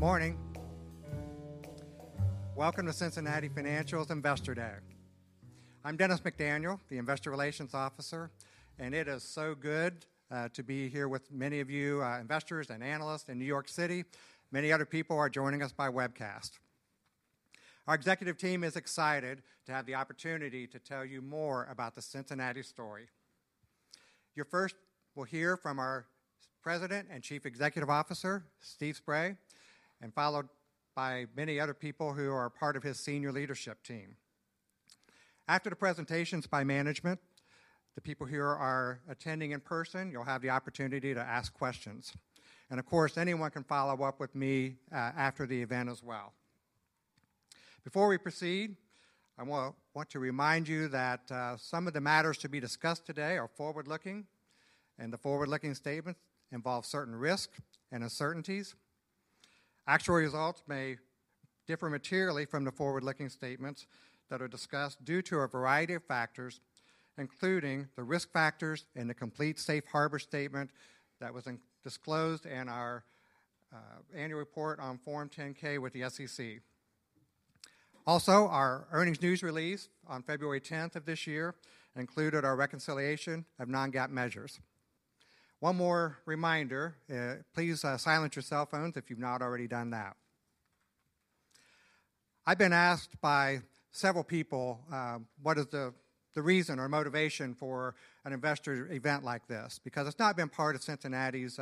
Good morning. Welcome to Cincinnati Financial's Investor Day. I'm Dennis McDaniel, the Investor Relations Officer, and it is so good to be here with many of you investors and analysts in New York City. Many other people are joining us by webcast. Our executive team is excited to have the opportunity to tell you more about the Cincinnati story. You'll first hear from our President and Chief Executive Officer, Steve Spray, and followed by many other people who are part of his senior leadership team. After the presentations by management, the people here are attending in person. You'll have the opportunity to ask questions. Of course, anyone can follow up with me after the event as well. Before we proceed, I want to remind you that some of the matters to be discussed today are forward-looking, and the forward-looking statements involve certain risks and uncertainties. Actual results may differ materially from the forward-looking statements that are discussed due to a variety of factors, including the risk factors in the complete safe harbor statement that was disclosed in our annual report on Form 10-K with the SEC. Also, our earnings news release on February 10th of this year included our reconciliation of non-GAAP measures. One more reminder: please silence your cell phones if you've not already done that. I've been asked by several people what is the reason or motivation for an investor event like this, because it's not been part of Cincinnati's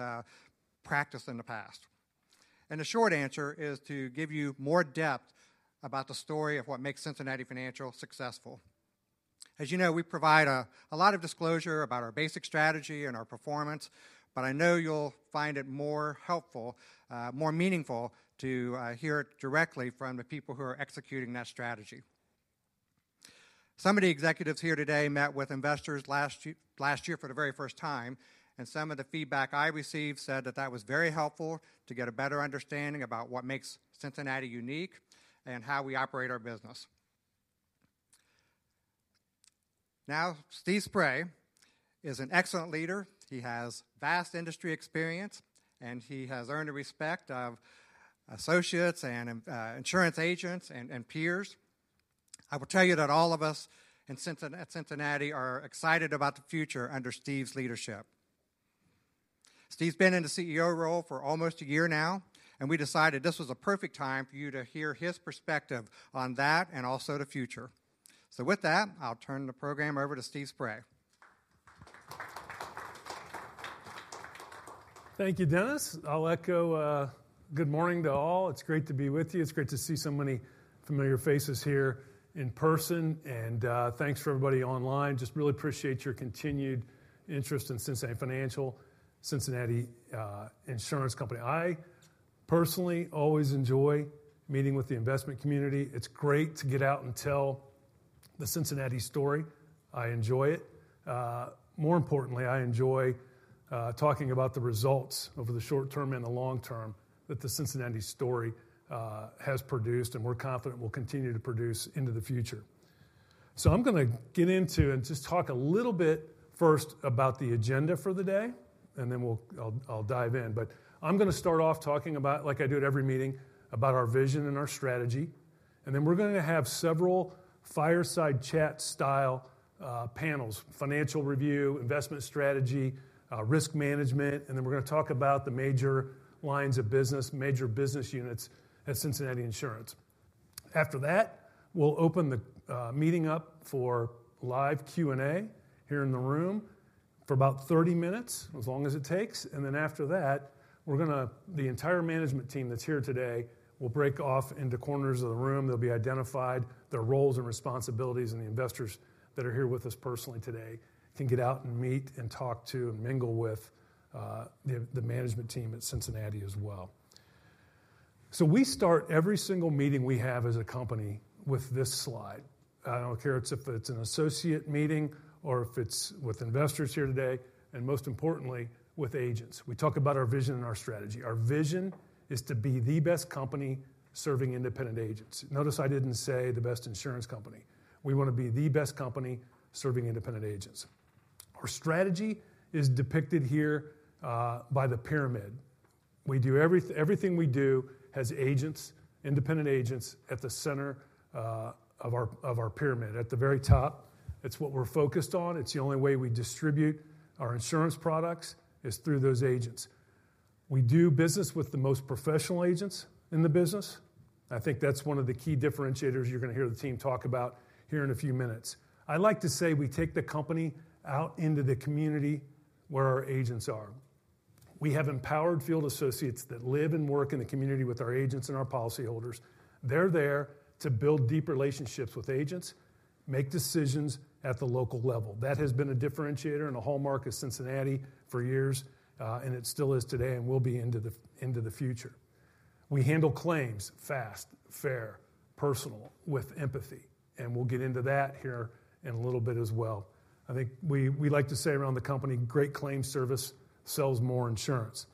practice in the past. The short answer is to give you more depth about the story of what makes Cincinnati Financial successful. As you know, we provide a lot of disclosure about our basic strategy and our performance, but I know you'll find it more helpful, more meaningful to hear it directly from the people who are executing that strategy. Some of the executives here today met with investors last year for the very first time, and some of the feedback I received said that that was very helpful to get a better understanding about what makes Cincinnati unique and how we operate our business. Now, Steve Spray is an excellent leader. He has vast industry experience, and he has earned the respect of associates and insurance agents and peers. I will tell you that all of us at Cincinnati are excited about the future under Steve's leadership. Steve's been in the CEO role for almost a year now, and we decided this was a perfect time for you to hear his perspective on that and also the future. With that, I'll turn the program over to Steve Spray. Thank you, Dennis. I'll echo good morning to all. It's great to be with you. It's great to see so many familiar faces here in person. Thanks for everybody online. Just really appreciate your continued interest in Cincinnati Financial, Cincinnati Insurance Company. I personally always enjoy meeting with the investment community. It's great to get out and tell the Cincinnati story. I enjoy it. More importantly, I enjoy talking about the results over the short term and the long term that the Cincinnati story has produced, and we're confident we'll continue to produce into the future. I'm going to get into and just talk a little bit first about the agenda for the day, and then I'll dive in. I'm going to start off talking about, like I do at every meeting, about our vision and our strategy. We're going to have several fireside chat style panels: financial review, investment strategy, risk management. We're going to talk about the major lines of business, major business units at Cincinnati Insurance. After that, we'll open the meeting up for live Q&A here in the room for about 30 minutes, as long as it takes. After that, the entire management team that's here today will break off into corners of the room. They'll be identified, their roles and responsibilities, and the investors that are here with us personally today can get out and meet and talk to and mingle with the management team at Cincinnati as well. We start every single meeting we have as a company with this slide. I don't care if it's an associate meeting or if it's with investors here today, and most importantly, with agents. We talk about our vision and our strategy. Our vision is to be the best company serving independent agents. Notice I didn't say the best insurance company. We want to be the best company serving independent agents. Our strategy is depicted here by the pyramid. Everything we do has agents, independent agents at the center of our pyramid. At the very top, it's what we're focused on. It's the only way we distribute our insurance products is through those agents. We do business with the most professional agents in the business. I think that's one of the key differentiators you're going to hear the team talk about here in a few minutes. I like to say we take the company out into the community where our agents are. We have empowered field associates that live and work in the community with our agents and our policyholders. They're there to build deep relationships with agents, make decisions at the local level. That has been a differentiator and a hallmark of Cincinnati for years, and it still is today and will be into the future. We handle claims fast, fair, personal, with empathy. We will get into that here in a little bit as well. I think we like to say around the company, "Great claim service sells more insurance."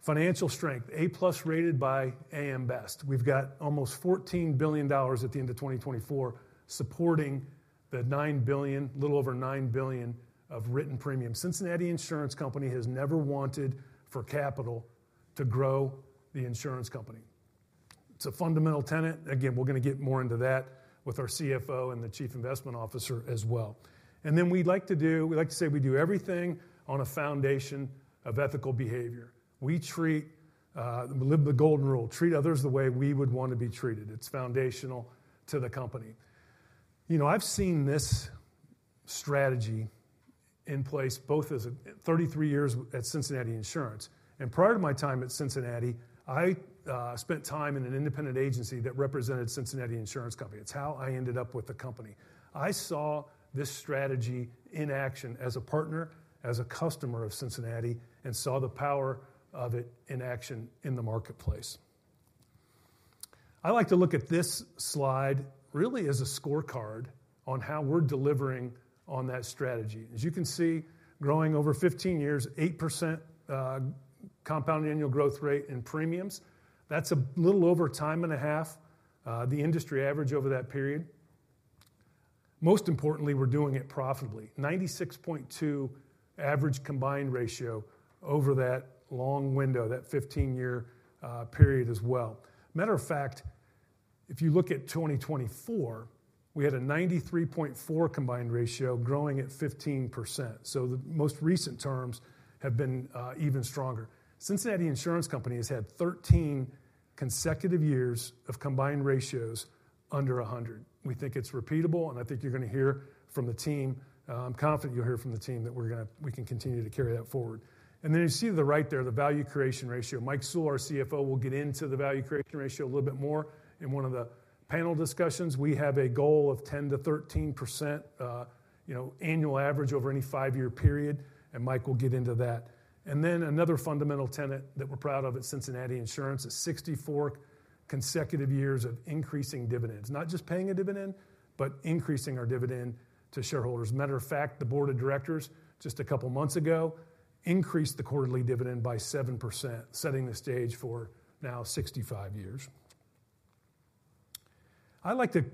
Financial strength, A-plus rated by AM Best. We've got almost $14 billion at the end of 2024 supporting the $9 billion, a little over $9 billion of written premiums. Cincinnati Insurance Company has never wanted for capital to grow the insurance company. It's a fundamental tenet. Again, we are going to get more into that with our CFO and the Chief Investment Officer as well. We like to say we do everything on a foundation of ethical behavior. We treat the golden rule: treat others the way we would want to be treated. It's foundational to the company. You know, I've seen this strategy in place both as 33 years at Cincinnati Insurance. Prior to my time at Cincinnati, I spent time in an independent agency that represented Cincinnati Insurance Company. It's how I ended up with the company. I saw this strategy in action as a partner, as a customer of Cincinnati, and saw the power of it in action in the marketplace. I like to look at this slide really as a scorecard on how we're delivering on that strategy. As you can see, growing over 15 years, 8% compound annual growth rate in premiums. That's a little over a time and a half, the industry average over that period. Most importantly, we're doing it profitably, 96.2 average combined ratio over that long window, that 15-year period as well. Matter of fact, if you look at 2024, we had a 93.4 combined ratio, growing at 15%. The most recent terms have been even stronger. Cincinnati Insurance Company has had 13 consecutive years of combined ratios under 100. We think it's repeatable, and I think you're going to hear from the team. I'm confident you'll hear from the team that we can continue to carry that forward. You see to the right there, the value creation ratio. Mike Sewell, our CFO, will get into the value creation ratio a little bit more. In one of the panel discussions, we have a goal of 10%-13% annual average over any five-year period, and Mike will get into that. Another fundamental tenet that we're proud of at Cincinnati Insurance is 64 consecutive years of increasing dividends, not just paying a dividend, but increasing our dividend to shareholders. As a matter of fact, the board of directors just a couple of months ago increased the quarterly dividend by 7%, setting the stage for now 65 years. I like to,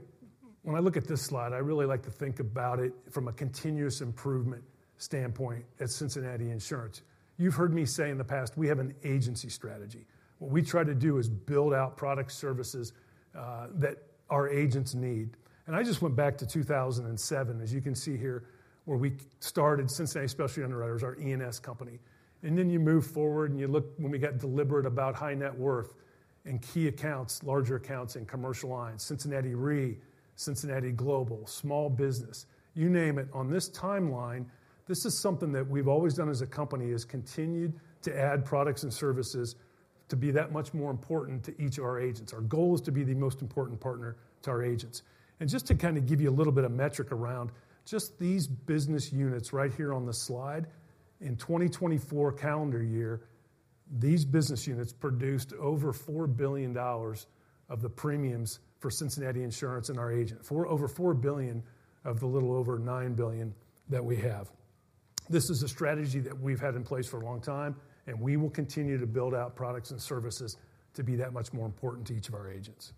when I look at this slide, I really like to think about it from a continuous improvement standpoint at Cincinnati Insurance. You've heard me say in the past, we have an agency strategy. What we try to do is build out product services that our agents need. I just went back to 2007, as you can see here, where we started Cincinnati Specialty Underwriters, our E&S company. You move forward and you look when we got deliberate about high net worth and key accounts, larger accounts and commercial lines, Cincinnati Re, Cincinnati Global, small business, you name it. On this timeline, this is something that we've always done as a company, is continued to add products and services to be that much more important to each of our agents. Our goal is to be the most important partner to our agents. Just to kind of give you a little bit of metric around just these business units right here on the slide, in 2024 calendar year, these business units produced over $4 billion of the premiums for Cincinnati Insurance and our agent, over $4 billion of the little over $9 billion that we have. This is a strategy that we've had in place for a long time, and we will continue to build out products and services to be that much more important to each of our agents.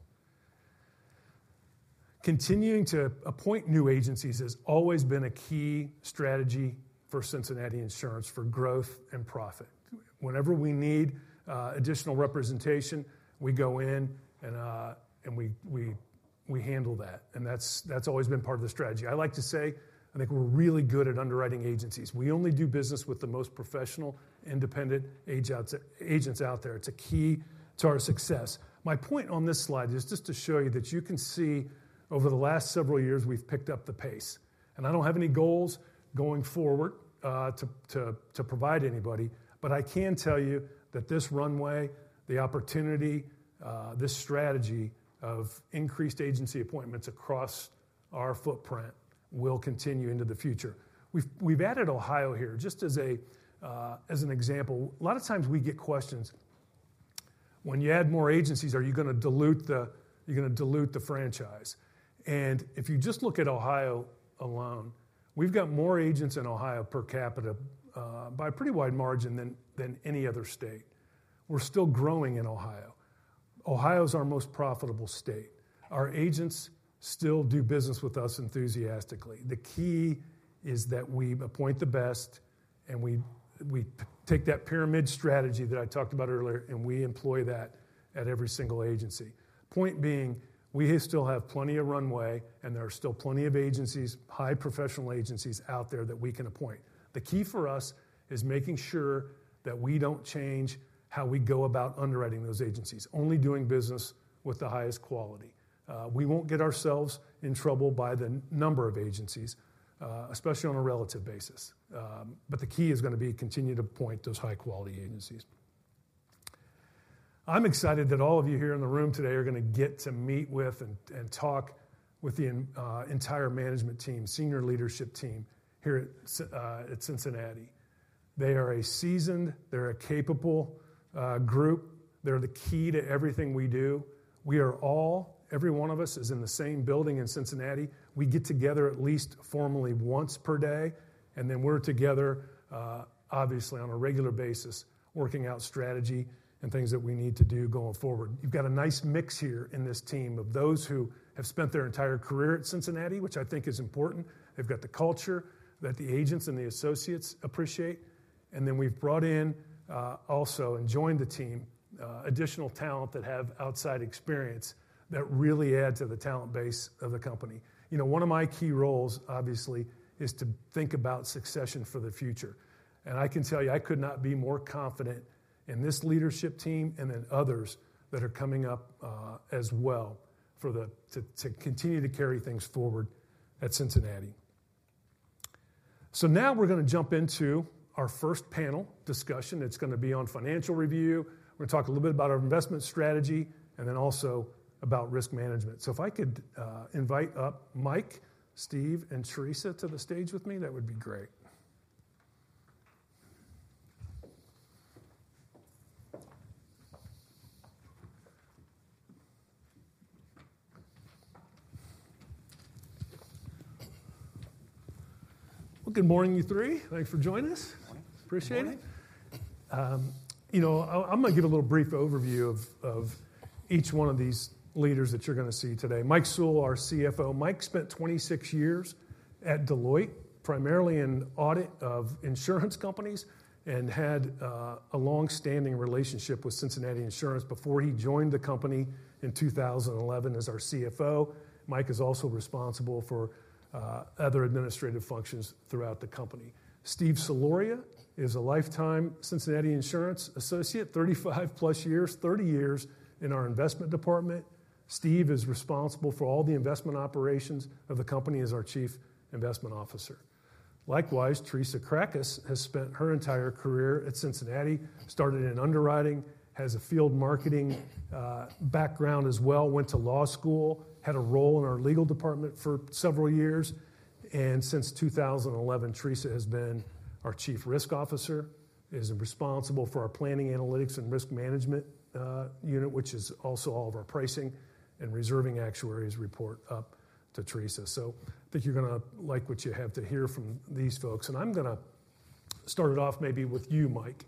Continuing to appoint new agencies has always been a key strategy for Cincinnati Insurance for growth and profit. Whenever we need additional representation, we go in and we handle that. That's always been part of the strategy. I like to say, I think we're really good at underwriting agencies. We only do business with the most professional, independent agents out there. It's a key to our success. My point on this slide is just to show you that you can see over the last several years we've picked up the pace. I don't have any goals going forward to provide anybody, but I can tell you that this runway, the opportunity, this strategy of increased agency appointments across our footprint will continue into the future. We've added Ohio here just as an example. A lot of times we get questions, when you add more agencies, are you going to dilute the franchise? If you just look at Ohio alone, we've got more agents in Ohio per capita by a pretty wide margin than any other state. We're still growing in Ohio. Ohio is our most profitable state. Our agents still do business with us enthusiastically. The key is that we appoint the best, and we take that pyramid strategy that I talked about earlier, and we employ that at every single agency. Point being, we still have plenty of runway, and there are still plenty of agencies, high professional agencies out there that we can appoint. The key for us is making sure that we don't change how we go about underwriting those agencies, only doing business with the highest quality. We won't get ourselves in trouble by the number of agencies, especially on a relative basis. The key is going to be continue to appoint those high-quality agencies. I'm excited that all of you here in the room today are going to get to meet with and talk with the entire management team, senior leadership team here at Cincinnati. They are a seasoned, they're a capable group. They're the key to everything we do. We are all, every one of us is in the same building in Cincinnati. We get together at least formally once per day, and then we're together, obviously on a regular basis, working out strategy and things that we need to do going forward. You've got a nice mix here in this team of those who have spent their entire career at Cincinnati, which I think is important. They've got the culture that the agents and the associates appreciate. And then we've brought in also and joined the team additional talent that have outside experience that really add to the talent base of the company. You know, one of my key roles, obviously, is to think about succession for the future. I can tell you, I could not be more confident in this leadership team and then others that are coming up as well to continue to carry things forward at Cincinnati. Now we're going to jump into our first panel discussion. It's going to be on financial review. We're going to talk a little bit about our investment strategy and then also about risk management. If I could invite up Mike, Steve, and Teresa to the stage with me, that would be great. Good morning, you three. Thanks for joining us. Good morning. Appreciate it. You know, I'm going to give a little brief overview of each one of these leaders that you're going to see today. Mike Sewell, our CFO. Mike spent 26 years at Deloitte, primarily in audit of insurance companies, and had a long-standing relationship with Cincinnati Insurance before he joined the company in 2011 as our CFO. Mike is also responsible for other administrative functions throughout the company. Steve Soloria is a lifetime Cincinnati Insurance associate, 35 plus years, 30 years in our investment department. Steve is responsible for all the investment operations of the company as our Chief Investment Officer. Likewise, Teresa Cracas has spent her entire career at Cincinnati, started in underwriting, has a field marketing background as well, went to law school, had a role in our legal department for several years. Since 2011, Teresa has been our Chief Risk Officer, is responsible for our planning analytics and risk management unit, which is also all of our pricing and reserving actuaries report up to Teresa. I think you're going to like what you have to hear from these folks. I'm going to start it off maybe with you, Mike.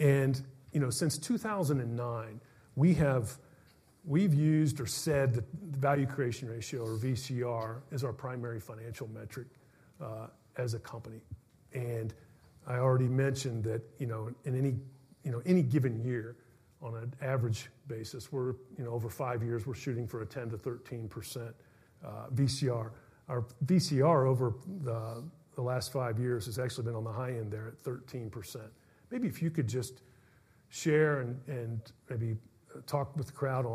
You know, since 2009, we've used or said that the value creation ratio, or VCR, is our primary financial metric as a company. I already mentioned that, you know, in any given year, on an average basis, we're, you know, over five years, we're shooting for a 10%-13% VCR. Our VCR over the last five years has actually been on the high end there at 13%. Maybe if you could just share and maybe talk with the crowd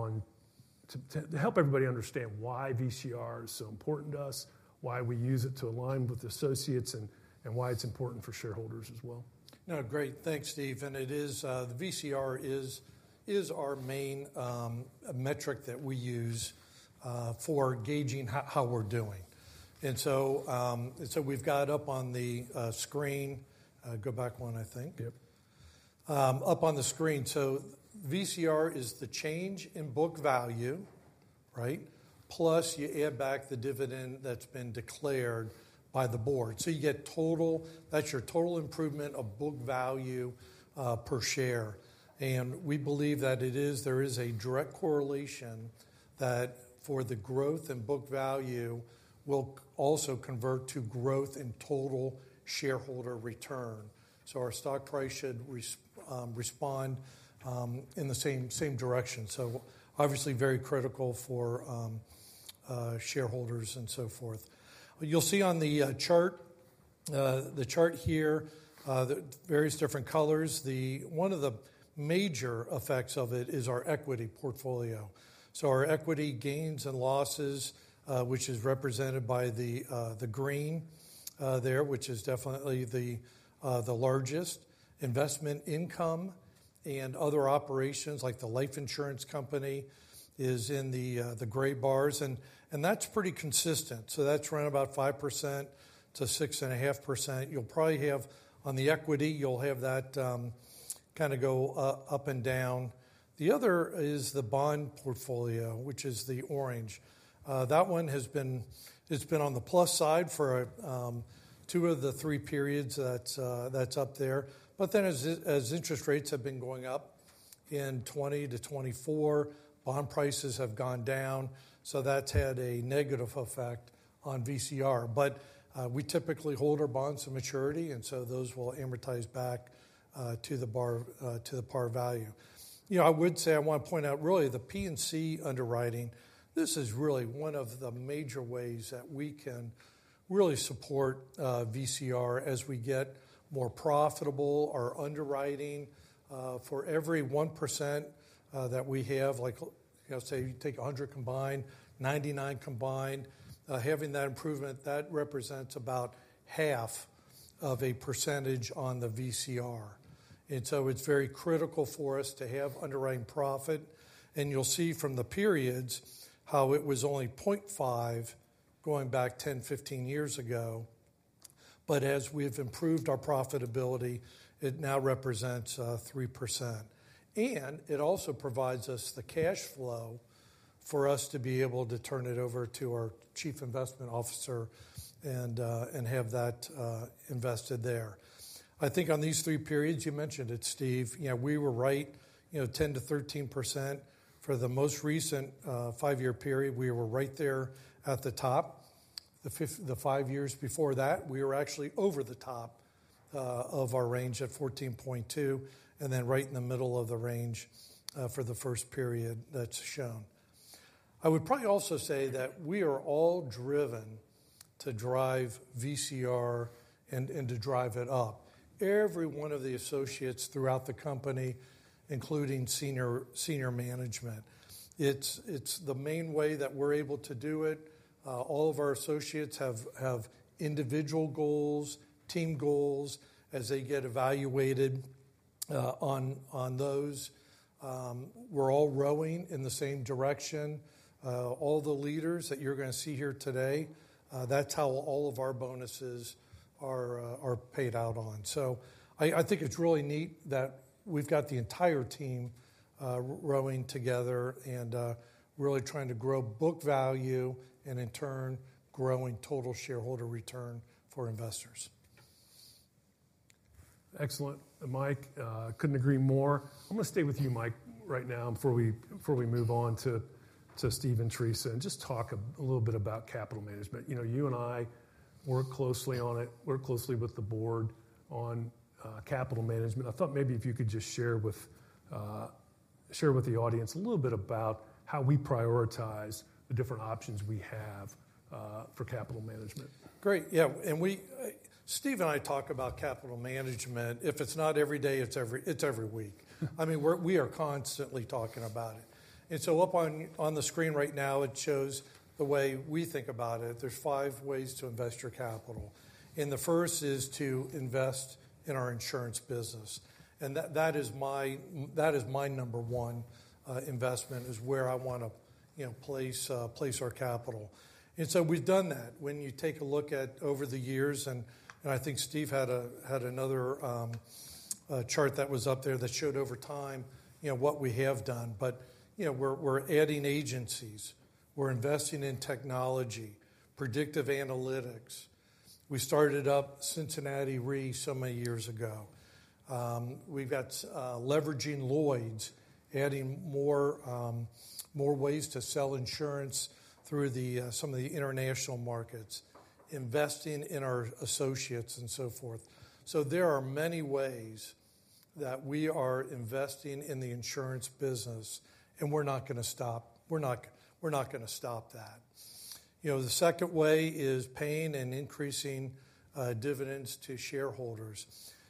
to help everybody understand why VCR is so important to us, why we use it to align with associates, and why it's important for shareholders as well. No, great. Thanks, Steve. It is the VCR is our main metric that we use for gauging how we're doing. We've got it up on the screen. Go back one, I think. Yep. Up on the screen. VCR is the change in book value, right? Plus you add back the dividend that's been declared by the board. You get total, that's your total improvement of book value per share. We believe that it is, there is a direct correlation that for the growth in book value will also convert to growth in total shareholder return. Our stock price should respond in the same direction. Obviously very critical for shareholders and so forth. You'll see on the chart, the chart here, the various different colors. One of the major effects of it is our equity portfolio. Our equity gains and losses, which is represented by the green there, which is definitely the largest. Investment income and other operations like the life insurance company is in the gray bars. That's pretty consistent. That's around about 5%-6.5%. You'll probably have on the equity, you'll have that kind of go up and down. The other is the bond portfolio, which is the orange. That one has been on the plus side for two of the three periods that's up there. As interest rates have been going up in 2020 to 2024, bond prices have gone down. That's had a negative effect on VCR. We typically hold our bonds to maturity, and so those will amortize back to the par value. You know, I would say I want to point out really the P&C underwriting. This is really one of the major ways that we can really support VCR as we get more profitable. Our underwriting for every 1% that we have, like say you take 100 combined, 99 combined, having that improvement, that represents about half of a percentage on the VCR. It is very critical for us to have underwriting profit. You will see from the periods how it was only 0.5 going back 10 years, 15 years ago. As we have improved our profitability, it now represents 3%. It also provides us the cash flow for us to be able to turn it over to our Chief Investment Officer and have that invested there. I think on these three periods, you mentioned it, Steve, yeah, we were right, you know, 10&-13%. For the most recent five-year period, we were right there at the top. The five years before that, we were actually over the top of our range at 14.2, and then right in the middle of the range for the first period that's shown. I would probably also say that we are all driven to drive VCR and to drive it up. Every one of the associates throughout the company, including senior management. It's the main way that we're able to do it. All of our associates have individual goals, team goals as they get evaluated on those. We're all rowing in the same direction. All the leaders that you're going to see here today, that's how all of our bonuses are paid out on. I think it's really neat that we've got the entire team rowing together and really trying to grow book value and in turn growing total shareholder return for investors. Excellent. Mike, couldn't agree more. I'm going to stay with you, Mike, right now before we move on to Steve and Teresa and just talk a little bit about capital management. You know, you and I work closely on it, work closely with the board on capital management. I thought maybe if you could just share with the audience a little bit about how we prioritize the different options we have for capital management. Great. Yeah. Steve and I talk about capital management. If it's not every day, it's every week. I mean, we are constantly talking about it. Up on the screen right now, it shows the way we think about it. There are five ways to invest your capital. The first is to invest in our insurance business. That is my number one investment, is where I want to place our capital. We have done that. When you take a look at over the years, and I think Steve had another chart that was up there that showed over time what we have done. We are adding agencies. We are investing in technology, predictive analytics. We started up Cincinnati Re so many years ago. We have got leveraging Lloyd's, adding more ways to sell insurance through some of the international markets, investing in our associates and so forth. There are many ways that we are investing in the insurance business, and we're not going to stop. We're not going to stop that. You know, the second way is paying and increasing dividends to shareholders.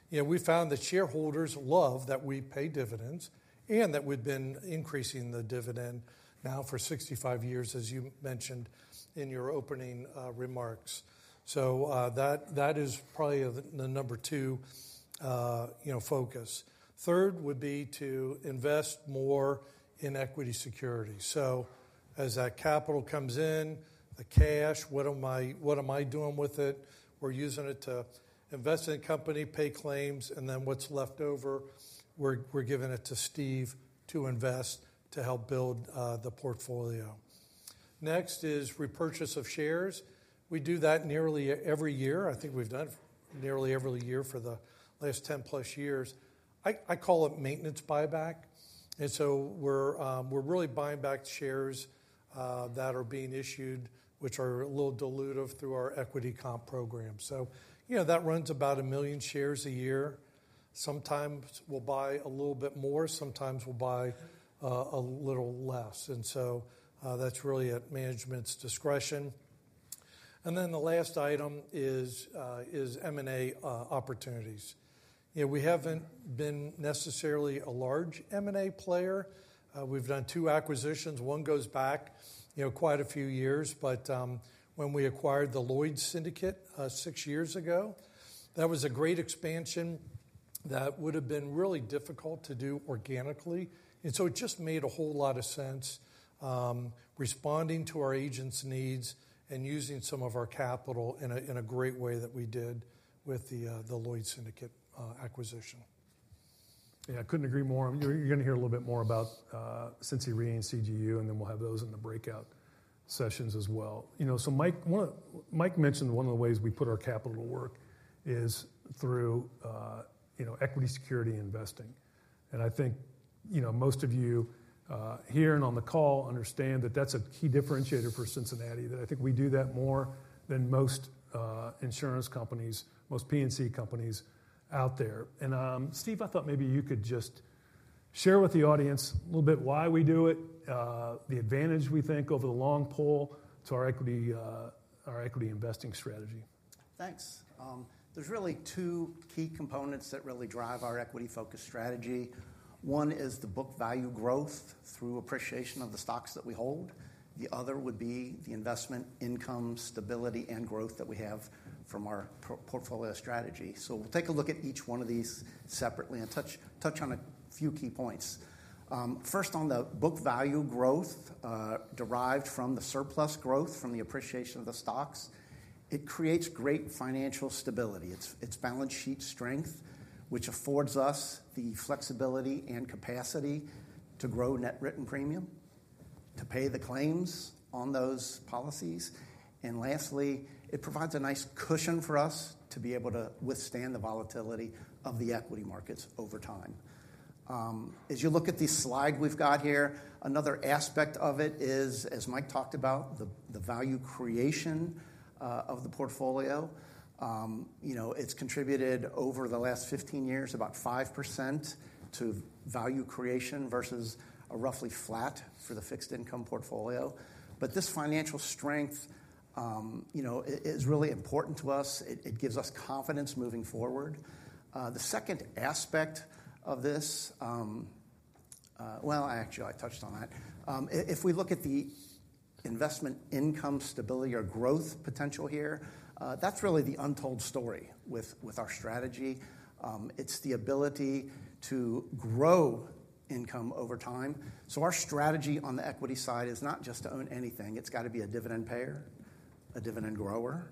You know, we found that shareholders love that we pay dividends and that we've been increasing the dividend now for 65 years, as you mentioned in your opening remarks. That is probably the number two focus. Third would be to invest more in equity security. As that capital comes in, the cash, what am I doing with it? We're using it to invest in the company, pay claims, and then what's left over, we're giving it to Steve to invest to help build the portfolio. Next is repurchase of shares. We do that nearly every year. I think we've done it nearly every year for the last 10 plus years. I call it maintenance buyback. We are really buying back shares that are being issued, which are a little dilutive through our equity comp program. You know that runs about a million shares a year. Sometimes we'll buy a little bit more. Sometimes we'll buy a little less. That is really at management's discretion. The last item is M&A opportunities. You know, we haven't been necessarily a large M&A player. We've done two acquisitions. One goes back quite a few years, but when we acquired the Lloyd's Syndicate six years ago, that was a great expansion that would have been really difficult to do organically. It just made a whole lot of sense responding to our agents' needs and using some of our capital in a great way that we did with the Lloyd's Syndicate acquisition. Yeah, I couldn't agree more. You're going to hear a little bit more about Cincinnati Re and CGU, and then we'll have those in the breakout sessions as well. You know, Mike mentioned one of the ways we put our capital to work is through equity security investing. And I think, you know, most of you here and on the call understand that that's a key differentiator for Cincinnati, that I think we do that more than most insurance companies, most P&C companies out there. Steve, I thought maybe you could just share with the audience a little bit why we do it, the advantage we think over the long pole to our equity investing strategy. Thanks. There are really two key components that really drive our equity-focused strategy. One is the book value growth through appreciation of the stocks that we hold. The other would be the investment income stability and growth that we have from our portfolio strategy. We will take a look at each one of these separately and touch on a few key points. First, on the book value growth derived from the surplus growth from the appreciation of the stocks, it creates great financial stability. It is balance sheet strength, which affords us the flexibility and capacity to grow net written premium, to pay the claims on those policies. Lastly, it provides a nice cushion for us to be able to withstand the volatility of the equity markets over time. As you look at the slide we've got here, another aspect of it is, as Mike talked about, the value creation of the portfolio. You know, it's contributed over the last 15 years about 5% to value creation versus a roughly flat for the fixed income portfolio. But this financial strength, you know, is really important to us. It gives us confidence moving forward. The second aspect of this, actually, I touched on that. If we look at the investment income stability or growth potential here, that's really the untold story with our strategy. It's the ability to grow income over time. Our strategy on the equity side is not just to own anything. It's got to be a dividend payer, a dividend grower,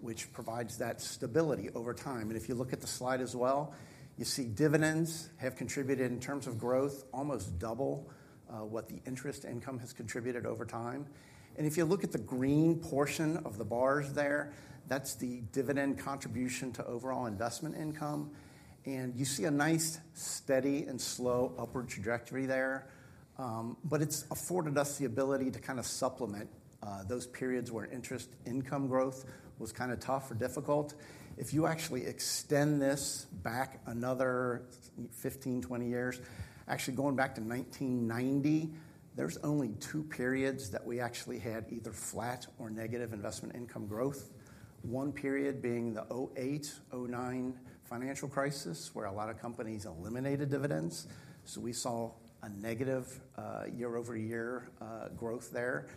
which provides that stability over time. If you look at the slide as well, you see dividends have contributed in terms of growth almost double what the interest income has contributed over time. If you look at the green portion of the bars there, that's the dividend contribution to overall investment income. You see a nice steady and slow upward trajectory there. It's afforded us the ability to kind of supplement those periods where interest income growth was kind of tough or difficult. If you actually extend this back another 15 years-20 years, actually going back to 1990, there's only two periods that we actually had either flat or negative investment income growth. One period being the 2008-2009 financial crisis where a lot of companies eliminated dividends. We saw a negative year-over-year growth there.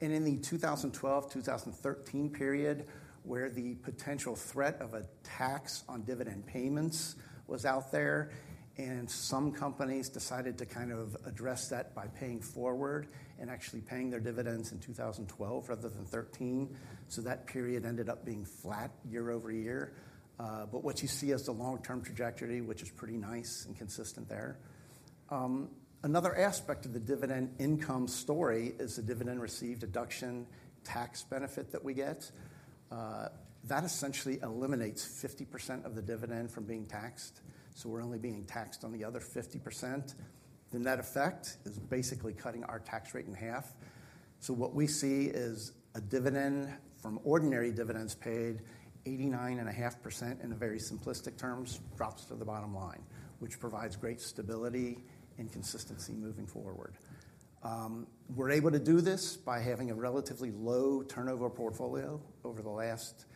In the 2012, 2013 period where the potential threat of a tax on dividend payments was out there and some companies decided to kind of address that by paying forward and actually paying their dividends in 2012 rather than 2013, that period ended up being flat year-over-year. What you see is the long-term trajectory, which is pretty nice and consistent there. Another aspect of the dividend income story is the dividend received deduction tax benefit that we get. That essentially eliminates 50% of the dividend from being taxed. We are only being taxed on the other 50%. The net effect is basically cutting our tax rate in half. What we see is a dividend from ordinary dividends paid, 89.5% in very simplistic terms, drops to the bottom line, which provides great stability and consistency moving forward. We're able to do this by having a relatively low turnover portfolio over the last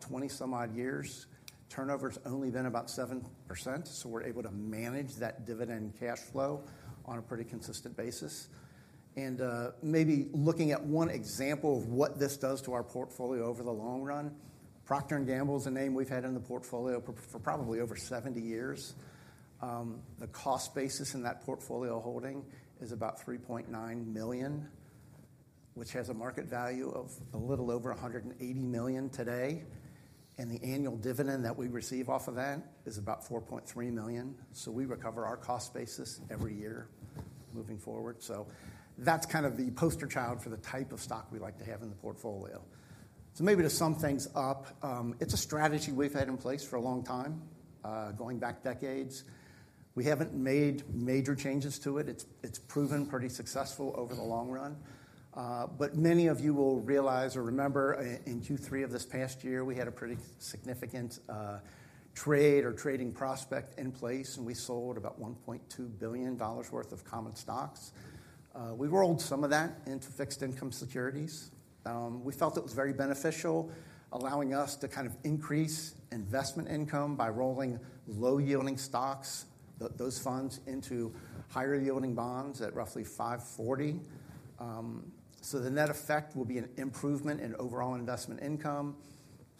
20 some odd years. Turnover's only been about 7%. We're able to manage that dividend cash flow on a pretty consistent basis. Maybe looking at one example of what this does to our portfolio over the long run, Procter & Gamble is a name we've had in the portfolio for probably over 70 years. The cost basis in that portfolio holding is about $3.9 million, which has a market value of a little over $180 million today. The annual dividend that we receive off of that is about $4.3 million. We recover our cost basis every year moving forward. That's kind of the poster child for the type of stock we like to have in the portfolio. Maybe to sum things up, it's a strategy we've had in place for a long time, going back decades. We haven't made major changes to it. It's proven pretty successful over the long run. Many of you will realize or remember in Q3 of this past year, we had a pretty significant trade or trading prospect in place. We sold about $1.2 billion worth of common stocks. We rolled some of that into fixed income securities. We felt it was very beneficial, allowing us to kind of increase investment income by rolling low-yielding stocks, those funds into higher-yielding bonds at roughly 5.40%. The net effect will be an improvement in overall investment income.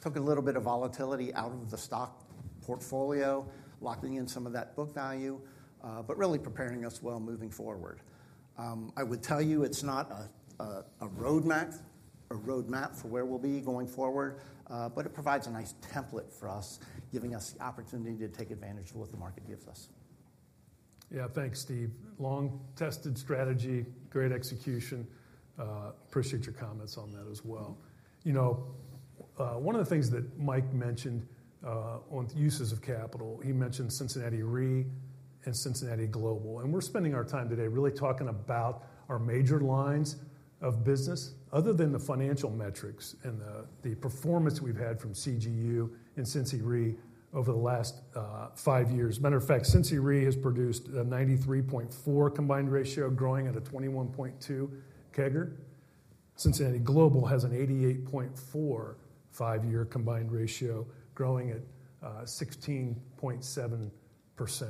Took a little bit of volatility out of the stock portfolio, locking in some of that book value, but really preparing us well moving forward. I would tell you it's not a roadmap for where we'll be going forward, but it provides a nice template for us, giving us the opportunity to take advantage of what the market gives us. Yeah, thanks, Steve. Long-tested strategy, great execution. Appreciate your comments on that as well. You know, one of the things that Mike mentioned on uses of capital, he mentioned Cincinnati Re and Cincinnati Global. And we're spending our time today really talking about our major lines of business, other than the financial metrics and the performance we've had from CGU and Cincinnati Re over the last five years. Matter of fact, Cincinnati Re has produced a 93.4 combined ratio, growing at a 21.2 CAGR. Cincinnati Global has an 88.4 five-year combined ratio, growing at 16.7%.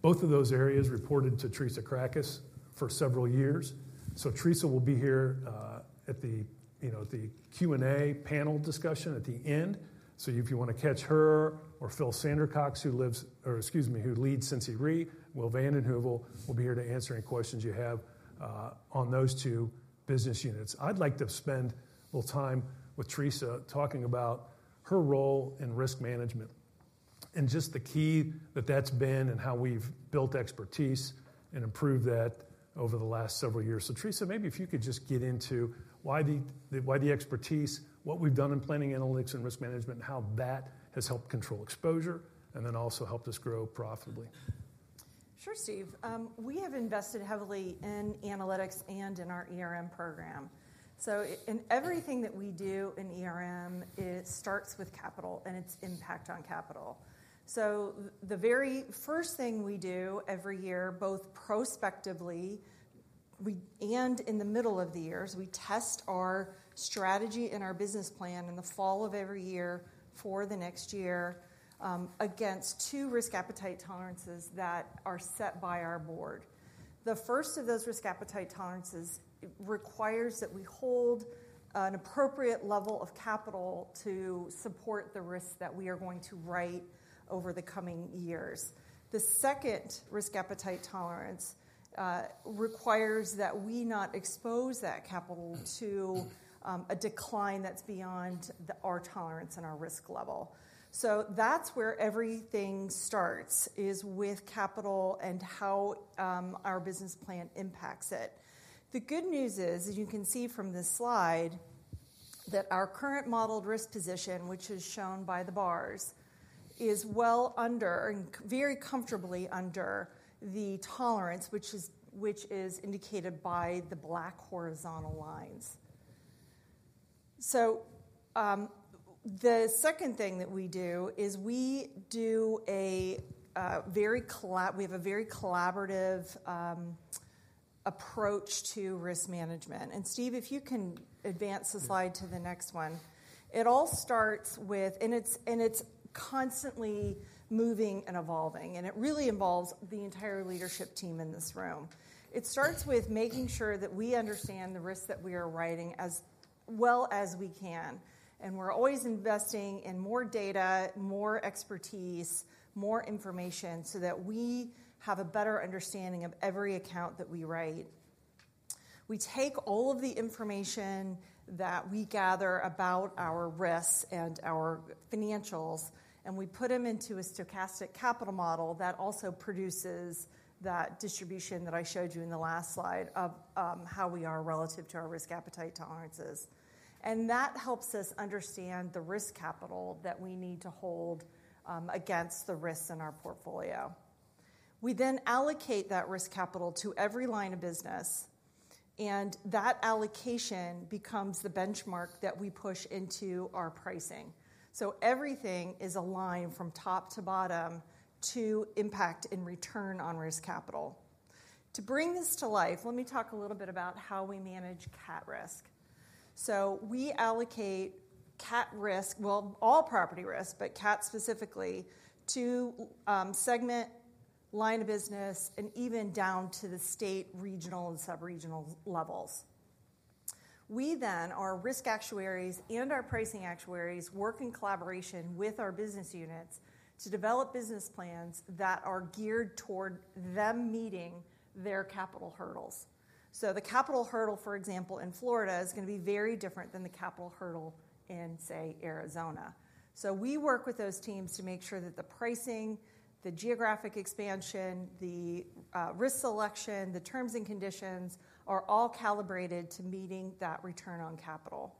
Both of those areas reported to Teresa Cracas for several years. So Teresa will be here at the Q&A panel discussion at the end. If you want to catch her or Phil Sandercox, who leads Cincinnati Re, Will Van Den Heuvel will be here to answer any questions you have on those two business units. I'd like to spend a little time with Teresa talking about her role in risk management and just the key that that's been and how we've built expertise and improved that over the last several years. Teresa, maybe if you could just get into why the expertise, what we've done in planning analytics and risk management, and how that has helped control exposure, and then also helped us grow profitably. Sure, Steve. We have invested heavily in analytics and in our ERM program. In everything that we do in ERM, it starts with capital and its impact on capital. The very first thing we do every year, both prospectively and in the middle of the years, we test our strategy and our business plan in the fall of every year for the next year against two risk appetite tolerances that are set by our board. The first of those risk appetite tolerances requires that we hold an appropriate level of capital to support the risk that we are going to write over the coming years. The second risk appetite tolerance requires that we not expose that capital to a decline that is beyond our tolerance and our risk level. That is where everything starts, with capital and how our business plan impacts it. The good news is, as you can see from this slide, that our current modeled risk position, which is shown by the bars, is well under and very comfortably under the tolerance, which is indicated by the black horizontal lines. The second thing that we do is we have a very collaborative approach to risk management. Steve, if you can advance the slide to the next one, it all starts with, and it's constantly moving and evolving, and it really involves the entire leadership team in this room. It starts with making sure that we understand the risks that we are writing as well as we can. We're always investing in more data, more expertise, more information so that we have a better understanding of every account that we write. We take all of the information that we gather about our risks and our financials, and we put them into a stochastic capital model that also produces that distribution that I showed you in the last slide of how we are relative to our risk appetite tolerances. That helps us understand the risk capital that we need to hold against the risks in our portfolio. We then allocate that risk capital to every line of business, and that allocation becomes the benchmark that we push into our pricing. Everything is aligned from top to bottom to impact and return on risk capital. To bring this to life, let me talk a little bit about how we manage CAT risk. We allocate CAT risk, all property risk, but CAT specifically, to segment line of business and even down to the state, regional, and subregional levels. We then, our risk actuaries and our pricing actuaries, work in collaboration with our business units to develop business plans that are geared toward them meeting their capital hurdles. The capital hurdle, for example, in Florida is going to be very different than the capital hurdle in, say, Arizona. We work with those teams to make sure that the pricing, the geographic expansion, the risk selection, the terms and conditions are all calibrated to meeting that return on capital.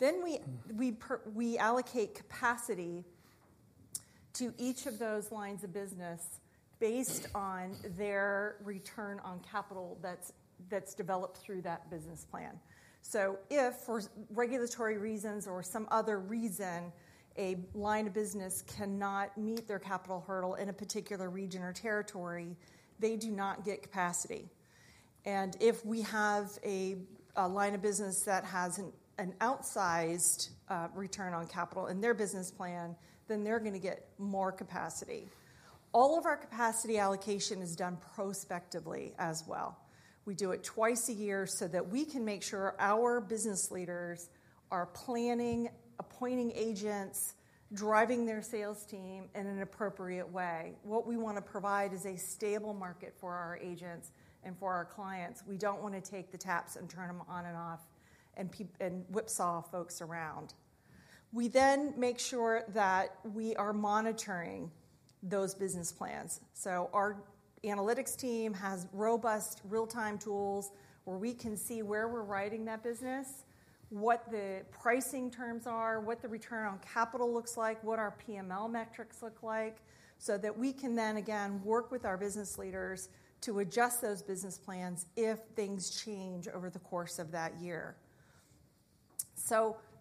We allocate capacity to each of those lines of business based on their return on capital that's developed through that business plan. If for regulatory reasons or some other reason a line of business cannot meet their capital hurdle in a particular region or territory, they do not get capacity. If we have a line of business that has an outsized return on capital in their business plan, then they're going to get more capacity. All of our capacity allocation is done prospectively as well. We do it twice a year so that we can make sure our business leaders are planning, appointing agents, driving their sales team in an appropriate way. What we want to provide is a stable market for our agents and for our clients. We do not want to take the taps and turn them on and off and whipsaw folks around. We then make sure that we are monitoring those business plans. Our analytics team has robust real-time tools where we can see where we're writing that business, what the pricing terms are, what the return on capital looks like, what our PML metrics look like, so that we can then again work with our business leaders to adjust those business plans if things change over the course of that year.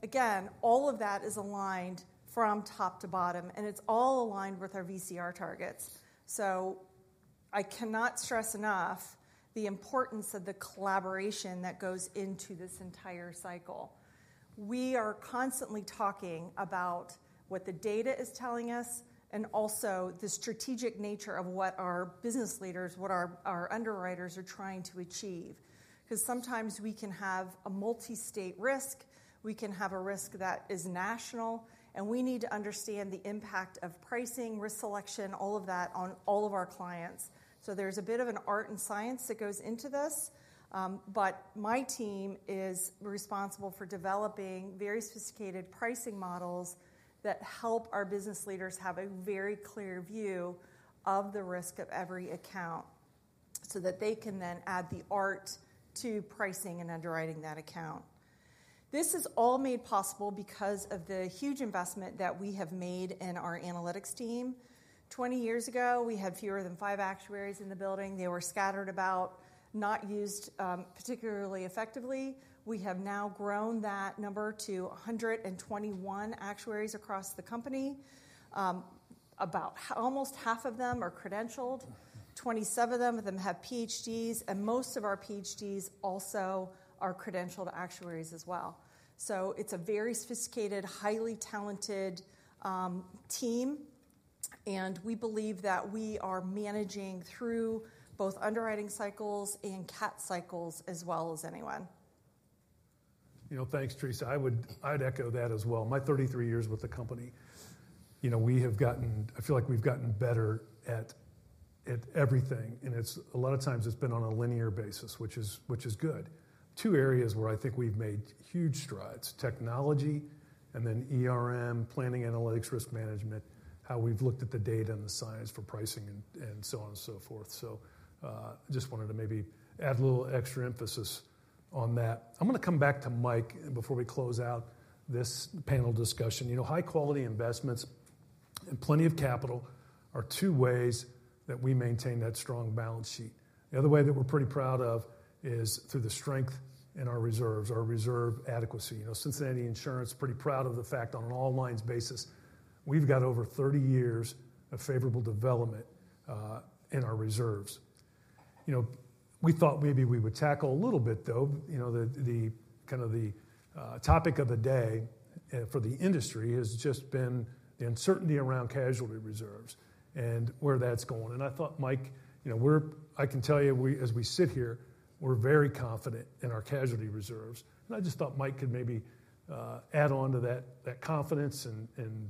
Again, all of that is aligned from top to bottom, and it's all aligned with our VCR targets. I cannot stress enough the importance of the collaboration that goes into this entire cycle. We are constantly talking about what the data is telling us and also the strategic nature of what our business leaders, what our underwriters are trying to achieve. Because sometimes we can have a multi-state risk, we can have a risk that is national, and we need to understand the impact of pricing, risk selection, all of that on all of our clients. There is a bit of an art and science that goes into this. My team is responsible for developing very sophisticated pricing models that help our business leaders have a very clear view of the risk of every account so that they can then add the art to pricing and underwriting that account. This is all made possible because of the huge investment that we have made in our analytics team. Twenty years ago, we had fewer than five actuaries in the building. They were scattered about, not used particularly effectively. We have now grown that number to 121 actuaries across the company. About almost half of them are credentialed, 27 of them have PhDs, and most of our PhDs also are credentialed actuaries as well. It is a very sophisticated, highly talented team, and we believe that we are managing through both underwriting cycles and CAT cycles as well as anyone. You know, thanks, Teresa. I would echo that as well. My 33 years with the company, you know, we have gotten, I feel like we've gotten better at everything. And it's a lot of times it's been on a linear basis, which is good. Two areas where I think we've made huge strides: technology and then ERM planning, analytics, risk management, how we've looked at the data and the science for pricing and so on and so forth. So I just wanted to maybe add a little extra emphasis on that. I'm going to come back to Mike before we close out this panel discussion. You know, high-quality investments and plenty of capital are two ways that we maintain that strong balance sheet. The other way that we're pretty proud of is through the strength in our reserves, our reserve adequacy. You know, Cincinnati Insurance is pretty proud of the fact on an all-lines basis, we've got over 30 years of favorable development in our reserves. You know, we thought maybe we would tackle a little bit though, you know, the kind of the topic of the day for the industry has just been the uncertainty around casualty reserves and where that's going. I thought, Mike, you know, we're, I can tell you, as we sit here, we're very confident in our casualty reserves. I just thought Mike could maybe add on to that confidence and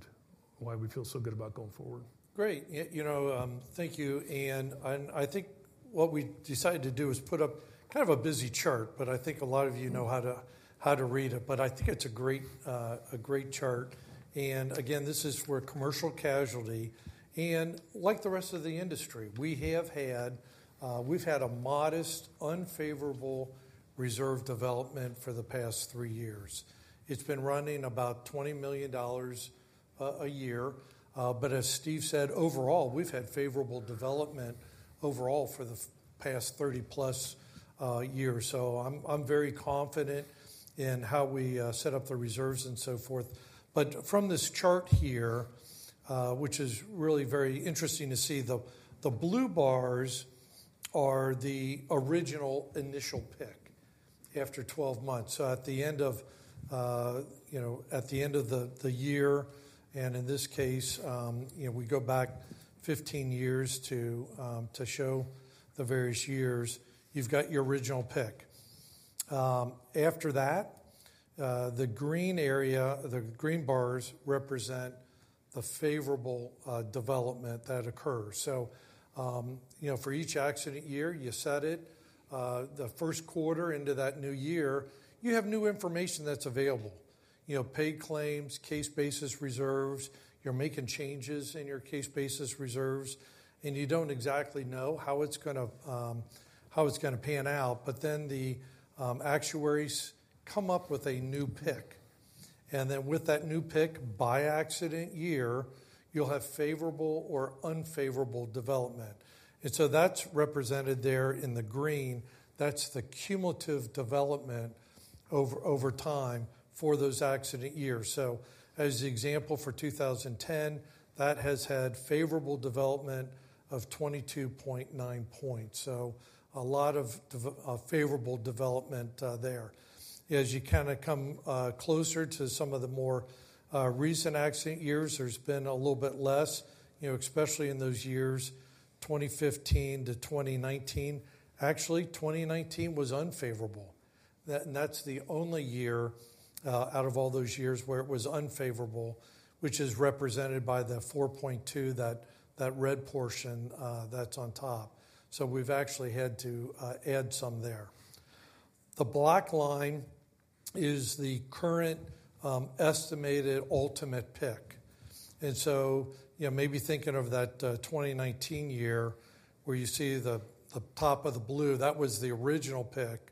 why we feel so good about going forward. Great. You know, thank you. I think what we decided to do is put up kind of a busy chart, but I think a lot of you know how to read it. I think it is a great chart. Again, this is for commercial casualty. Like the rest of the industry, we have had a modest, unfavorable reserve development for the past three years. It has been running about $20 million a year. As Steve said, overall, we have had favorable development overall for the past 30-plus years. I am very confident in how we set up the reserves and so forth. From this chart here, which is really very interesting to see, the blue bars are the original initial pick after 12 months. At the end of, you know, at the end of the year, and in this case, you know, we go back 15 years to show the various years, you've got your original pick. After that, the green area, the green bars represent the favorable development that occurs. You know, for each accident year, you set it, the first quarter into that new year, you have new information that's available, you know, paid claims, case basis reserves, you're making changes in your case basis reserves, and you don't exactly know how it's going to pan out. The actuaries come up with a new pick. With that new pick by accident year, you'll have favorable or unfavorable development. That's represented there in the green. That's the cumulative development over time for those accident years. As an example for 2010, that has had favorable development of 22.9 points. A lot of favorable development there. As you kind of come closer to some of the more recent accident years, there's been a little bit less, you know, especially in those years, 2015-2019. Actually, 2019 was unfavorable. That's the only year out of all those years where it was unfavorable, which is represented by the 4.2, that red portion that's on top. We've actually had to add some there. The black line is the current estimated ultimate pick. Maybe thinking of that 2019 year where you see the top of the blue, that was the original pick.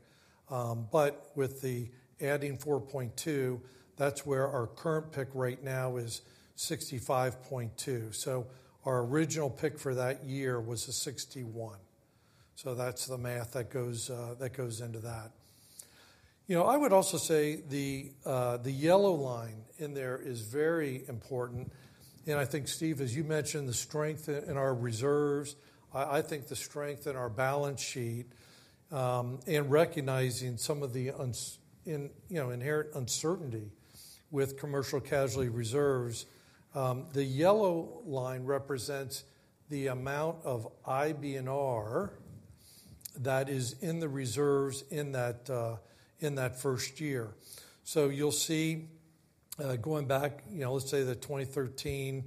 With the adding 4.2, that's where our current pick right now is 65.2. Our original pick for that year was a 61. That's the math that goes into that. You know, I would also say the yellow line in there is very important. I think, Steve, as you mentioned, the strength in our reserves, I think the strength in our balance sheet and recognizing some of the, you know, inherent uncertainty with commercial casualty reserves, the yellow line represents the amount of IBNR that is in the reserves in that first year. You'll see going back, you know, let's say the 2013,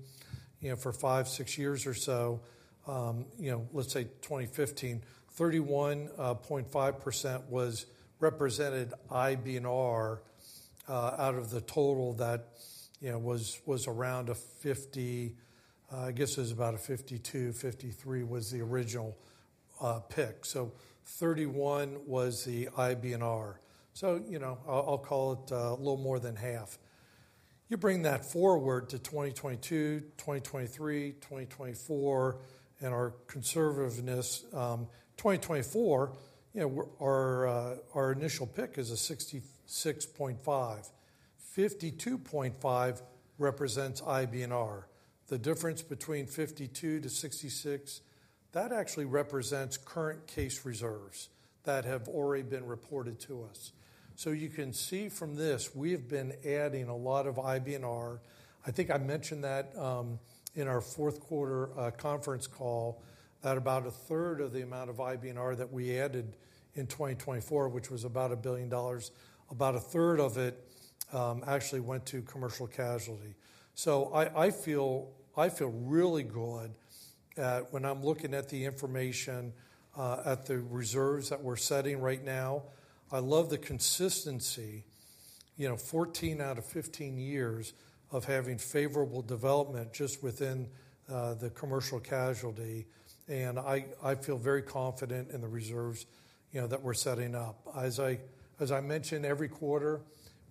you know, for five, six years or so, you know, let's say 2015, 31.5% was represented IBNR out of the total that, you know, was around a 50, I guess it was about a 52, 53 was the original pick. So 31 was the IBNR. You know, I'll call it a little more than half. You bring that forward to 2022, 2023, 2024, and our conservativeness, 2024, you know, our initial pick is a 66.5. 52.5 represents IBNR. The difference between 52 to 66, that actually represents current case reserves that have already been reported to us. You can see from this, we have been adding a lot of IBNR. I think I mentioned that in our fourth quarter conference call, that about a third of the amount of IBNR that we added in 2024, which was about $1 billion, about a third of it actually went to commercial casualty. I feel really good when I'm looking at the information at the reserves that we're setting right now. I love the consistency, you know, 14 out of 15 years of having favorable development just within the commercial casualty. I feel very confident in the reserves, you know, that we're setting up. As I mentioned, every quarter,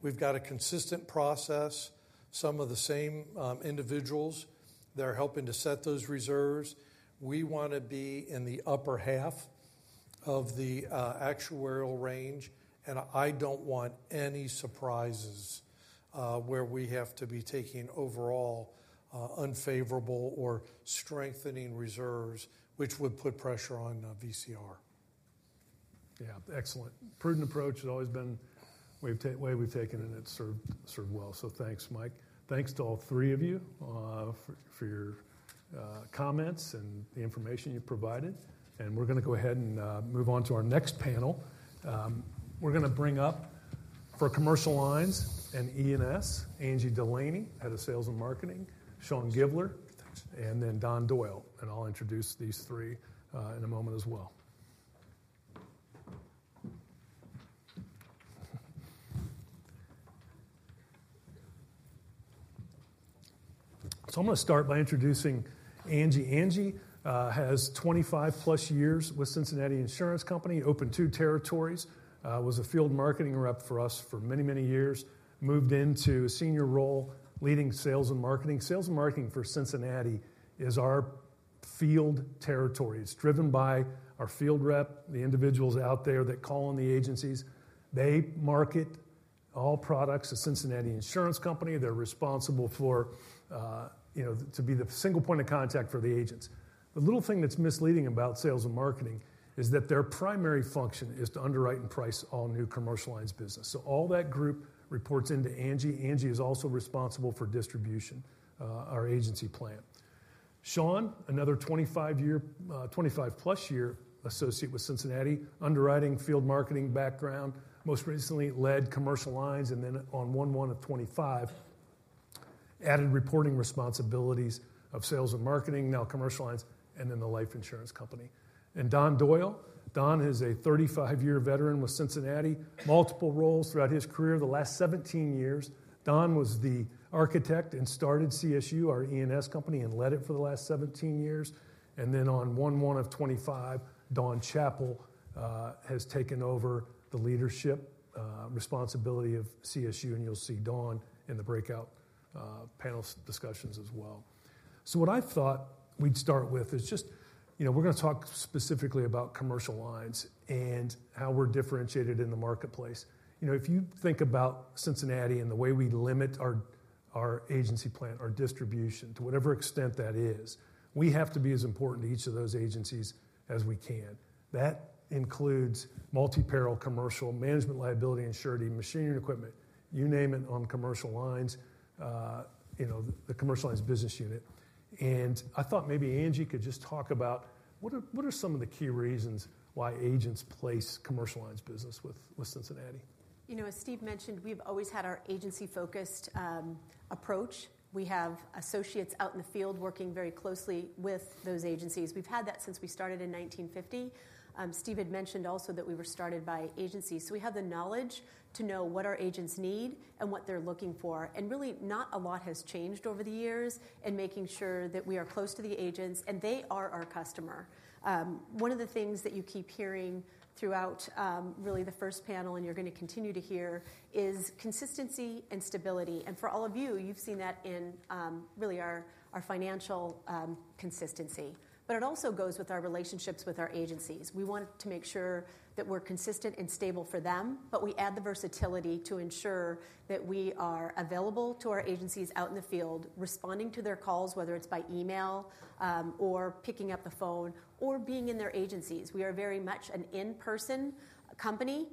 we've got a consistent process, some of the same individuals that are helping to set those reserves. We want to be in the upper half of the actuarial range. I don't want any surprises where we have to be taking overall unfavorable or strengthening reserves, which would put pressure on VCR. Yeah, excellent. Prudent approach has always been the way we've taken it, and it's served well. Thanks, Mike. Thanks to all three of you for your comments and the information you provided. We're going to go ahead and move on to our next panel. We're going to bring up for commercial lines and E&S, Angie Delaney, head of sales and marketing, Sean Givler, and then Don Doyle. I'll introduce these three in a moment as well. I'm going to start by introducing Angie. Angie has 25-plus years with Cincinnati Insurance Company, opened two territories, was a field marketing rep for us for many, many years, moved into a senior role leading sales and marketing. Sales and marketing for Cincinnati is our field territory. It's driven by our field rep, the individuals out there that call on the agencies. They market all products of Cincinnati Insurance Company. They're responsible for, you know, to be the single point of contact for the agents. The little thing that's misleading about sales and marketing is that their primary function is to underwrite and price all new commercial lines business. All that group reports into Angie. Angie is also responsible for distribution, our agency plan. Sean, another 25-plus year associate with Cincinnati, underwriting field marketing background, most recently led commercial lines, and then on one month of 25, added reporting responsibilities of sales and marketing, now commercial lines, and then the life insurance company. Don Doyle. Don is a 35-year veteran with Cincinnati, multiple roles throughout his career, the last 17 years. Don was the architect and started CSU, our E&S company, and led it for the last 17 years. On one month of 25, Dawn Chapel has taken over the leadership responsibility of CSU. You will see Dawn in the breakout panel discussions as well. What I thought we'd start with is just, you know, we're going to talk specifically about commercial lines and how we're differentiated in the marketplace. You know, if you think about Cincinnati and the way we limit our agency plan, our distribution, to whatever extent that is, we have to be as important to each of those agencies as we can. That includes multi-peril commercial, management, liability, surety, machinery, and equipment, you name it on commercial lines, you know, the commercial lines business unit. I thought maybe Angie could just talk about what are some of the key reasons why agents place commercial lines business with Cincinnati. You know, as Steve mentioned, we've always had our agency-focused approach. We have associates out in the field working very closely with those agencies. We've had that since we started in 1950. Steve had mentioned also that we were started by agencies. We have the knowledge to know what our agents need and what they're looking for. Really, not a lot has changed over the years in making sure that we are close to the agents and they are our customer. One of the things that you keep hearing throughout really the first panel and you're going to continue to hear is consistency and stability. For all of you, you've seen that in really our financial consistency. It also goes with our relationships with our agencies. We want to make sure that we're consistent and stable for them, but we add the versatility to ensure that we are available to our agencies out in the field, responding to their calls, whether it's by email or picking up the phone or being in their agencies. We are very much an in-person company.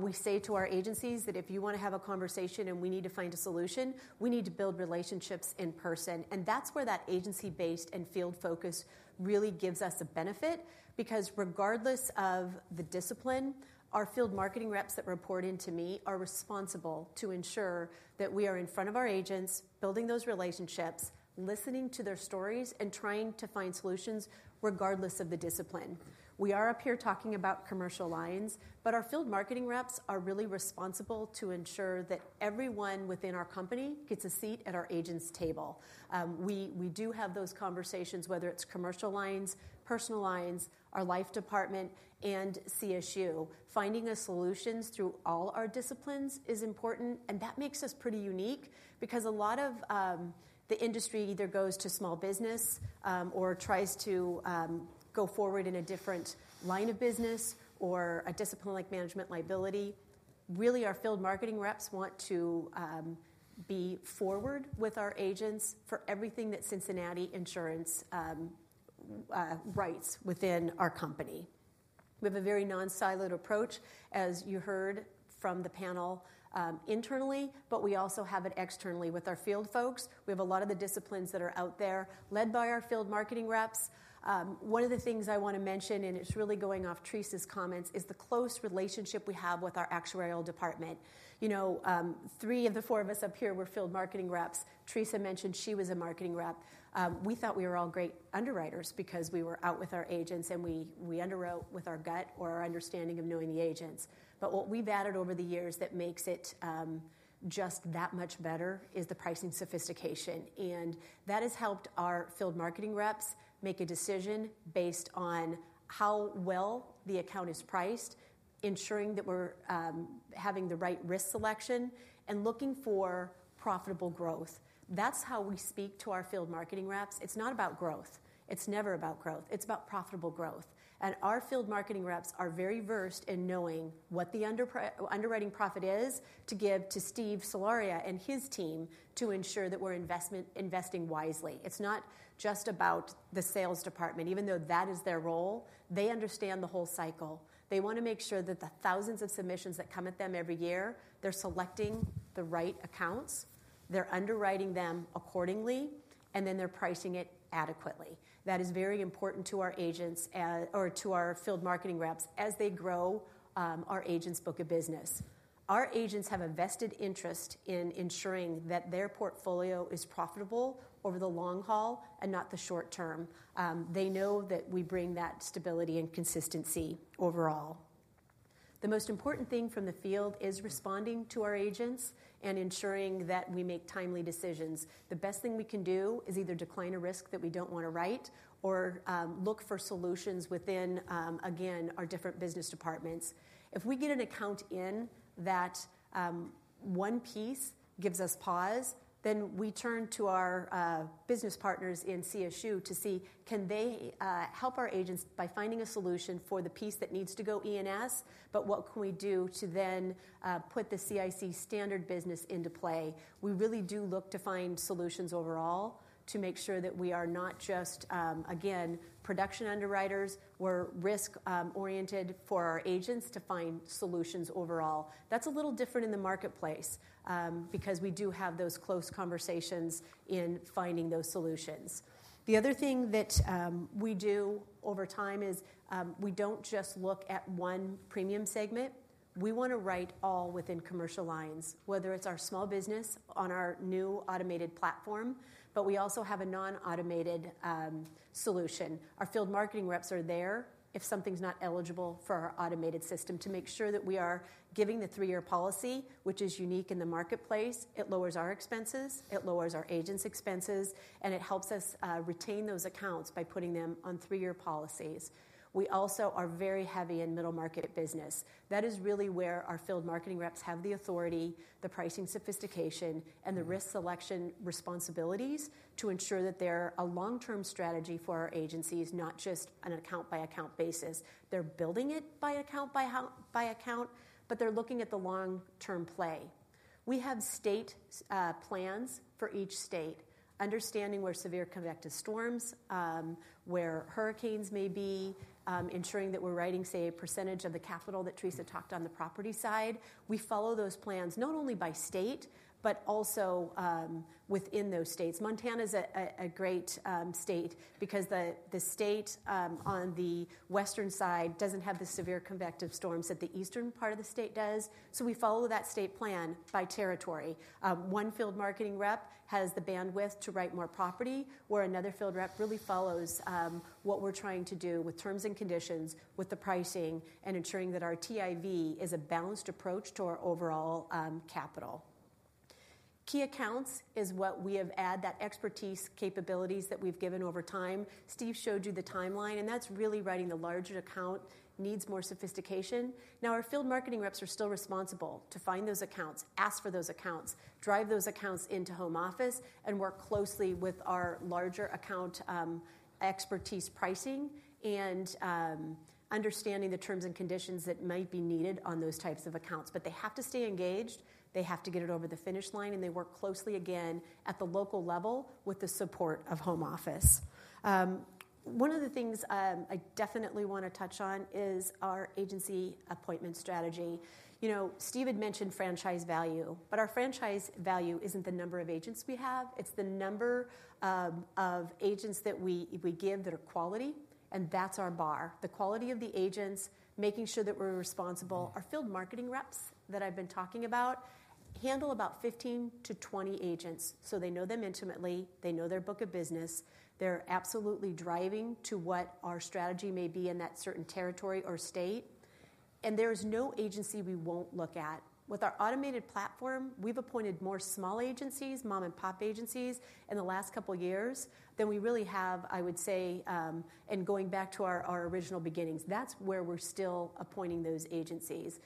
We say to our agencies that if you want to have a conversation and we need to find a solution, we need to build relationships in person. That is where that agency-based and field-focused really gives us a benefit because regardless of the discipline, our field marketing reps that report in to me are responsible to ensure that we are in front of our agents, building those relationships, listening to their stories and trying to find solutions regardless of the discipline. We are up here talking about commercial lines, but our field marketing reps are really responsible to ensure that everyone within our company gets a seat at our agent's table. We do have those conversations, whether it's commercial lines, personal lines, our life department, and CSU. Finding solutions through all our disciplines is important. That makes us pretty unique because a lot of the industry either goes to small business or tries to go forward in a different line of business or a discipline like management liability. Really, our field marketing reps want to be forward with our agents for everything that Cincinnati Insurance writes within our company. We have a very non-siloed approach, as you heard from the panel internally, but we also have it externally with our field folks. We have a lot of the disciplines that are out there led by our field marketing reps. One of the things I want to mention, and it's really going off Teresa's comments, is the close relationship we have with our actuarial department. You know, three of the four of us up here were field marketing reps. Teresa mentioned she was a marketing rep. We thought we were all great underwriters because we were out with our agents and we underwrote with our gut or our understanding of knowing the agents. What we've added over the years that makes it just that much better is the pricing sophistication. That has helped our field marketing reps make a decision based on how well the account is priced, ensuring that we're having the right risk selection and looking for profitable growth. That's how we speak to our field marketing reps. It's not about growth. It's never about growth. It's about profitable growth. Our field marketing reps are very versed in knowing what the underwriting profit is to give to Steve Soloria and his team to ensure that we're investing wisely. It's not just about the sales department. Even though that is their role, they understand the whole cycle. They want to make sure that the thousands of submissions that come at them every year, they're selecting the right accounts, they're underwriting them accordingly, and then they're pricing it adequately. That is very important to our agents or to our field marketing reps as they grow our agents' book of business. Our agents have a vested interest in ensuring that their portfolio is profitable over the long haul and not the short term. They know that we bring that stability and consistency overall. The most important thing from the field is responding to our agents and ensuring that we make timely decisions. The best thing we can do is either decline a risk that we do not want to write or look for solutions within, again, our different business departments. If we get an account and that one piece gives us pause, then we turn to our business partners in CSU to see can they help our agents by finding a solution for the piece that needs to go E&S, but what can we do to then put the CIC standard business into play. We really do look to find solutions overall to make sure that we are not just, again, production underwriters. We are risk-oriented for our agents to find solutions overall. That is a little different in the marketplace because we do have those close conversations in finding those solutions. The other thing that we do over time is we do not just look at one premium segment. We want to write all within commercial lines, whether it's our small business on our new automated platform, but we also have a non-automated solution. Our field marketing reps are there if something's not eligible for our automated system to make sure that we are giving the three-year policy, which is unique in the marketplace. It lowers our expenses, it lowers our agents' expenses, and it helps us retain those accounts by putting them on three-year policies. We also are very heavy in middle market business. That is really where our field marketing reps have the authority, the pricing sophistication, and the risk selection responsibilities to ensure that they're a long-term strategy for our agencies, not just an account-by-account basis. They're building it by account-by-account, but they're looking at the long-term play. We have state plans for each state, understanding where severe convective storms, where hurricanes may be, ensuring that we're writing, say, a percentage of the capital that Teresa talked on the property side. We follow those plans not only by state, but also within those states. Montana is a great state because the state on the western side doesn't have the severe convective storms that the eastern part of the state does. We follow that state plan by territory. One field marketing rep has the bandwidth to write more property, where another field rep really follows what we're trying to do with terms and conditions, with the pricing, and ensuring that our TIV is a balanced approach to our overall capital. Key accounts is what we have added that expertise capabilities that we've given over time. Steve showed you the timeline, and that's really writing the larger account needs more sophistication. Now, our field marketing reps are still responsible to find those accounts, ask for those accounts, drive those accounts into home office, and work closely with our larger account expertise pricing and understanding the terms and conditions that might be needed on those types of accounts. They have to stay engaged. They have to get it over the finish line, and they work closely again at the local level with the support of home office. One of the things I definitely want to touch on is our agency appointment strategy. You know, Steve had mentioned franchise value, but our franchise value isn't the number of agents we have. It's the number of agents that we give that are quality, and that's our bar. The quality of the agents, making sure that we're responsible. Our field marketing reps that I've been talking about handle about 15 to 20 agents. They know them intimately. They know their book of business. They're absolutely driving to what our strategy may be in that certain territory or state. There is no agency we won't look at. With our automated platform, we've appointed more small agencies, mom-and-pop agencies in the last couple of years than we really have, I would say, and going back to our original beginnings, that's where we're still appointing those agencies.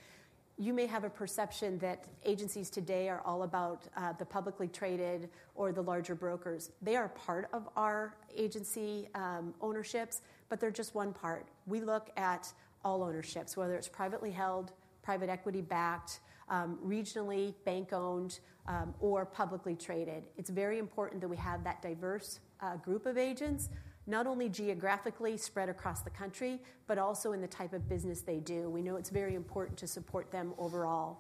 You may have a perception that agencies today are all about the publicly traded or the larger brokers. They are part of our agency ownerships, but they're just one part. We look at all ownerships, whether it's privately held, private equity-backed, regionally bank-owned, or publicly traded. It's very important that we have that diverse group of agents, not only geographically spread across the country, but also in the type of business they do. We know it's very important to support them overall.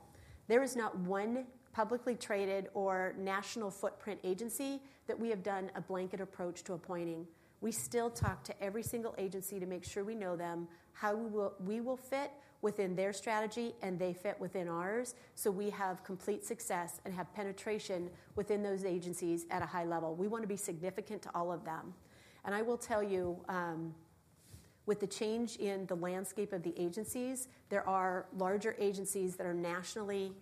There is not one publicly traded or national footprint agency that we have done a blanket approach to appointing. We still talk to every single agency to make sure we know them, how we will fit within their strategy and they fit within ours. We have complete success and have penetration within those agencies at a high level. We want to be significant to all of them. I will tell you, with the change in the landscape of the agencies, there are larger agencies that are nationally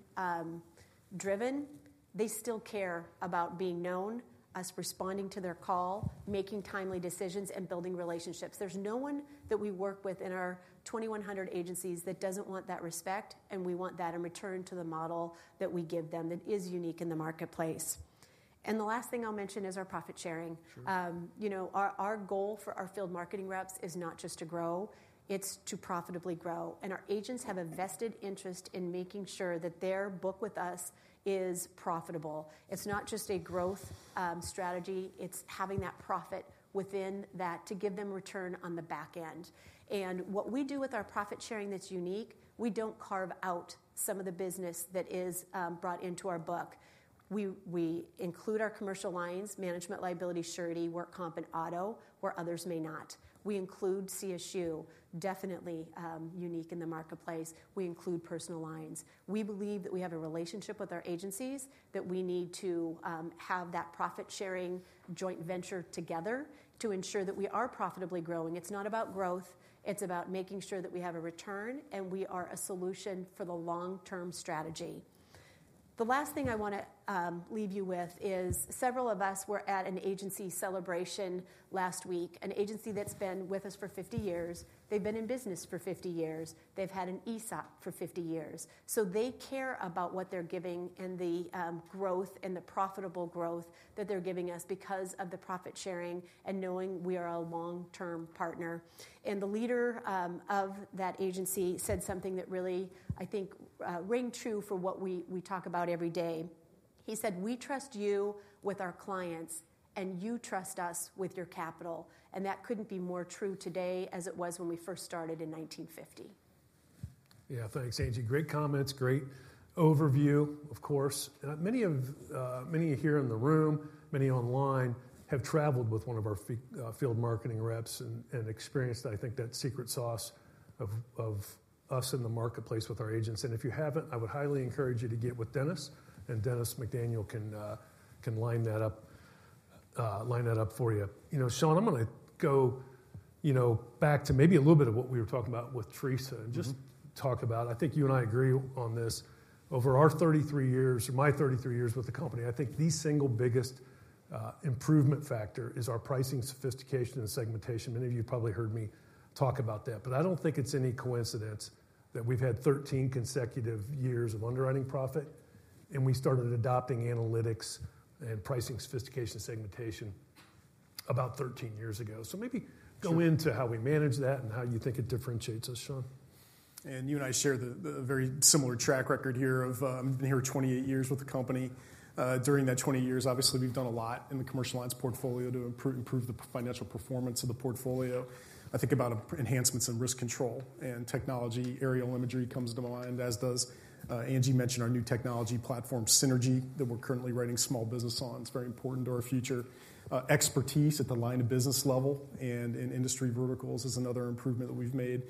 driven. They still care about being known, us responding to their call, making timely decisions, and building relationships. There's no one that we work with in our 2,100 agencies that doesn't want that respect, and we want that in return to the model that we give them that is unique in the marketplace. The last thing I'll mention is our profit sharing. You know, our goal for our field marketing reps is not just to grow, it's to profitably grow. Our agents have a vested interest in making sure that their book with us is profitable. It's not just a growth strategy. It's having that profit within that to give them return on the back end. What we do with our profit sharing that's unique, we don't carve out some of the business that is brought into our book. We include our commercial lines, management, liability, surety, work comp, and auto, where others may not. We include CSU, definitely unique in the marketplace. We include personal lines. We believe that we have a relationship with our agencies that we need to have that profit sharing joint venture together to ensure that we are profitably growing. It is not about growth. It is about making sure that we have a return and we are a solution for the long-term strategy. The last thing I want to leave you with is several of us were at an agency celebration last week, an agency that has been with us for 50 years. They have been in business for 50 years. They have had an ESOP for 50 years. They care about what they are giving and the growth and the profitable growth that they are giving us because of the profit sharing and knowing we are a long-term partner. The leader of that agency said something that really, I think, rang true for what we talk about every day. He said, "We trust you with our clients and you trust us with your capital." That could not be more true today as it was when we first started in 1950. Yeah, thanks, Angie. Great comments, great overview, of course. Many of you here in the room, many online have traveled with one of our field marketing reps and experienced, I think, that secret sauce of us in the marketplace with our agents. If you have not, I would highly encourage you to get with Dennis, and Dennis McDaniel can line that up for you. You know, Sean, I am going to go back to maybe a little bit of what we were talking about with Teresa and just talk about. I think you and I agree on this. Over our 33 years, or my 33 years with the company, I think the single biggest improvement factor is our pricing sophistication and segmentation. Many of you have probably heard me talk about that, but I don't think it's any coincidence that we've had 13 consecutive years of underwriting profit and we started adopting analytics and pricing sophistication segmentation about 13 years ago. Maybe go into how we manage that and how you think it differentiates us, Sean. You and I share the very similar track record here of being here 28 years with the company. During that 20 years, obviously, we've done a lot in the commercial lines portfolio to improve the financial performance of the portfolio. I think about enhancements in risk control and technology. Aerial imagery comes to mind, as does Angie mentioned, our new technology platform, Synergy, that we're currently writing small business on. It's very important to our future. Expertise at the line of business level and in industry verticals is another improvement that we've made.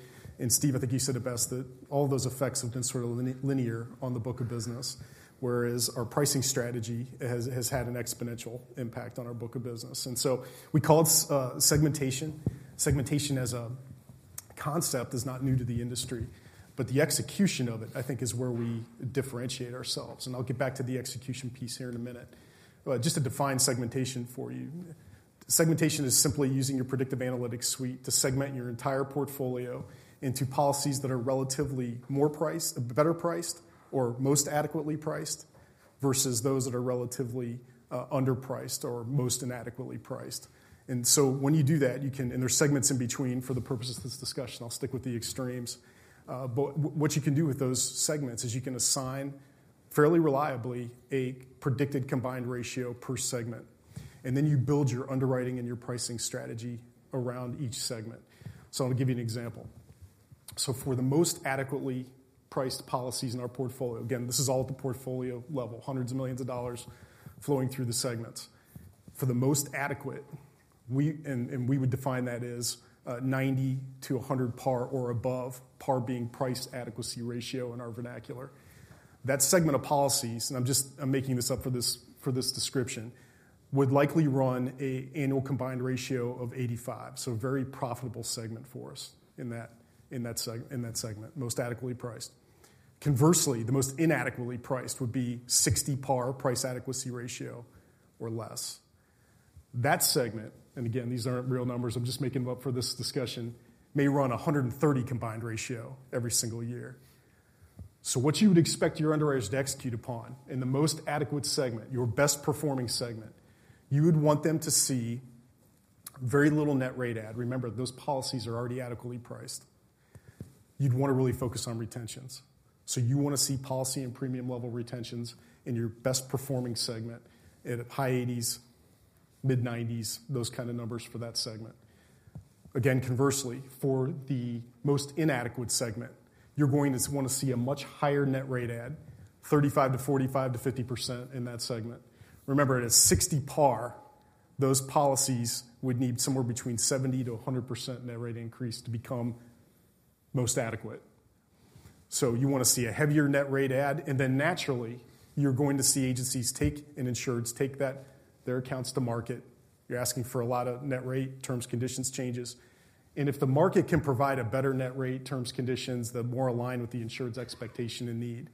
Steve, I think you said it best that all of those effects have been sort of linear on the book of business, whereas our pricing strategy has had an exponential impact on our book of business. We call it segmentation. Segmentation as a concept is not new to the industry, but the execution of it, I think, is where we differentiate ourselves. I'll get back to the execution piece here in a minute. Just to define segmentation for you, segmentation is simply using your predictive analytics suite to segment your entire portfolio into policies that are relatively more priced, better priced, or most adequately priced versus those that are relatively underpriced or most inadequately priced. When you do that, you can, and there are segments in between for the purposes of this discussion. I'll stick with the extremes. What you can do with those segments is you can assign fairly reliably a predicted combined ratio per segment, and then you build your underwriting and your pricing strategy around each segment. I'll give you an example. For the most adequately priced policies in our portfolio, again, this is all at the portfolio level, hundreds of millions of dollars flowing through the segments. For the most adequate, and we would define that as 90-100 par or above, par being price adequacy ratio in our vernacular, that segment of policies, and I'm just making this up for this description, would likely run an annual combined ratio of 85%. A very profitable segment for us in that segment, most adequately priced. Conversely, the most inadequately priced would be 60 par price adequacy ratio or less. That segment, and again, these aren't real numbers, I'm just making them up for this discussion, may run 130 combined ratio every single year. What you would expect your underwriters to execute upon in the most adequate segment, your best performing segment, you would want them to see very little net rate add. Remember, those policies are already adequately priced. You'd want to really focus on retentions. You want to see policy and premium level retentions in your best performing segment at high 80s, mid 90s, those kind of numbers for that segment. Again, conversely, for the most inadequate segment, you're going to want to see a much higher net rate add, 35%-45%-50% in that segment. Remember, at a 60 par, those policies would need somewhere between 70%-100% net rate increase to become most adequate. You want to see a heavier net rate add. Naturally, you're going to see agencies take and insureds take their accounts to market. You're asking for a lot of net rate terms conditions changes. If the market can provide a better net rate terms conditions that are more aligned with the insured's expectation and need,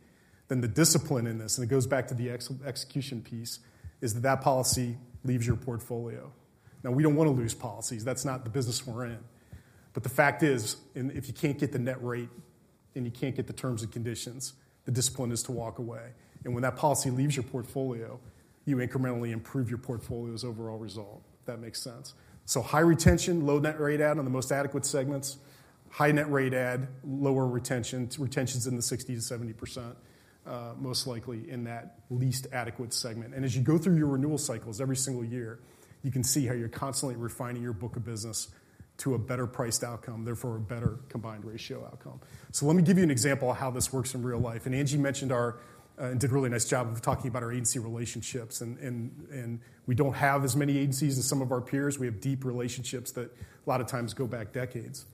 the discipline in this, and it goes back to the execution piece, is that that policy leaves your portfolio. We don't want to lose policies. That's not the business we're in. The fact is, if you can't get the net rate and you can't get the terms and conditions, the discipline is to walk away. When that policy leaves your portfolio, you incrementally improve your portfolio's overall result, if that makes sense. High retention, low net rate add on the most adequate segments, high net rate add, lower retention, retentions in the 60%-70% most likely in that least adequate segment. As you go through your renewal cycles every single year, you can see how you're constantly refining your book of business to a better priced outcome, therefore a better combined ratio outcome. Let me give you an example of how this works in real life. Angie mentioned our and did a really nice job of talking about our agency relationships. We do not have as many agencies as some of our peers. We have deep relationships that a lot of times go back decades.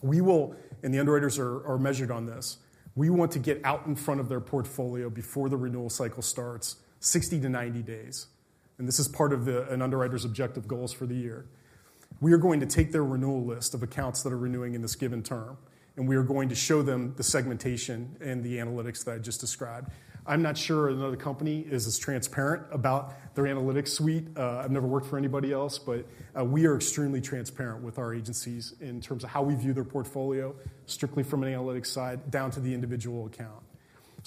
We will, and the underwriters are measured on this, we want to get out in front of their portfolio before the renewal cycle starts, 60 days-90 days. This is part of an underwriter's objective goals for the year. We are going to take their renewal list of accounts that are renewing in this given term, and we are going to show them the segmentation and the analytics that I just described. I'm not sure another company is as transparent about their analytics suite. I've never worked for anybody else, but we are extremely transparent with our agencies in terms of how we view their portfolio strictly from an analytics side down to the individual account.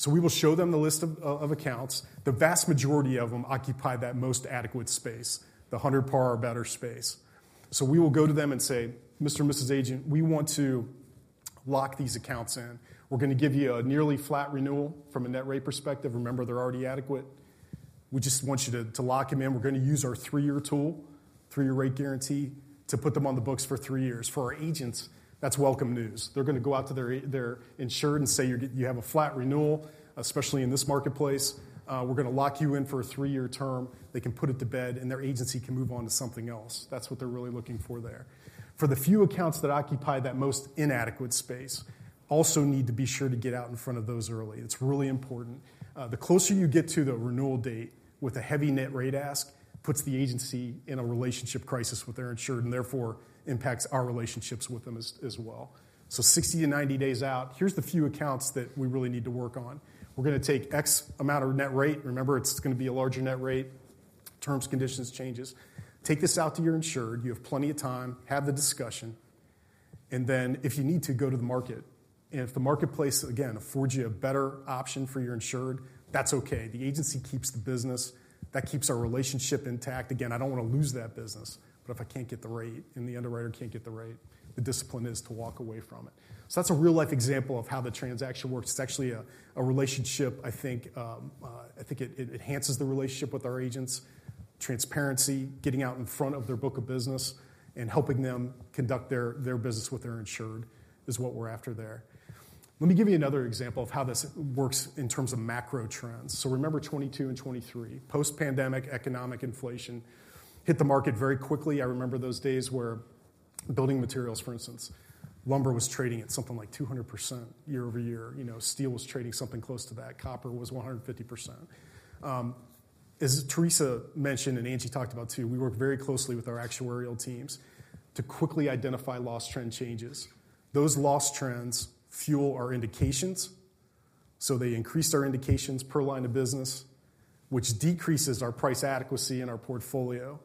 We will show them the list of accounts. The vast majority of them occupy that most adequate space, the 100 par or better space. We will go to them and say, "Mr. and Mrs. Agent, we want to lock these accounts in. We're going to give you a nearly flat renewal from a net rate perspective. Remember, they're already adequate. We just want you to lock them in. We're going to use our three-year tool, three-year rate guarantee to put them on the books for three years." For our agents, that's welcome news. They're going to go out to their insured and say, "You have a flat renewal, especially in this marketplace. We're going to lock you in for a three-year term." They can put it to bed and their agency can move on to something else. That's what they're really looking for there. For the few accounts that occupy that most inadequate space, also need to be sure to get out in front of those early. It's really important. The closer you get to the renewal date with a heavy net rate ask puts the agency in a relationship crisis with their insured and therefore impacts our relationships with them as well. Sixty to ninety days out, here's the few accounts that we really need to work on. We're going to take X amount of net rate. Remember, it's going to be a larger net rate. Terms conditions changes. Take this out to your insured. You have plenty of time. Have the discussion. If you need to go to the market, and if the marketplace, again, affords you a better option for your insured, that's okay. The agency keeps the business. That keeps our relationship intact. I don't want to lose that business. If I can't get the rate and the underwriter can't get the rate, the discipline is to walk away from it. That is a real-life example of how the transaction works. It is actually a relationship, I think. I think it enhances the relationship with our agents. Transparency, getting out in front of their book of business and helping them conduct their business with their insured is what we are after there. Let me give you another example of how this works in terms of macro trends. Remember 2022 and 2023, post-pandemic economic inflation hit the market very quickly. I remember those days where building materials, for instance, lumber was trading at something like 200% year-over-year. Steel was trading something close to that. Copper was 150%. As Teresa mentioned and Angie talked about too, we work very closely with our actuarial teams to quickly identify loss trend changes. Those loss trends fuel our indications. They increase our indications per line of business, which decreases our price adequacy in our portfolio.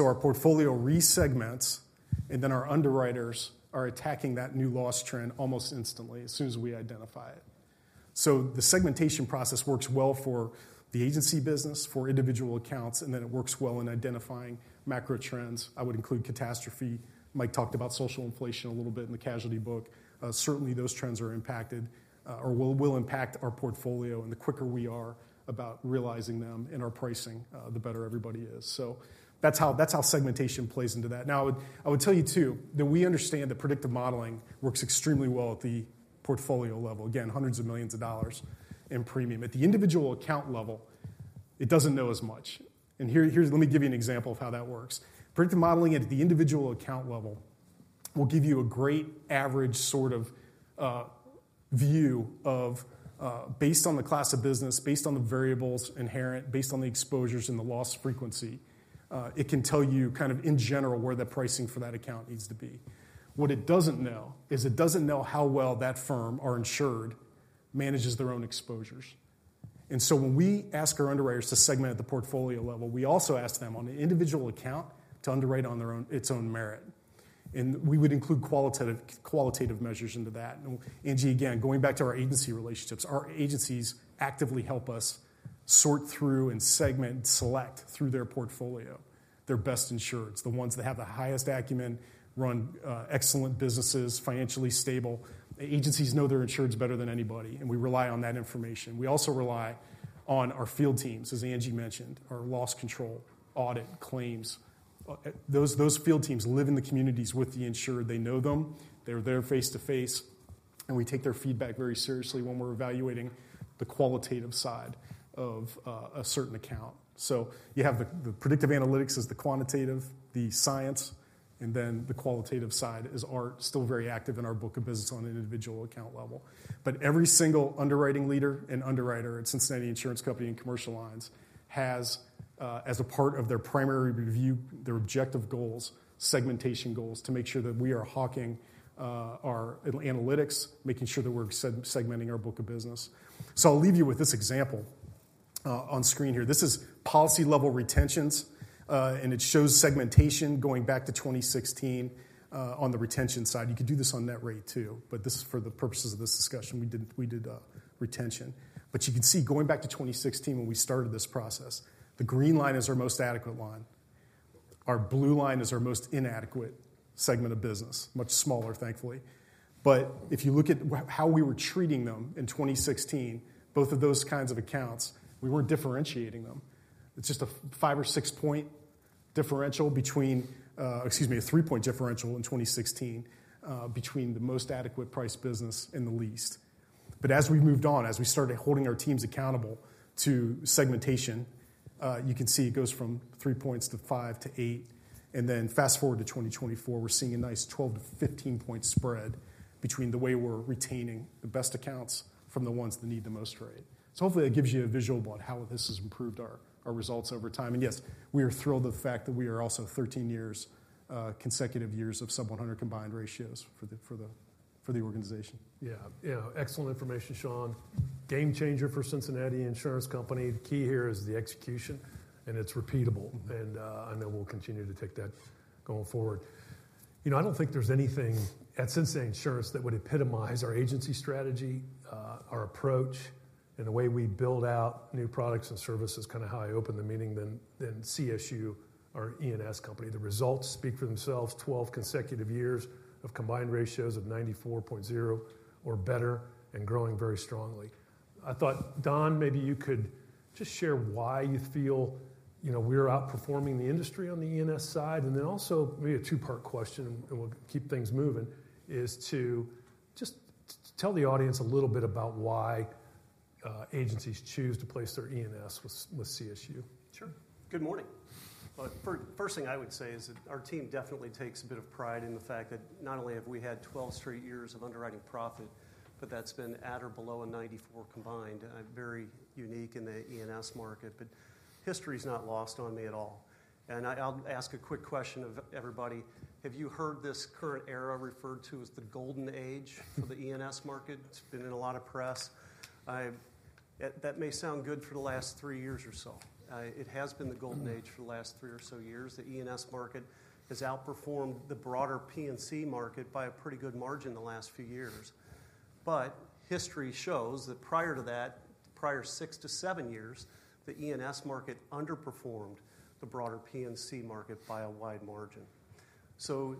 Our portfolio re-segments, and then our underwriters are attacking that new loss trend almost instantly as soon as we identify it. The segmentation process works well for the agency business, for individual accounts, and it works well in identifying macro trends. I would include catastrophe. Mike talked about social inflation a little bit in the casualty book. Certainly, those trends are impacted or will impact our portfolio. The quicker we are about realizing them in our pricing, the better everybody is. That is how segmentation plays into that. I would tell you too that we understand that predictive modeling works extremely well at the portfolio level. Again, hundreds of millions of dollars in premium. At the individual account level, it does not know as much. Let me give you an example of how that works. Predictive modeling at the individual account level will give you a great average sort of view based on the class of business, based on the variables inherent, based on the exposures and the loss frequency. It can tell you kind of in general where the pricing for that account needs to be. What it does not know is it does not know how well that firm, our insured, manages their own exposures. When we ask our underwriters to segment at the portfolio level, we also ask them on an individual account to underwrite on its own merit. We would include qualitative measures into that. Angie, again, going back to our agency relationships, our agencies actively help us sort through and segment and select through their portfolio their best insureds, the ones that have the highest acumen, run excellent businesses, financially stable. Agencies know their insureds better than anybody, and we rely on that information. We also rely on our field teams, as Angie mentioned, our loss control, audit, claims. Those field teams live in the communities with the insured. They know them. They're there face to face, and we take their feedback very seriously when we're evaluating the qualitative side of a certain account. You have the predictive analytics as the quantitative, the science, and then the qualitative side is still very active in our book of business on an individual account level. Every single underwriting leader and underwriter at Cincinnati Insurance Company and commercial lines has, as a part of their primary review, their objective goals, segmentation goals to make sure that we are hawking our analytics, making sure that we're segmenting our book of business. I'll leave you with this example on screen here. This is policy level retentions, and it shows segmentation going back to 2016 on the retention side. You could do this on net rate too, but this is for the purposes of this discussion. We did retention. You can see going back to 2016 when we started this process, the green line is our most adequate line. Our blue line is our most inadequate segment of business, much smaller, thankfully. If you look at how we were treating them in 2016, both of those kinds of accounts, we weren't differentiating them. It's just a five or six point differential between, excuse me, a three point differential in 2016 between the most adequate price business and the least. As we moved on, as we started holding our teams accountable to segmentation, you can see it goes from three points to five to eight. Fast forward to 2024, we're seeing a nice 12 point-15 point spread between the way we're retaining the best accounts from the ones that need the most rate. Hopefully that gives you a visual about how this has improved our results over time. Yes, we are thrilled with the fact that we are also 13 consecutive years of sub 100 combined ratios for the organization. Yeah, excellent information, Sean. Game changer for Cincinnati Insurance Company. The key here is the execution, and it's repeatable. I know we'll continue to take that going forward. You know, I don't think there's anything at Cincinnati Insurance that would epitomize our agency strategy, our approach, and the way we build out new products and services, kind of how I opened the meeting, than CSU, our E&S company. The results speak for themselves. Twelve consecutive years of combined ratios of 94.0 or better and growing very strongly. I thought, Don, maybe you could just share why you feel we're outperforming the industry on the E&S side. Also, maybe a two-part question, and we'll keep things moving, is to just tell the audience a little bit about why agencies choose to place their E&S with CSU. Sure. Good morning. First thing I would say is that our team definitely takes a bit of pride in the fact that not only have we had 12 straight years of underwriting profit, but that's been at or below a 94 combined. Very unique in the E&S market, but history is not lost on me at all. I'll ask a quick question of everybody. Have you heard this current era referred to as the golden age for the E&S market? It's been in a lot of press. That may sound good for the last three years or so. It has been the golden age for the last three or so years. The E&S market has outperformed the broader P&C market by a pretty good margin the last few years. History shows that prior to that, prior six to seven years, the E&S market underperformed the broader P&C market by a wide margin.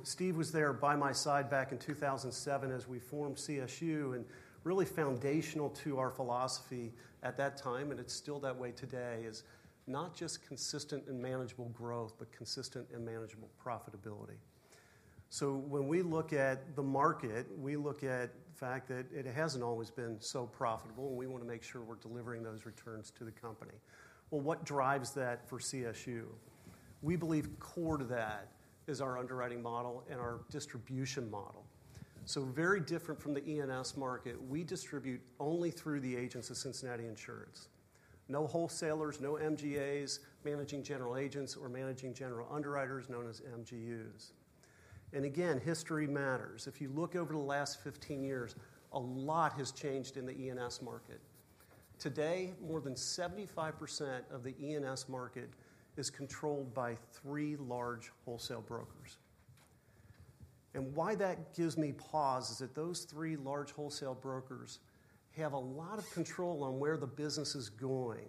Steve was there by my side back in 2007 as we formed CSU and really foundational to our philosophy at that time, and it is still that way today, is not just consistent and manageable growth, but consistent and manageable profitability. When we look at the market, we look at the fact that it has not always been so profitable, and we want to make sure we are delivering those returns to the company. What drives that for CSU? We believe core to that is our underwriting model and our distribution model. Very different from the E&S market, we distribute only through the agents of Cincinnati Insurance. No wholesalers, no MGAs, managing general agents or managing general underwriters known as MGUs. Again, history matters. If you look over the last 15 years, a lot has changed in the E&S market. Today, more than 75% of the E&S market is controlled by three large wholesale brokers. Why that gives me pause is that those three large wholesale brokers have a lot of control on where the business is going.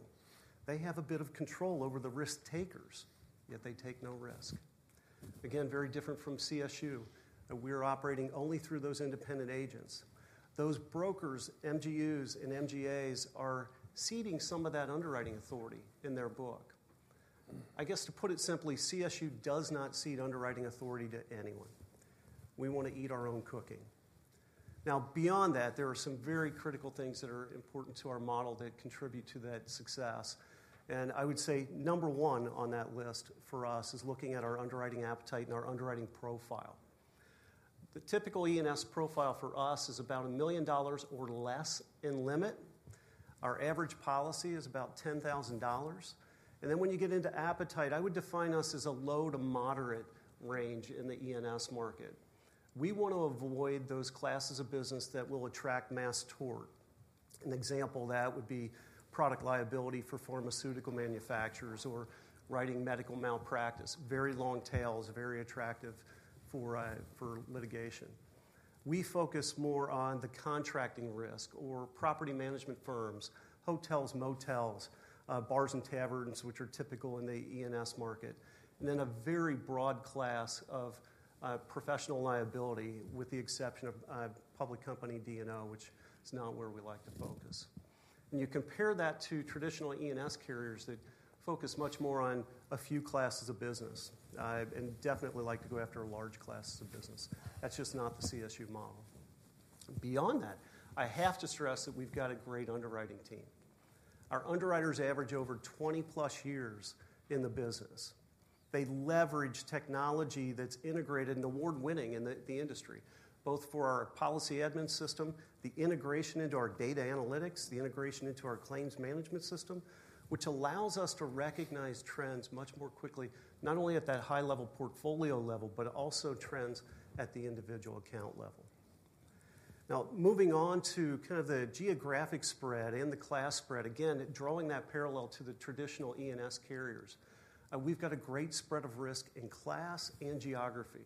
They have a bit of control over the risk takers, yet they take no risk. Again, very different from CSU that we are operating only through those independent agents. Those brokers, MGUs and MGAs are ceding some of that underwriting authority in their book. I guess to put it simply, CSU does not cede underwriting authority to anyone. We want to eat our own cooking. Now, beyond that, there are some very critical things that are important to our model that contribute to that success. I would say number one on that list for us is looking at our underwriting appetite and our underwriting profile. The typical E&S profile for us is about $1 million or less in limit. Our average policy is about $10,000. When you get into appetite, I would define us as a low to moderate range in the E&S market. We want to avoid those classes of business that will attract mass tort. An example of that would be product liability for pharmaceutical manufacturers or writing medical malpractice. Very long tail is very attractive for litigation. We focus more on the contracting risk or property management firms, hotels, motels, bars and taverns, which are typical in the E&S market. A very broad class of professional liability with the exception of public company D&O, which is not where we like to focus. You compare that to traditional E&S carriers that focus much more on a few classes of business and definitely like to go after large classes of business. That's just not the CSU model. Beyond that, I have to stress that we've got a great underwriting team. Our underwriters average over 20 plus years in the business. They leverage technology that's integrated and award-winning in the industry, both for our policy admin system, the integration into our data analytics, the integration into our claims management system, which allows us to recognize trends much more quickly, not only at that high-level portfolio level, but also trends at the individual account level. Now, moving on to kind of the geographic spread and the class spread, again, drawing that parallel to the traditional E&S carriers, we've got a great spread of risk in class and geography.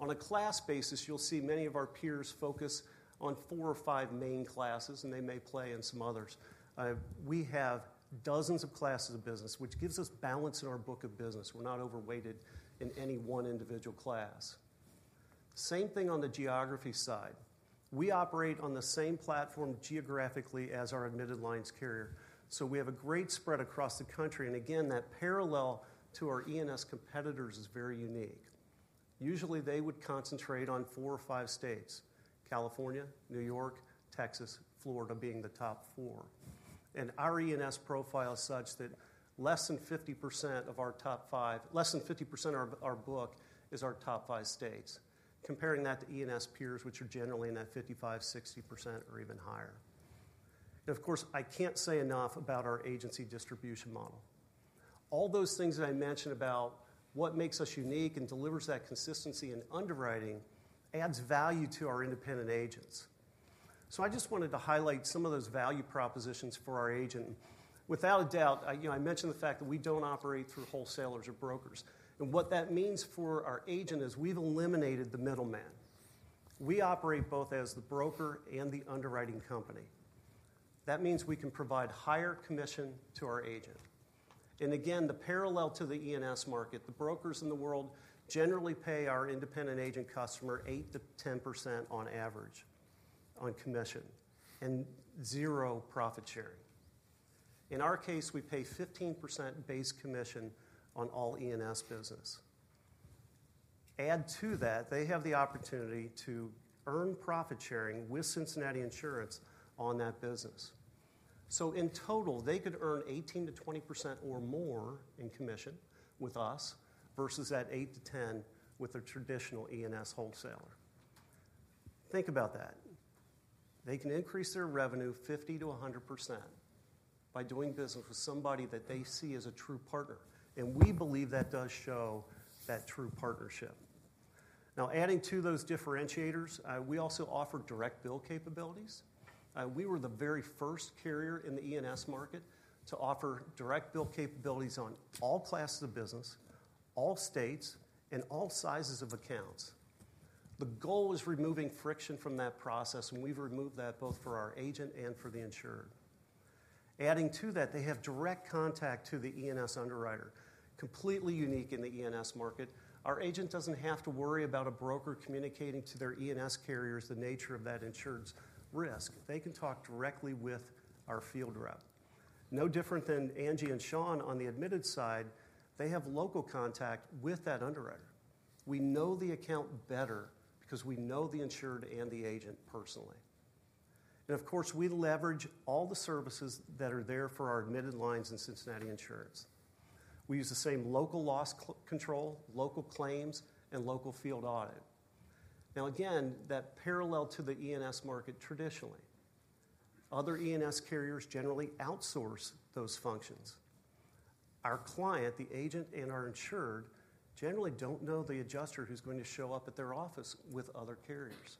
On a class basis, you'll see many of our peers focus on four or five main classes, and they may play in some others. We have dozens of classes of business, which gives us balance in our book of business. We're not overweighted in any one individual class. The same thing on the geography side. We operate on the same platform geographically as our admitted lines carrier. We have a great spread across the country. That parallel to our E&S competitors is very unique. Usually, they would concentrate on four or five states: California, New York, Texas, Florida being the top four. Our E&S profile is such that less than 50% of our top five, less than 50% of our book is our top five states. Comparing that to E&S peers, which are generally in that 55%-60% or even higher. Of course, I can't say enough about our agency distribution model. All those things that I mentioned about what makes us unique and delivers that consistency in underwriting adds value to our independent agents. I just wanted to highlight some of those value propositions for our agent. Without a doubt, I mentioned the fact that we don't operate through wholesalers or brokers. What that means for our agent is we've eliminated the middleman. We operate both as the broker and the underwriting company. That means we can provide higher commission to our agent. Again, the parallel to the E&S market, the brokers in the world generally pay our independent agent customer 8%-10% on average on commission and zero profit sharing. In our case, we pay 15% base commission on all E&S business. Add to that, they have the opportunity to earn profit sharing with Cincinnati Insurance on that business. In total, they could earn 18%-20% or more in commission with us versus that 8%-10% with a traditional E&S wholesaler. Think about that. They can increase their revenue 50%-100% by doing business with somebody that they see as a true partner. We believe that does show that true partnership. Now, adding to those differentiators, we also offer direct bill capabilities. We were the very first carrier in the E&S market to offer direct bill capabilities on all classes of business, all states, and all sizes of accounts. The goal is removing friction from that process, and we've removed that both for our agent and for the insured. Adding to that, they have direct contact to the E&S underwriter. Completely unique in the E&S market. Our agent does not have to worry about a broker communicating to their E&S carriers the nature of that insured's risk. They can talk directly with our field rep. No different than Angie and Sean on the admitted side. They have local contact with that underwriter. We know the account better because we know the insured and the agent personally. Of course, we leverage all the services that are there for our admitted lines in Cincinnati Insurance. We use the same local loss control, local claims, and local field audit. Now, again, that is parallel to the E&S market traditionally. Other E&S carriers generally outsource those functions. Our client, the agent, and our insured generally do not know the adjuster who is going to show up at their office with other carriers.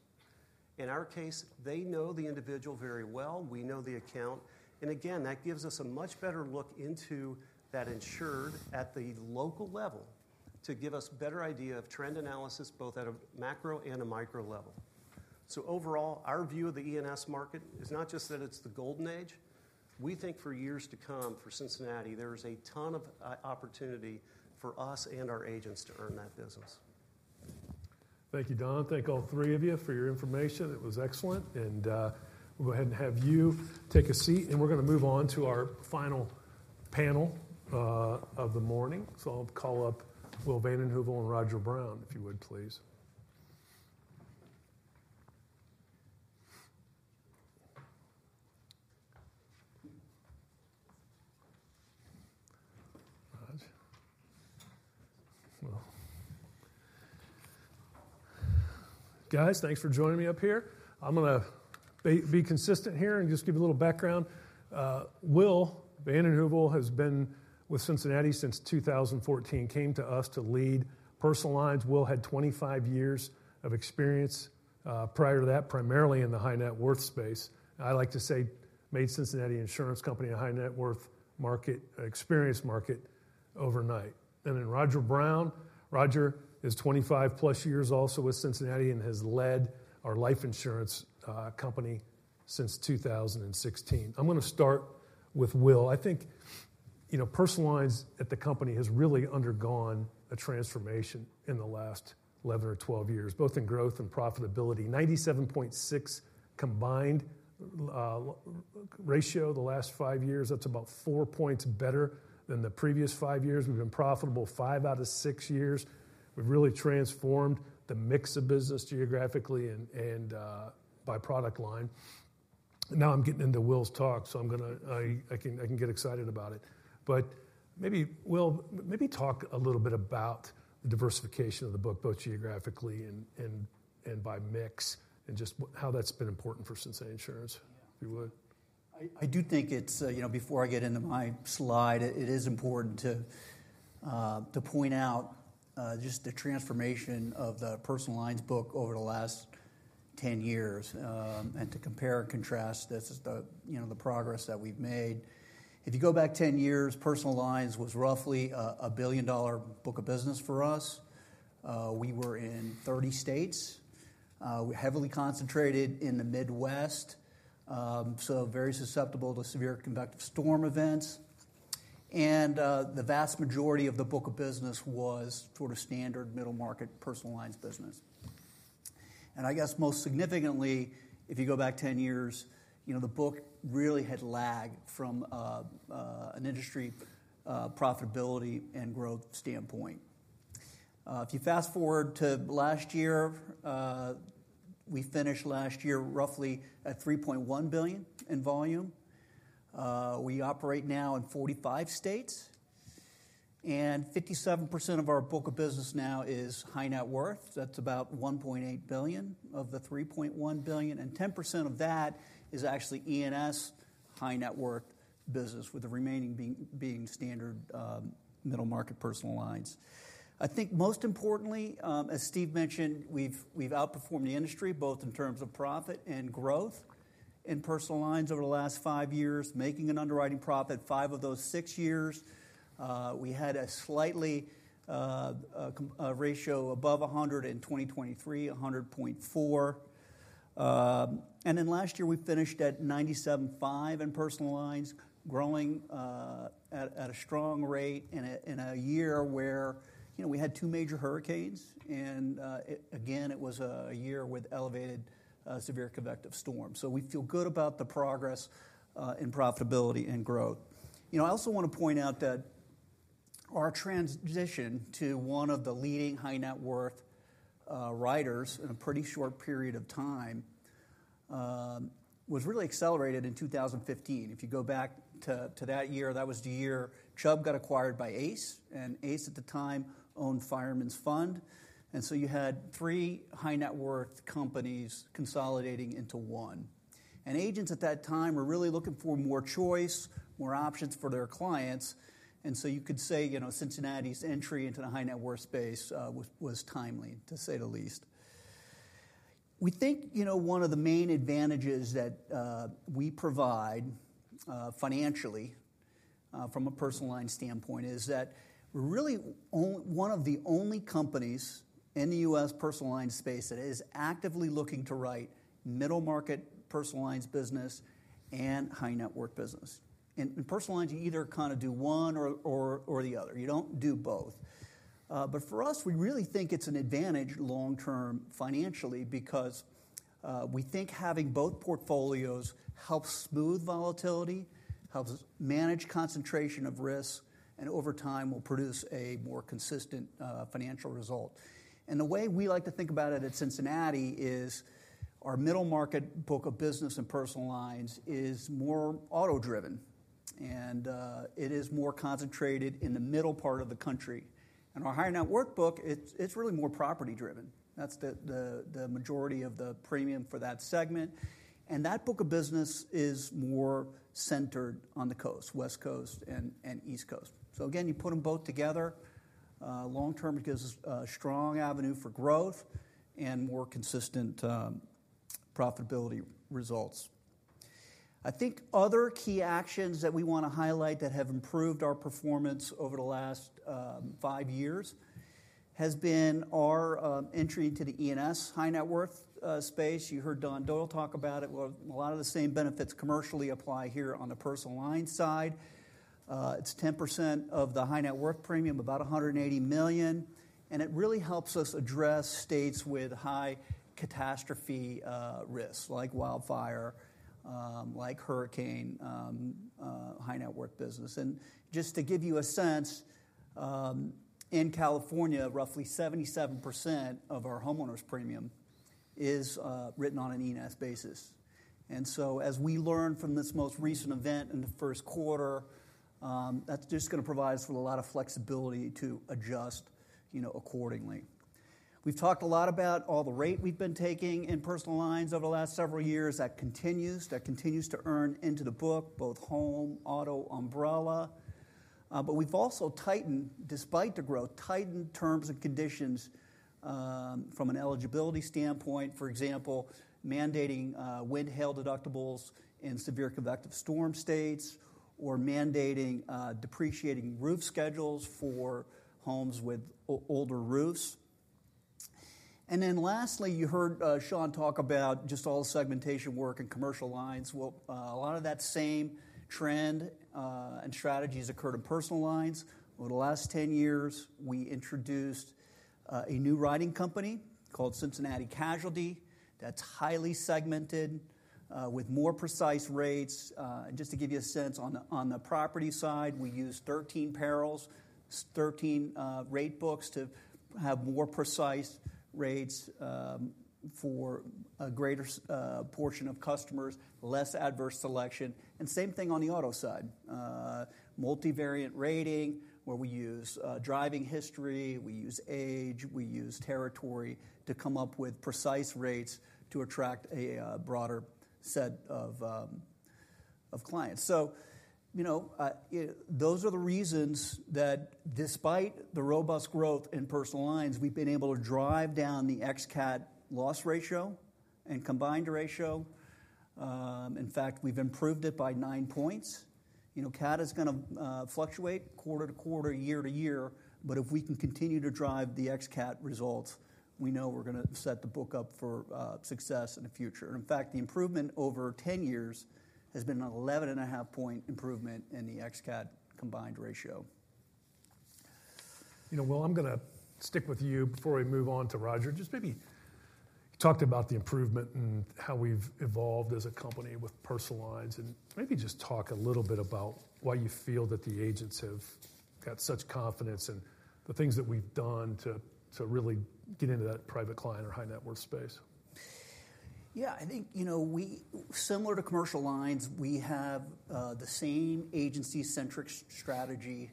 In our case, they know the individual very well. We know the account. That gives us a much better look into that insured at the local level to give us a better idea of trend analysis both at a macro and a micro level. Overall, our view of the E&S market is not just that it's the golden age. We think for years to come for Cincinnati, there is a ton of opportunity for us and our agents to earn that business. Thank you, Don. Thank all three of you for your information. It was excellent. We'll go ahead and have you take a seat. We're going to move on to our final panel of the morning. I'll call up Will Van Den Heuvel and Roger Brown, if you would, please. Guys, thanks for joining me up here. I'm going to be consistent here and just give you a little background. Will Van Den Heuvel has been with Cincinnati since 2014, came to us to lead personal lines. Will had 25 years of experience prior to that, primarily in the high net worth space. I like to say made Cincinnati Insurance Company a high net worth market experience market overnight. And then Roger Brown. Roger is 25 plus years also with Cincinnati and has led our life insurance company since 2016. I'm going to start with Will. I think personal lines at the company has really undergone a transformation in the last 11 years or 12 years, both in growth and profitability. 97.6 combined ratio the last five years. That's about four points better than the previous five years. We've been profitable five out of six years. We've really transformed the mix of business geographically and by product line. Now I'm getting into Will's talk, so I can get excited about it. Maybe Will, maybe talk a little bit about the diversification of the book, both geographically and by mix, and just how that's been important for Cincinnati Insurance, if you would. I do think before I get into my slide, it is important to point out just the transformation of the personal lines book over the last 10 years and to compare and contrast the progress that we've made. If you go back 10 years, personal lines was roughly a $1 billion book of business for us. We were in 30 states. We were heavily concentrated in the Midwest, so very susceptible to severe convective storm events. The vast majority of the book of business was sort of standard middle market personal lines business. I guess most significantly, if you go back 10 years, the book really had lagged from an industry profitability and growth standpoint. If you fast forward to last year, we finished last year roughly at $3.1 billion in volume. We operate now in 45 states. 57% of our book of business now is high net worth. That's about $1.8 billion of the $3.1 billion. 10% of that is actually E&S high net worth business, with the remaining being standard middle market personal lines. I think most importantly, as Steve mentioned, we've outperformed the industry both in terms of profit and growth in personal lines over the last five years, making an underwriting profit five of those six years. We had a slightly ratio above 100 in 2023, 100.4. Last year, we finished at 97.5 in personal lines, growing at a strong rate in a year where we had two major hurricanes. It was a year with elevated severe convective storms. We feel good about the progress in profitability and growth. I also want to point out that our transition to one of the leading high net worth writers in a pretty short period of time was really accelerated in 2015. If you go back to that year, that was the year Chubb got acquired by Ace. Ace at the time owned Fireman's Fund. You had three high net worth companies consolidating into one. Agents at that time were really looking for more choice, more options for their clients. You could say Cincinnati's entry into the high net worth space was timely, to say the least. We think one of the main advantages that we provide financially from a personal line standpoint is that we are really one of the only companies in the U.S. Personal line space that is actively looking to write middle market personal lines business and high net worth business. In personal lines, you either kind of do one or the other. You do not do both. For us, we really think it is an advantage long-term financially because we think having both portfolios helps smooth volatility, helps manage concentration of risk, and over time will produce a more consistent financial result. The way we like to think about it at Cincinnati is our middle market book of business in personal lines is more auto-driven, and it is more concentrated in the middle part of the country. Our high net worth book is really more property-driven. That is the majority of the premium for that segment. That book of business is more centered on the coast, West Coast and East Coast. You put them both together long-term because it's a strong avenue for growth and more consistent profitability results. I think other key actions that we want to highlight that have improved our performance over the last five years has been our entry into the E&S high net worth space. You heard Don Doyle talk about it. A lot of the same benefits commercially apply here on the personal line side. It's 10% of the high net worth premium, about $180 million. It really helps us address states with high catastrophe risks like wildfire, like hurricane high net worth business. Just to give you a sense, in California, roughly 77% of our homeowners premium is written on an E&S basis. As we learned from this most recent event in the first quarter, that's just going to provide us with a lot of flexibility to adjust accordingly. We've talked a lot about all the rate we've been taking in personal lines over the last several years. That continues to earn into the book, both home, auto, umbrella. We've also tightened, despite the growth, tightened terms and conditions from an eligibility standpoint. For example, mandating wind hail deductibles in severe convective storm states or mandating depreciating roof schedules for homes with older roofs. Lastly, you heard Sean talk about just all the segmentation work in commercial lines. A lot of that same trend and strategies occurred in personal lines. Over the last 10 years, we introduced a new writing company called Cincinnati Casualty that's highly segmented with more precise rates. Just to give you a sense on the property side, we use 13 perils, 13 rate books to have more precise rates for a greater portion of customers, less adverse selection. Same thing on the auto side, multivariant rating where we use driving history, we use age, we use territory to come up with precise rates to attract a broader set of clients. Those are the reasons that despite the robust growth in personal lines, we've been able to drive down the ex-CAT loss ratio and combined ratio. In fact, we've improved it by nine points. CAT is going to fluctuate quarter-to-quarter, year-to-year. If we can continue to drive the ex-CAT results, we know we're going to set the book up for success in the future. In fact, the improvement over 10 years has been an 11.5 point improvement in the ex-CAT combined ratio. I'm going to stick with you before we move on to Roger. Just maybe talk about the improvement and how we've evolved as a company with personal lines and maybe just talk a little bit about why you feel that the agents have got such confidence in the things that we've done to really get into that private client or high net worth space. I think similar to commercial lines, we have the same agency-centric strategy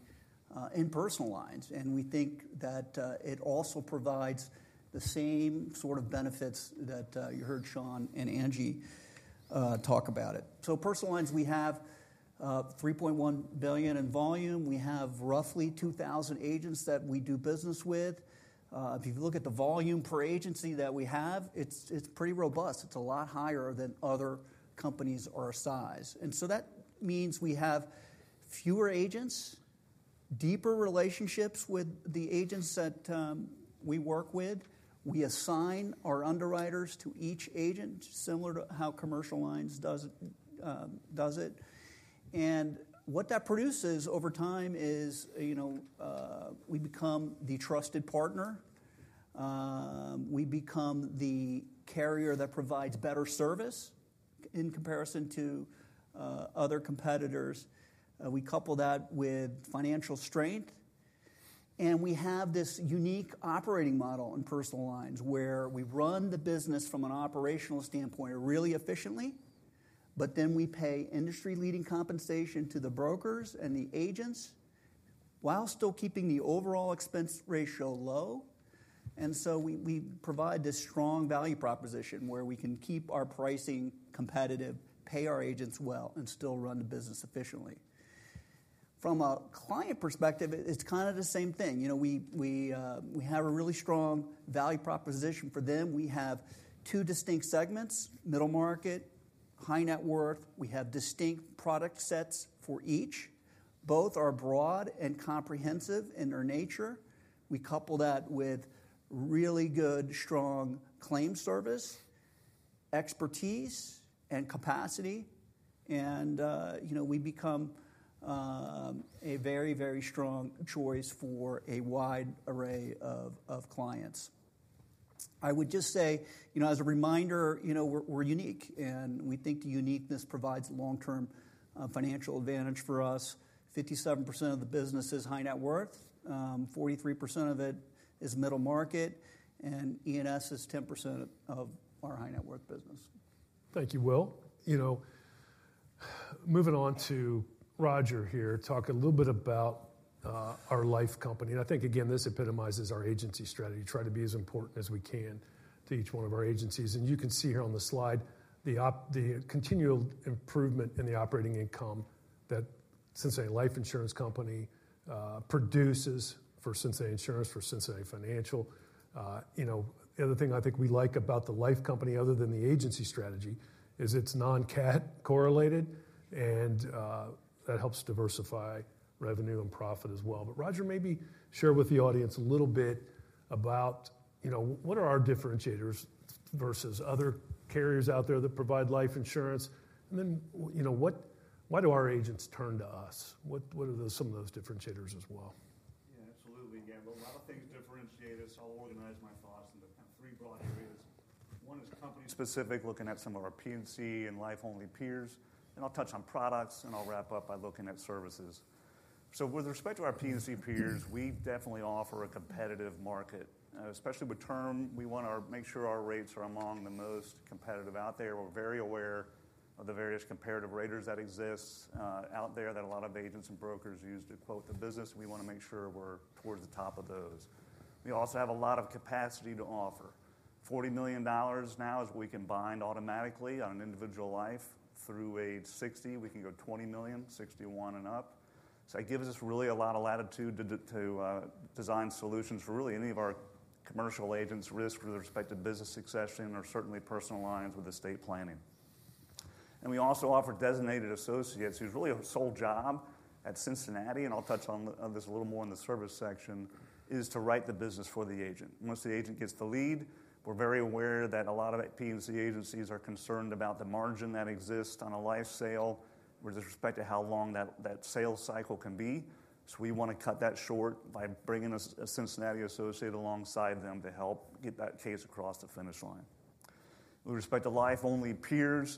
in personal lines. We think that it also provides the same sort of benefits that you heard Sean and Angie talk about. Personal lines, we have $3.1 billion in volume. We have roughly 2,000 agents that we do business with. If you look at the volume per agency that we have, it's pretty robust. It's a lot higher than other companies our size. That means we have fewer agents, deeper relationships with the agents that we work with. We assign our underwriters to each agent similar to how commercial lines does it. What that produces over time is we become the trusted partner. We become the carrier that provides better service in comparison to other competitors. We couple that with financial strength. We have this unique operating model in personal lines where we run the business from an operational standpoint really efficiently, but then we pay industry-leading compensation to the brokers and the agents while still keeping the overall expense ratio low. We provide this strong value proposition where we can keep our pricing competitive, pay our agents well, and still run the business efficiently. From a client perspective, it's kind of the same thing. We have a really strong value proposition for them. We have two distinct segments, middle market, high net worth. We have distinct product sets for each. Both are broad and comprehensive in their nature. We couple that with really good, strong claim service, expertise, and capacity. We become a very, very strong choice for a wide array of clients. I would just say, as a reminder, we're unique. We think uniqueness provides long-term financial advantage for us. 57% of the business is high net worth. 43% of it is middle market. E&S is 10% of our high net worth business. Thank you, Will. Moving on to Roger here, talk a little bit about our life company. I think, again, this epitomizes our agency strategy. Try to be as important as we can to each one of our agencies. You can see here on the slide the continual improvement in the operating income that Cincinnati Life Insurance Company produces for Cincinnati Insurance, for Cincinnati Financial. The other thing I think we like about the life company other than the agency strategy is it's non-CAT correlated. That helps diversify revenue and profit as well. Roger, maybe share with the audience a little bit about what are our differentiators versus other carriers out there that provide life insurance? Why do our agents turn to us? What are some of those differentiators as well? Yeah, absolutely. Again, a lot of things differentiate us. I'll organize my thoughts into three broad areas. One is company-specific, looking at some of our P&C and life-only peers. I'll touch on products. I'll wrap up by looking at services. With respect to our P&C peers, we definitely offer a competitive market. Especially with term, we want to make sure our rates are among the most competitive out there. We're very aware of the various comparative raters that exist out there that a lot of agents and brokers use to quote the business. We want to make sure we're towards the top of those. We also have a lot of capacity to offer. $40 million now is what we can bind automatically on an individual life. Through age 60, we can go $20 million, 61 and up. That gives us really a lot of latitude to design solutions for really any of our commercial agents' risk with respect to business succession or certainly personal lines with estate planning. We also offer designated associates, whose really sole job at Cincinnati, and I'll touch on this a little more in the service section, is to write the business for the agent. Once the agent gets the lead, we're very aware that a lot of P&C agencies are concerned about the margin that exists on a life sale with respect to how long that sale cycle can be. We want to cut that short by bringing a Cincinnati associate alongside them to help get that case across the finish line. With respect to life-only peers,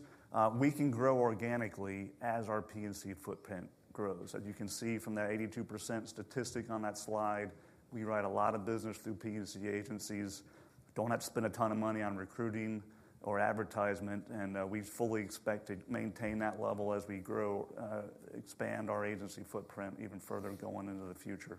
we can grow organically as our P&C footprint grows. As you can see from that 82% statistic on that slide, we write a lot of business through P&C agencies. We do not have to spend a ton of money on recruiting or advertisement. We fully expect to maintain that level as we grow, expand our agency footprint even further going into the future.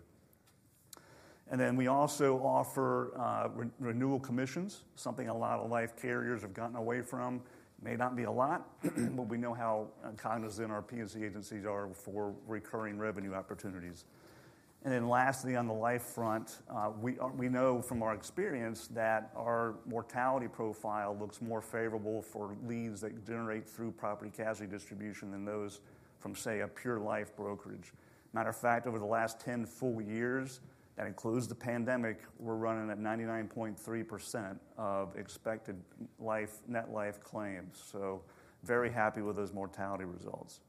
We also offer renewal commissions, something a lot of life carriers have gotten away from. It may not be a lot, but we know how cognizant our P&C agencies are for recurring revenue opportunities. Lastly, on the life front, we know from our experience that our mortality profile looks more favorable for leads that generate through property casualty distribution than those from, say, a pure life brokerage. As a matter of fact, over the last 10 full years, that includes the pandemic, we are running at 99.3% of expected net life claims. Very happy with those mortality results.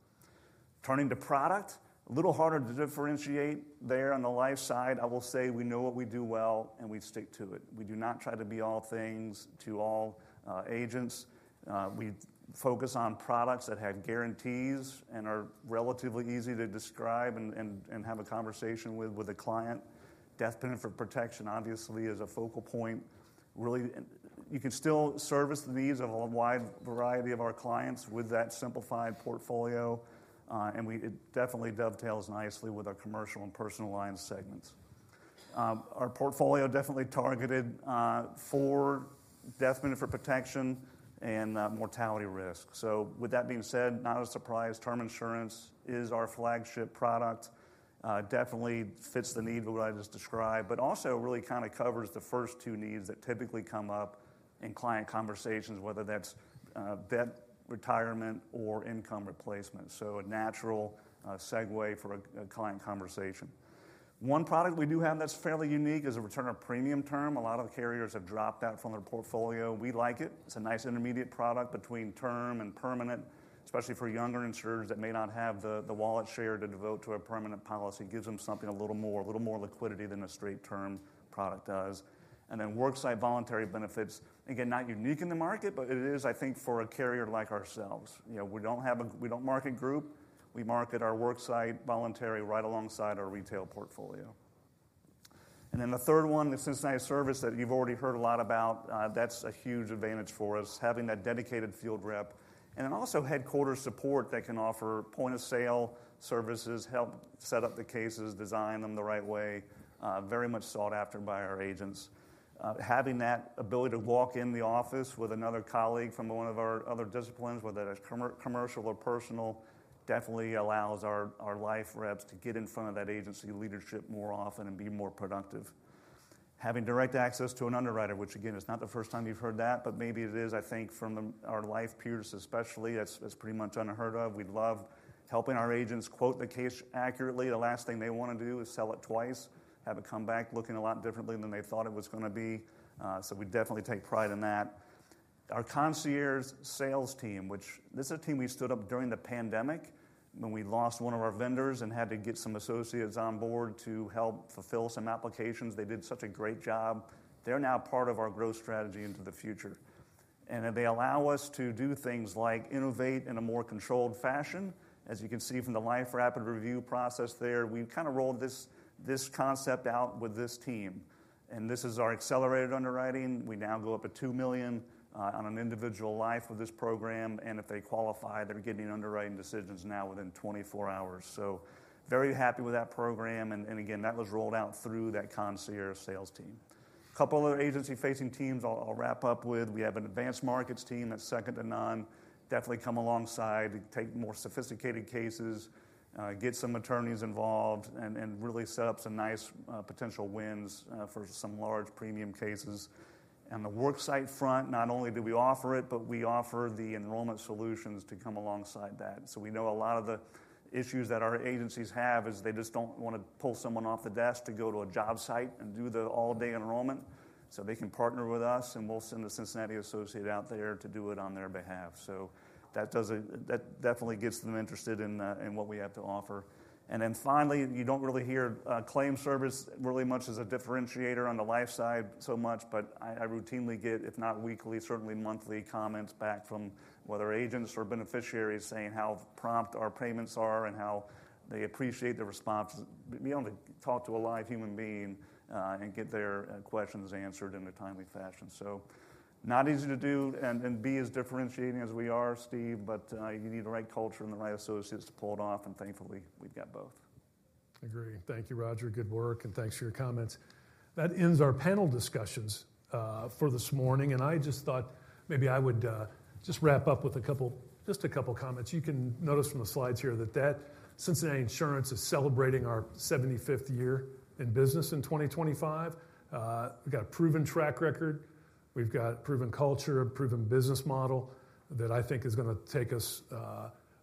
Turning to product, a little harder to differentiate there on the life side. I will say we know what we do well, and we stick to it. We do not try to be all things to all agents. We focus on products that have guarantees and are relatively easy to describe and have a conversation with a client. Death benefit for protection, obviously, is a focal point. Really, you can still service the needs of a wide variety of our clients with that simplified portfolio. It definitely dovetails nicely with our commercial and personal line segments. Our portfolio is definitely targeted for death benefit for protection and mortality risk. With that being said, not a surprise, term insurance is our flagship product. Definitely fits the need of what I just described, but also really kind of covers the first two needs that typically come up in client conversations, whether that's debt retirement or income replacement. A natural segue for a client conversation. One product we do have that's fairly unique is a return of premium term. A lot of carriers have dropped that from their portfolio. We like it. It's a nice intermediate product between term and permanent, especially for younger insurers that may not have the wallet share to devote to a permanent policy. Gives them something a little more, a little more liquidity than a straight term product does. Worksite voluntary benefits, again, not unique in the market, but it is, I think, for a carrier like ourselves. We don't market group. We market our worksite voluntary right alongside our retail portfolio. The third one, the Cincinnati service that you've already heard a lot about, that's a huge advantage for us, having that dedicated field rep. Also, headquarter support that can offer point of sale services, help set up the cases, design them the right way, very much sought after by our agents. Having that ability to walk in the office with another colleague from one of our other disciplines, whether that's commercial or personal, definitely allows our life reps to get in front of that agency leadership more often and be more productive. Having direct access to an underwriter, which again, it's not the first time you've heard that, but maybe it is, I think, from our life peers especially. That's pretty much unheard of. We love helping our agents quote the case accurately. The last thing they want to do is sell it twice, have it come back looking a lot differently than they thought it was going to be. We definitely take pride in that. Our concierge sales team, which is a team we stood up during the pandemic when we lost one of our vendors and had to get some associates on board to help fulfill some applications, did such a great job. They're now part of our growth strategy into the future. They allow us to do things like innovate in a more controlled fashion. As you can see from the life rapid review process there, we kind of rolled this concept out with this team. This is our accelerated underwriting. We now go up to $2 million on an individual life with this program. If they qualify, they're getting underwriting decisions now within 24 hours. Very happy with that program. That was rolled out through that concierge sales team. A couple of other agency-facing teams I'll wrap up with. We have an advanced markets team that's second to none, definitely come alongside, take more sophisticated cases, get some attorneys involved, and really set up some nice potential wins for some large premium cases. On the worksite front, not only do we offer it, but we offer the enrollment solutions to come alongside that. We know a lot of the issues that our agencies have is they just do not want to pull someone off the desk to go to a job site and do the all-day enrollment. They can partner with us, and we'll send a Cincinnati associate out there to do it on their behalf. That definitely gets them interested in what we have to offer. Finally, you do not really hear claim service really much as a differentiator on the life side so much, but I routinely get, if not weekly, certainly monthly comments back from whether agents or beneficiaries saying how prompt our payments are and how they appreciate the response. We only talk to a live human being and get their questions answered in a timely fashion. Not easy to do and be as differentiating as we are, Steve, but you need the right culture and the right associates to pull it off. Thankfully, we have got both. Agree. Thank you, Roger. Good work. Thanks for your comments. That ends our panel discussions for this morning. I just thought maybe I would just wrap up with just a couple of comments. You can notice from the slides here that Cincinnati Insurance is celebrating our 75th year in business in 2025. We've got a proven track record. We've got proven culture, proven business model that I think is going to take us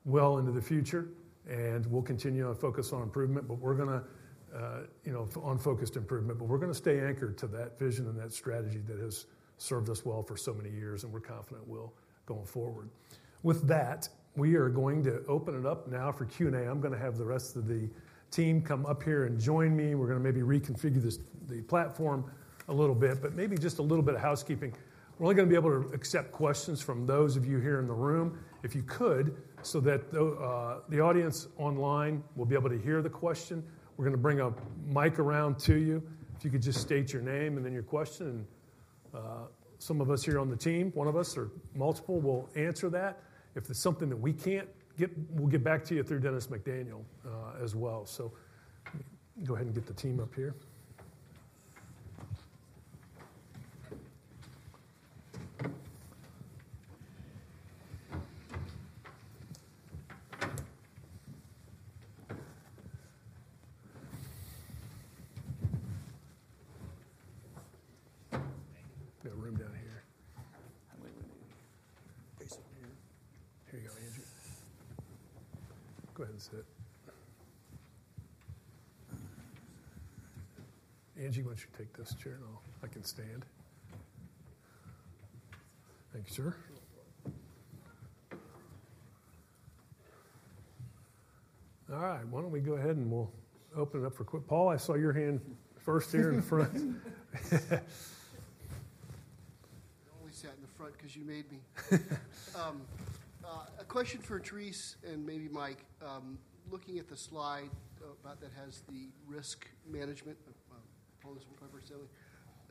well into the future. We will continue to focus on improvement, but we're going to stay anchored to that vision and that strategy that has served us well for so many years. We're confident we'll go forward. With that, we are going to open it up now for Q&A. I'm going to have the rest of the team come up here and join me. We're going to maybe reconfigure the platform a little bit, maybe just a little bit of housekeeping. We're only going to be able to accept questions from those of you here in the room, if you could, so that the audience online will be able to hear the question. We're going to bring a mic around to you. If you could just state your name and then your question. Some of us here on the team, one of us or multiple, will answer that. If there's something that we can't, we'll get back to you through Dennis McDaniel as well. Go ahead and get the team up here. We have room down here. Here you go, Angie. Go ahead and sit. Angie, why don't you take this chair and I'll stand. Thank you, sir. All right. Why don't we go ahead and we'll open it up for questions? Paul, I saw your hand first here in the front. I only sat in the front because you made me. A question for Teresa and maybe Mike. Looking at the slide that has the risk management,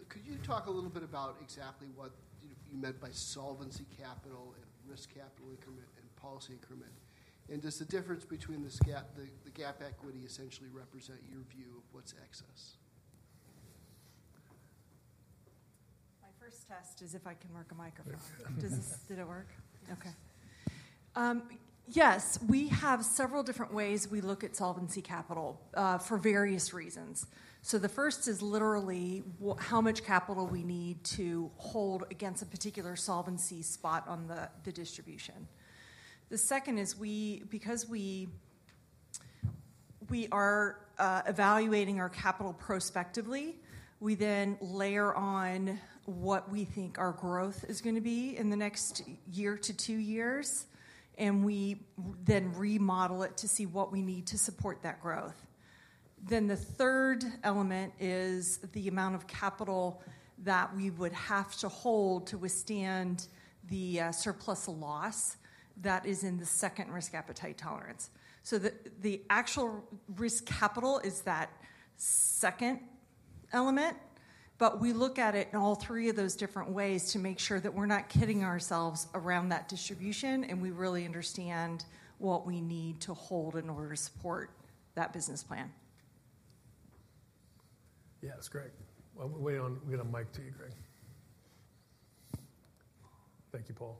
could you talk a little bit about exactly what you meant by solvency capital and risk capital increment and policy increment? Does the difference between the gap equity essentially represent your view of what's excess? My first test is if I can mark a microphone. Did it work? Okay. Yes, we have several different ways we look at solvency capital for various reasons. The first is literally how much capital we need to hold against a particular solvency spot on the distribution. The second is because we are evaluating our capital prospectively, we then layer on what we think our growth is going to be in the next year to two years. We then remodel it to see what we need to support that growth. The third element is the amount of capital that we would have to hold to withstand the surplus loss that is in the second risk appetite tolerance. The actual risk capital is that second element, but we look at it in all three of those different ways to make sure that we're not kidding ourselves around that distribution. We really understand what we need to hold in order to support that business plan. Yeah, that's great. We'll wait on, we'll get a mic to you, Greg. Thank you, Paul.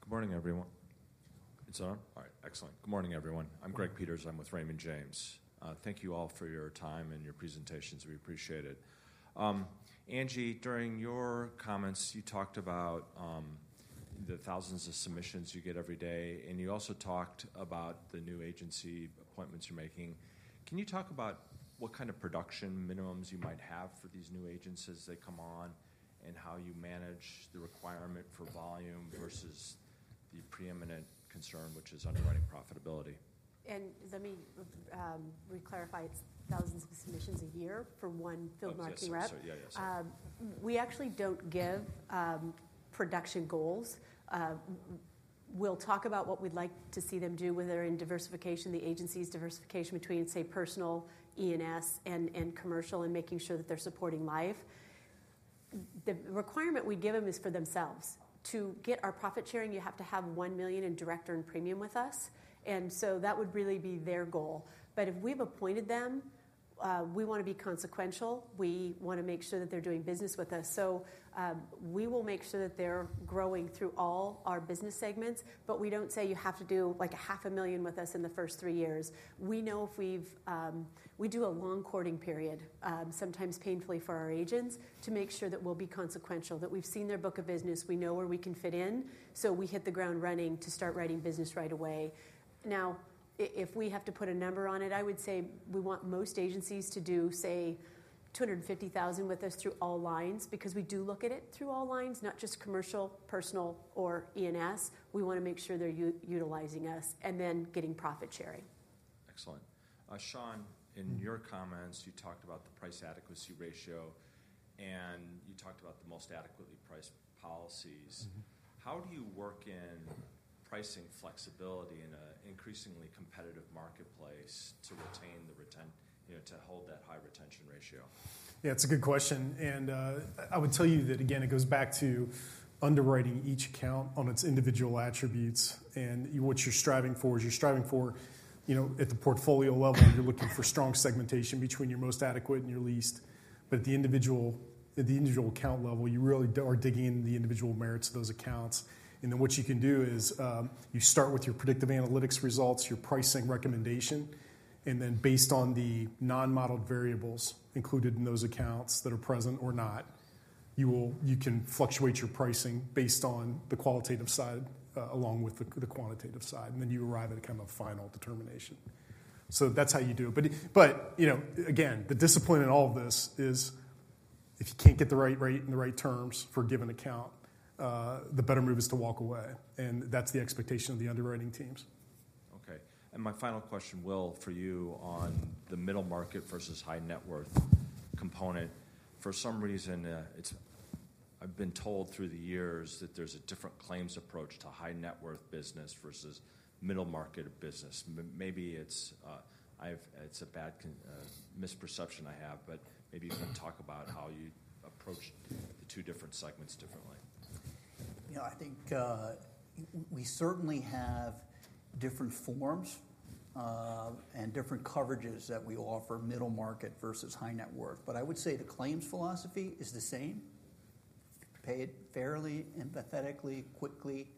Good morning, everyone. It's on? All right. Excellent. Good morning, everyone. I'm Greg Peters. I'm with Raymond James. Thank you all for your time and your presentations. We appreciate it. Angie, during your comments, you talked about the thousands of submissions you get every day. You also talked about the new agency appointments you're making. Can you talk about what kind of production minimums you might have for these new agents as they come on and how you manage the requirement for volume versus the preeminent concern, which is underwriting profitability? Let me re-clarify. It's thousands of submissions a year for one field marketing rep. Yes, yes, yes. We actually don't give production goals. We'll talk about what we'd like to see them do, whether in diversification, the agency's diversification between, say, personal E&S and commercial, and making sure that they're supporting life. The requirement we give them is for themselves. To get our profit sharing, you have to have $1 million in direct earned premium with us. That would really be their goal. If we've appointed them, we want to be consequential. We want to make sure that they're doing business with us. We will make sure that they're growing through all our business segments. We do not say you have to do, like, $500,000 with us in the first three years. We know if we do a long courting period, sometimes painfully for our agents, to make sure that we'll be consequential, that we've seen their book of business, we know where we can fit in. We hit the ground running to start writing business right away. Now, if we have to put a number on it, I would say we want most agencies to do, say, $250,000 with us through all lines because we do look at it through all lines, not just commercial, personal, or E&S. We want to make sure they're utilizing us and then getting profit sharing. Excellent. Sean, in your comments, you talked about the price adequacy ratio, and you talked about the most adequately priced policies. How do you work in pricing flexibility in an increasingly competitive marketplace to retain the retention, to hold that high retention ratio? Yeah, it's a good question. I would tell you that, again, it goes back to underwriting each account on its individual attributes. What you're striving for is, at the portfolio level, you're looking for strong segmentation between your most adequate and your least. At the individual account level, you really are digging into the individual merits of those accounts. What you can do is you start with your predictive analytics results, your pricing recommendation, and then based on the non-modeled variables included in those accounts that are present or not, you can fluctuate your pricing based on the qualitative side along with the quantitative side. You arrive at a kind of final determination. That is how you do it. Again, the discipline in all of this is if you cannot get the right rate and the right terms for a given account, the better move is to walk away. That is the expectation of the underwriting teams. Okay. My final question, Will, for you on the middle market versus high net worth component. For some reason, I have been told through the years that there is a different claims approach to high net worth business versus middle market business. Maybe it's a bad misperception I have, but maybe you can talk about how you approach the two different segments differently. I think we certainly have different forms and different coverages that we offer, middle market versus high net worth. I would say the claims philosophy is the same: pay it fairly, empathetically, quickly.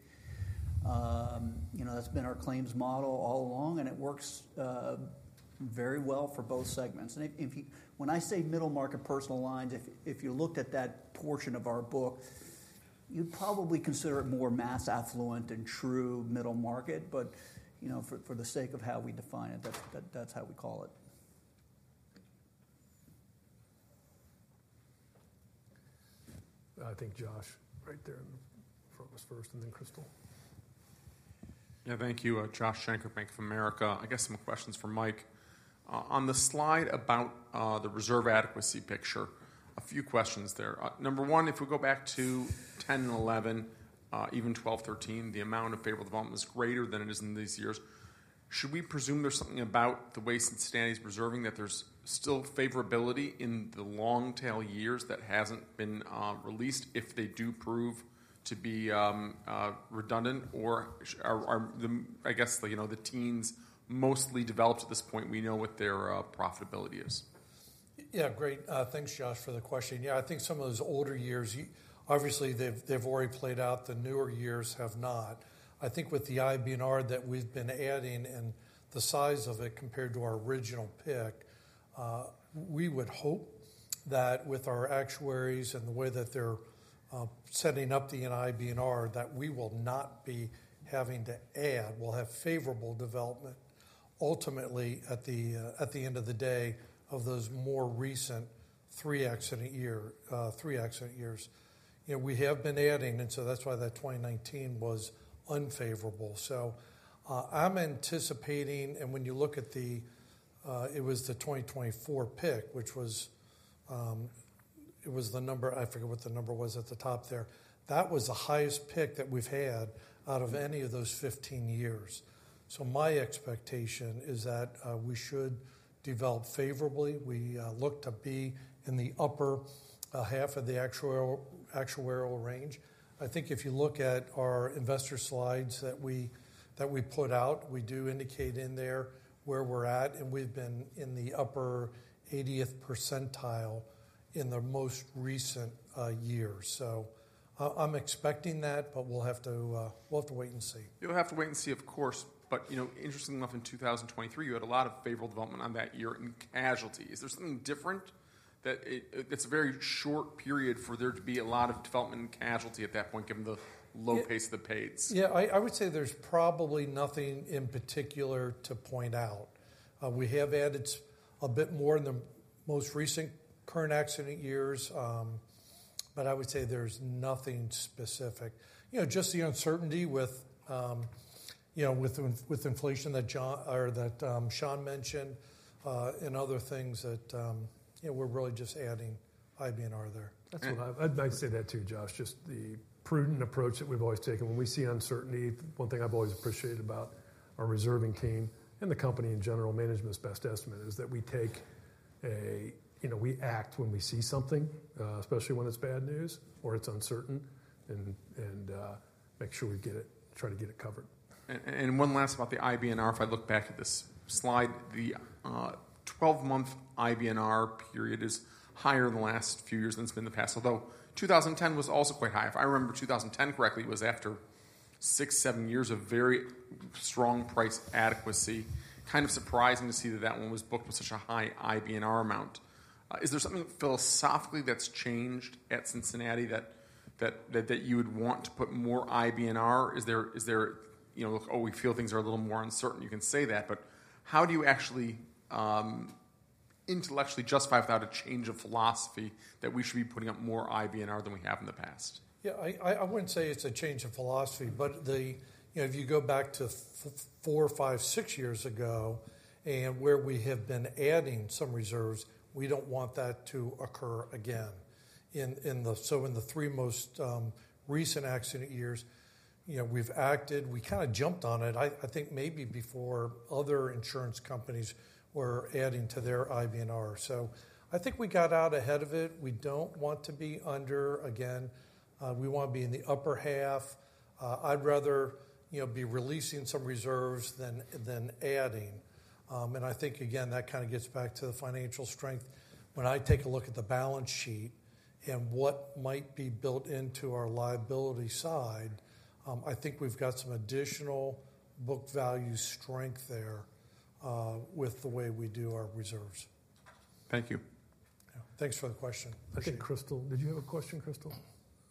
That's been our claims model all along. It works very well for both segments. When I say middle market, personal lines, if you looked at that portion of our book, you'd probably consider it more mass affluent and true middle market. For the sake of how we define it, that's how we call it. I think Josh right there in front was first and then Crystal. Yeah, thank you. Josh Schenker, Bank of America. I guess some questions for Mike. On the slide about the reserve adequacy picture, a few questions there. Number one, if we go back to 2010 and 2011, even 2012, 2013, the amount of favorable development is greater than it is in these years. Should we presume there's something about the ways that Stanley's preserving that there's still favorability in the long-tail years that hasn't been released if they do prove to be redundant? Or I guess the teens mostly developed at this point, we know what their profitability is. Yeah, great. Thanks, Josh, for the question. Yeah, I think some of those older years, obviously, they've already played out. The newer years have not. I think with the IBNR that we've been adding and the size of it compared to our original pick, we would hope that with our actuaries and the way that they're setting up the IBNR, that we will not be having to add, we'll have favorable development ultimately at the end of the day of those more recent three-exiting years. We have been adding, and that's why that 2019 was unfavorable. I'm anticipating, and when you look at the it was the 2024 pick, which was the number I forget what the number was at the top there. That was the highest pick that we've had out of any of those 15 years. My expectation is that we should develop favorably. We look to be in the upper half of the actuarial range. I think if you look at our investor slides that we put out, we do indicate in there where we're at. We have been in the upper 80th percentile in the most recent years. I'm expecting that, but we'll have to wait and see. You'll have to wait and see, of course. Interesting enough, in 2023, you had a lot of favorable development on that year in casualty. Is there something different that it's a very short period for there to be a lot of development in casualty at that point, given the low pace of the paids? Yeah, I would say there's probably nothing in particular to point out. We have added a bit more in the most recent current accident years, but I would say there's nothing specific. Just the uncertainty with inflation that Sean mentioned and other things that we're really just adding IBNR there. I'd say that too, Josh, just the prudent approach that we've always taken. When we see uncertainty, one thing I've always appreciated about our reserving team and the company in general, management's best estimate, is that we act when we see something, especially when it's bad news or it's uncertain, and make sure we get it, try to get it covered. One last about the IBNR, if I look back at this slide, the 12-month IBNR period is higher in the last few years than it's been in the past, although 2010 was also quite high. If I remember 2010 correctly, it was after six, seven years of very strong price adequacy. Kind of surprising to see that that one was booked with such a high IBNR amount. Is there something philosophically that's changed at Cincinnati that you would want to put more IBNR? Is there, "Oh, we feel things are a little more uncertain"? You can say that. But how do you actually intellectually justify without a change of philosophy that we should be putting up more IBNR than we have in the past? Yeah, I wouldn't say it's a change of philosophy. But if you go back to four, five, six years ago and where we have been adding some reserves, we don't want that to occur again. In the three most recent accident years, we've acted, we kind of jumped on it, I think maybe before other insurance companies were adding to their IBNR. I think we got out ahead of it. We don't want to be under, again, we want to be in the upper half. I'd rather be releasing some reserves than adding. I think, again, that kind of gets back to the financial strength. When I take a look at the balance sheet and what might be built into our liability side, I think we've got some additional book value strength there with the way we do our reserves. Thank you. Thanks for the question. Thank you. Crystal, did you have a question, Crystal?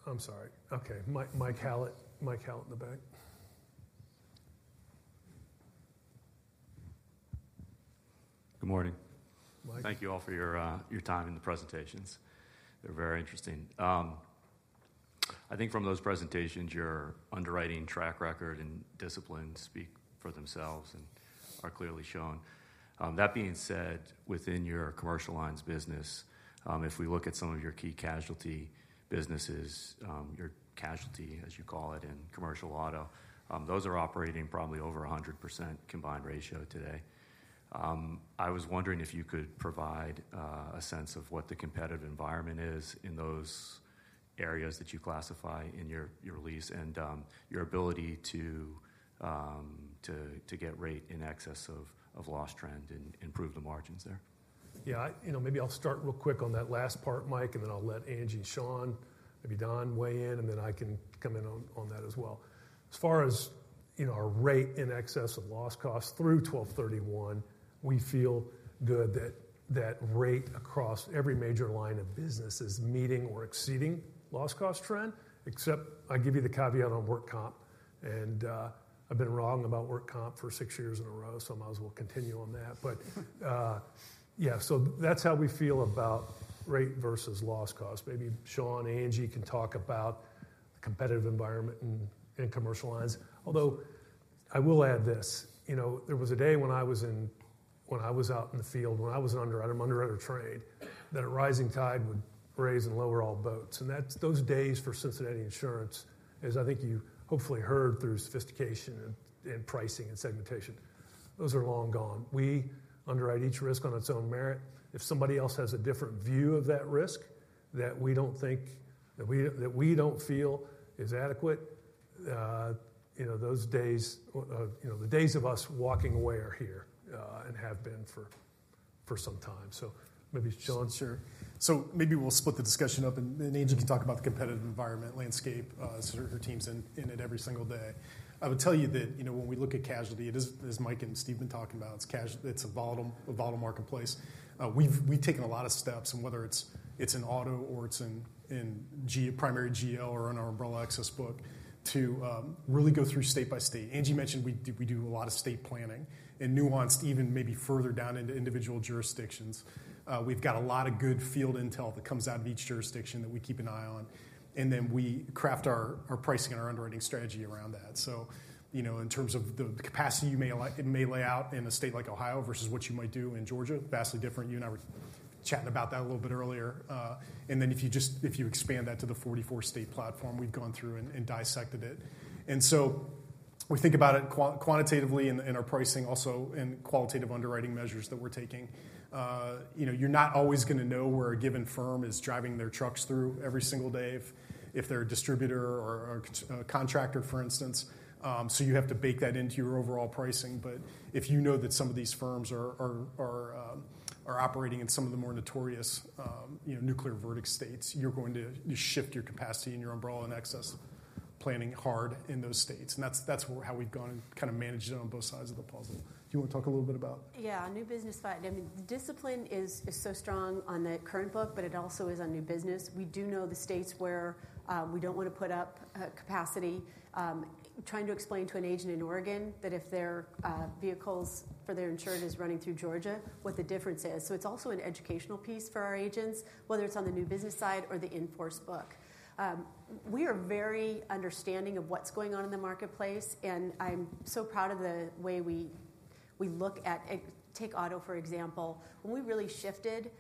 I'm sorry. Okay. [Mike Hallett] in the back. Good morning. Thank you all for your time in the presentations. They're very interesting. I think from those presentations, your underwriting track record and discipline speak for themselves and are clearly shown. That being said, within your commercial lines business, if we look at some of your key casualty businesses, your casualty, as you call it, and commercial auto, those are operating probably over 100% combined ratio today. I was wondering if you could provide a sense of what the competitive environment is in those areas that you classify in your lease and your ability to get rate in excess of loss trend and improve the margins there. Yeah, maybe I'll start real quick on that last part, Mike, and then I'll let Angie and Sean, maybe Don, weigh in, and then I can come in on that as well. As far as our rate in excess of loss costs through December 31, we feel good that that rate across every major line of business is meeting or exceeding loss cost trend, except I give you the caveat on work comp. And I've been wrong about work comp for six years in a row, so I might as well continue on that. Yeah, so that's how we feel about rate versus loss cost. Maybe Sean, Angie can talk about the competitive environment in commercial lines. Although I will add this. There was a day when I was out in the field, when I was an underwriter, I'm an underwriter trained, that a rising tide would raise and lower all boats. Those days for Cincinnati Insurance, as I think you hopefully heard through sophistication in pricing and segmentation, those are long gone. We underwrite each risk on its own merit. If somebody else has a different view of that risk that we do not think, that we do not feel is adequate, those days, the days of us walking away are here and have been for some time. Maybe Sean. Sure. Maybe we will split the discussion up, and Angie can talk about the competitive environment landscape, her team's in it every single day. I would tell you that when we look at casualty, as Mike and Steve have been talking about, it's a volatile marketplace. We've taken a lot of steps, and whether it's in auto or it's in primary GL or in our umbrella access book, to really go through state by state. Angie mentioned we do a lot of state planning and nuanced, even maybe further down into individual jurisdictions. We've got a lot of good field intel that comes out of each jurisdiction that we keep an eye on. We craft our pricing and our underwriting strategy around that. In terms of the capacity you may lay out in a state like Ohio versus what you might do in Georgia, vastly different. You and I were chatting about that a little bit earlier. If you expand that to the 44-state platform, we've gone through and dissected it. We think about it quantitatively in our pricing, also in qualitative underwriting measures that we're taking. You're not always going to know where a given firm is driving their trucks through every single day, if they're a distributor or a contractor, for instance. You have to bake that into your overall pricing. If you know that some of these firms are operating in some of the more notorious nuclear verdict states, you're going to shift your capacity and your umbrella and access planning hard in those states. That's how we've gone and kind of managed it on both sides of the puzzle. Do you want to talk a little bit about? Yeah, on new business side, I mean, discipline is so strong on the current book, but it also is on new business. We do know the states where we don't want to put up capacity. Trying to explain to an agent in Oregon that if their vehicles for their insured is running through Georgia, what the difference is. It is also an educational piece for our agents, whether it's on the new business side or the enforced book. We are very understanding of what's going on in the marketplace, and I'm so proud of the way we look at take auto, for example. When we really shifted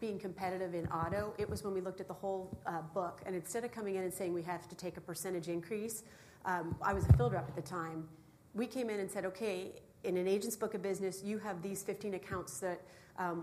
being competitive in auto, it was when we looked at the whole book. Instead of coming in and saying, "We have to take a percentage increase," I was a field rep at the time. We came in and said, "Okay, in an agent's book of business, you have these 15 accounts that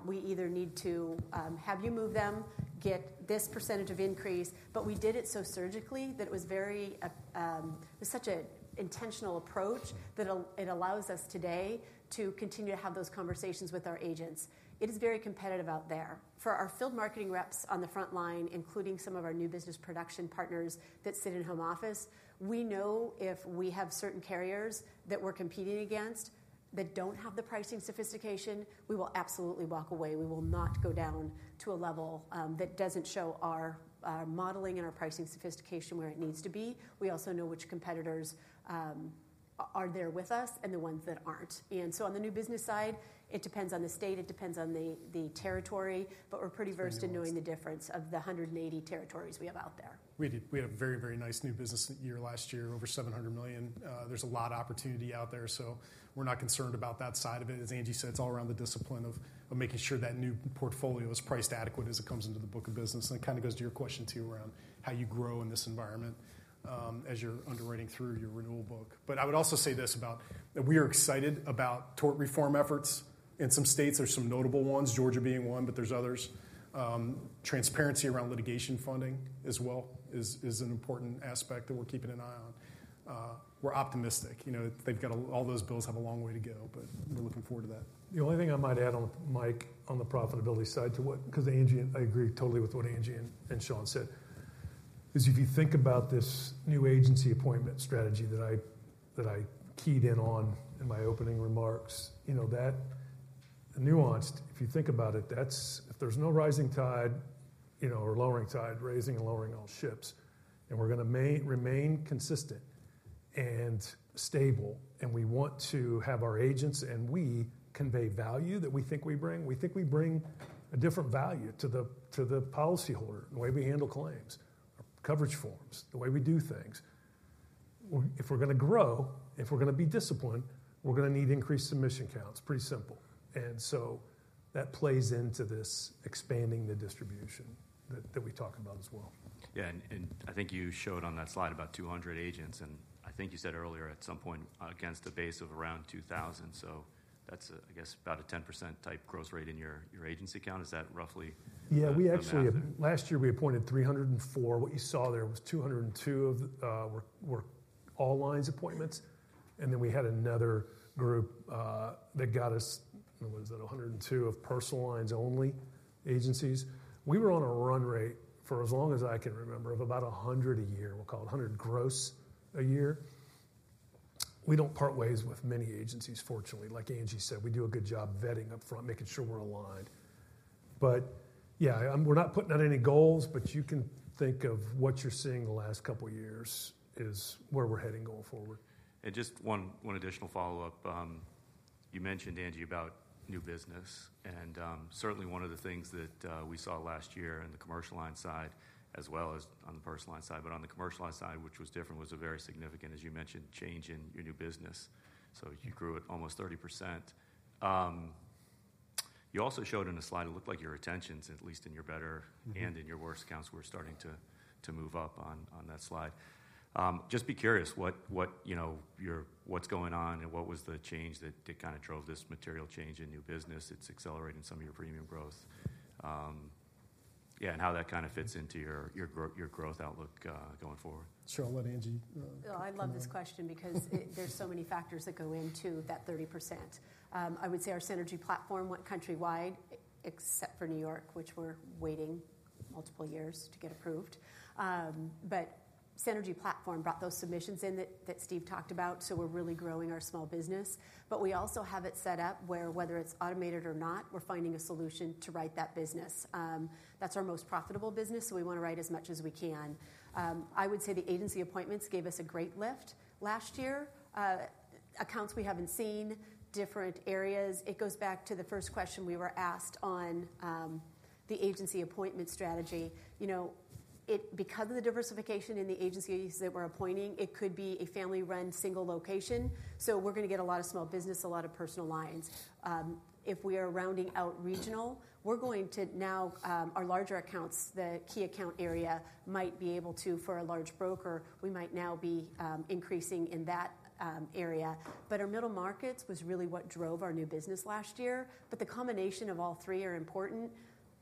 we either need to have you move them, get this percentage of increase." We did it so surgically that it was such an intentional approach that it allows us today to continue to have those conversations with our agents. It is very competitive out there. For our field marketing reps on the front line, including some of our new business production partners that sit in home office, we know if we have certain carriers that we're competing against that don't have the pricing sophistication, we will absolutely walk away. We will not go down to a level that doesn't show our modeling and our pricing sophistication where it needs to be. We also know which competitors are there with us and the ones that aren't. On the new business side, it depends on the state, it depends on the territory, but we're pretty versed in knowing the difference of the 180 territories we have out there. We had a very, very nice new business year last year, over $700 million. There's a lot of opportunity out there, so we're not concerned about that side of it. As Angie said, it's all around the discipline of making sure that new portfolio is priced adequate as it comes into the book of business. It kind of goes to your question too around how you grow in this environment as you're underwriting through your renewal book. I would also say this about that we are excited about tort reform efforts. In some states, there's some notable ones, Georgia being one, but there's others. Transparency around litigation funding as well is an important aspect that we're keeping an eye on. We're optimistic. All those bills have a long way to go, but we're looking forward to that. The only thing I might add on, Mike, on the profitability side to what, because I agree totally with what Angie and Sean said, is if you think about this new agency appointment strategy that I keyed in on in my opening remarks, that nuanced, if you think about it, if there's no rising tide or lowering tide, raising and lowering all ships, and we're going to remain consistent and stable, and we want to have our agents and we convey value that we think we bring, we think we bring a different value to the policyholder in the way we handle claims, our coverage forms, the way we do things. If we're going to grow, if we're going to be disciplined, we're going to need increased submission counts. Pretty simple. That plays into this expanding the distribution that we talk about as well. Yeah, and I think you showed on that slide about 200 agents, and I think you said earlier at some point against a base of around 2,000. That is, I guess, about a 10% type growth rate in your agency account. Is that roughly? Yeah, we actually, last year, we appointed 304. What you saw there was 202 of were all lines appointments. Then we had another group that got us, what is it, 102 of personal lines only agencies. We were on a run rate for as long as I can remember of about 100 a year. We'll call it 100 gross a year. We do not part ways with many agencies, fortunately. Like Angie said, we do a good job vetting upfront, making sure we're aligned. Yeah, we're not putting out any goals, but you can think of what you're seeing the last couple of years is where we're heading going forward. Just one additional follow-up. You mentioned, Angie, about new business. Certainly one of the things that we saw last year on the commercial line side, as well as on the personal line side, but on the commercial line side, which was different, was a very significant, as you mentioned, change in your new business. You grew at almost 30%. You also showed in a slide, it looked like your retentions, at least in your better and in your worse accounts, were starting to move up on that slide. Just be curious what's going on and what was the change that kind of drove this material change in new business. It's accelerating some of your premium growth. Yeah, and how that kind of fits into your growth outlook going forward. Sure, I'll let Angie. I love this question because there's so many factors that go into that 30%. I would say our Synergy platform went countrywide, except for New York, which we're waiting multiple years to get approved. But Synergy platform brought those submissions in that Steve talked about, so we're really growing our small business. We also have it set up where, whether it's automated or not, we're finding a solution to write that business. That's our most profitable business, so we want to write as much as we can. I would say the agency appointments gave us a great lift last year. Accounts we haven't seen, different areas. It goes back to the first question we were asked on the agency appointment strategy. Because of the diversification in the agencies that we're appointing, it could be a family-run single location. So we're going to get a lot of small business, a lot of personal lines. If we are rounding out regional, we're going to now our larger accounts, the key account area might be able to, for a large broker, we might now be increasing in that area. Our middle markets was really what drove our new business last year. The combination of all three are important.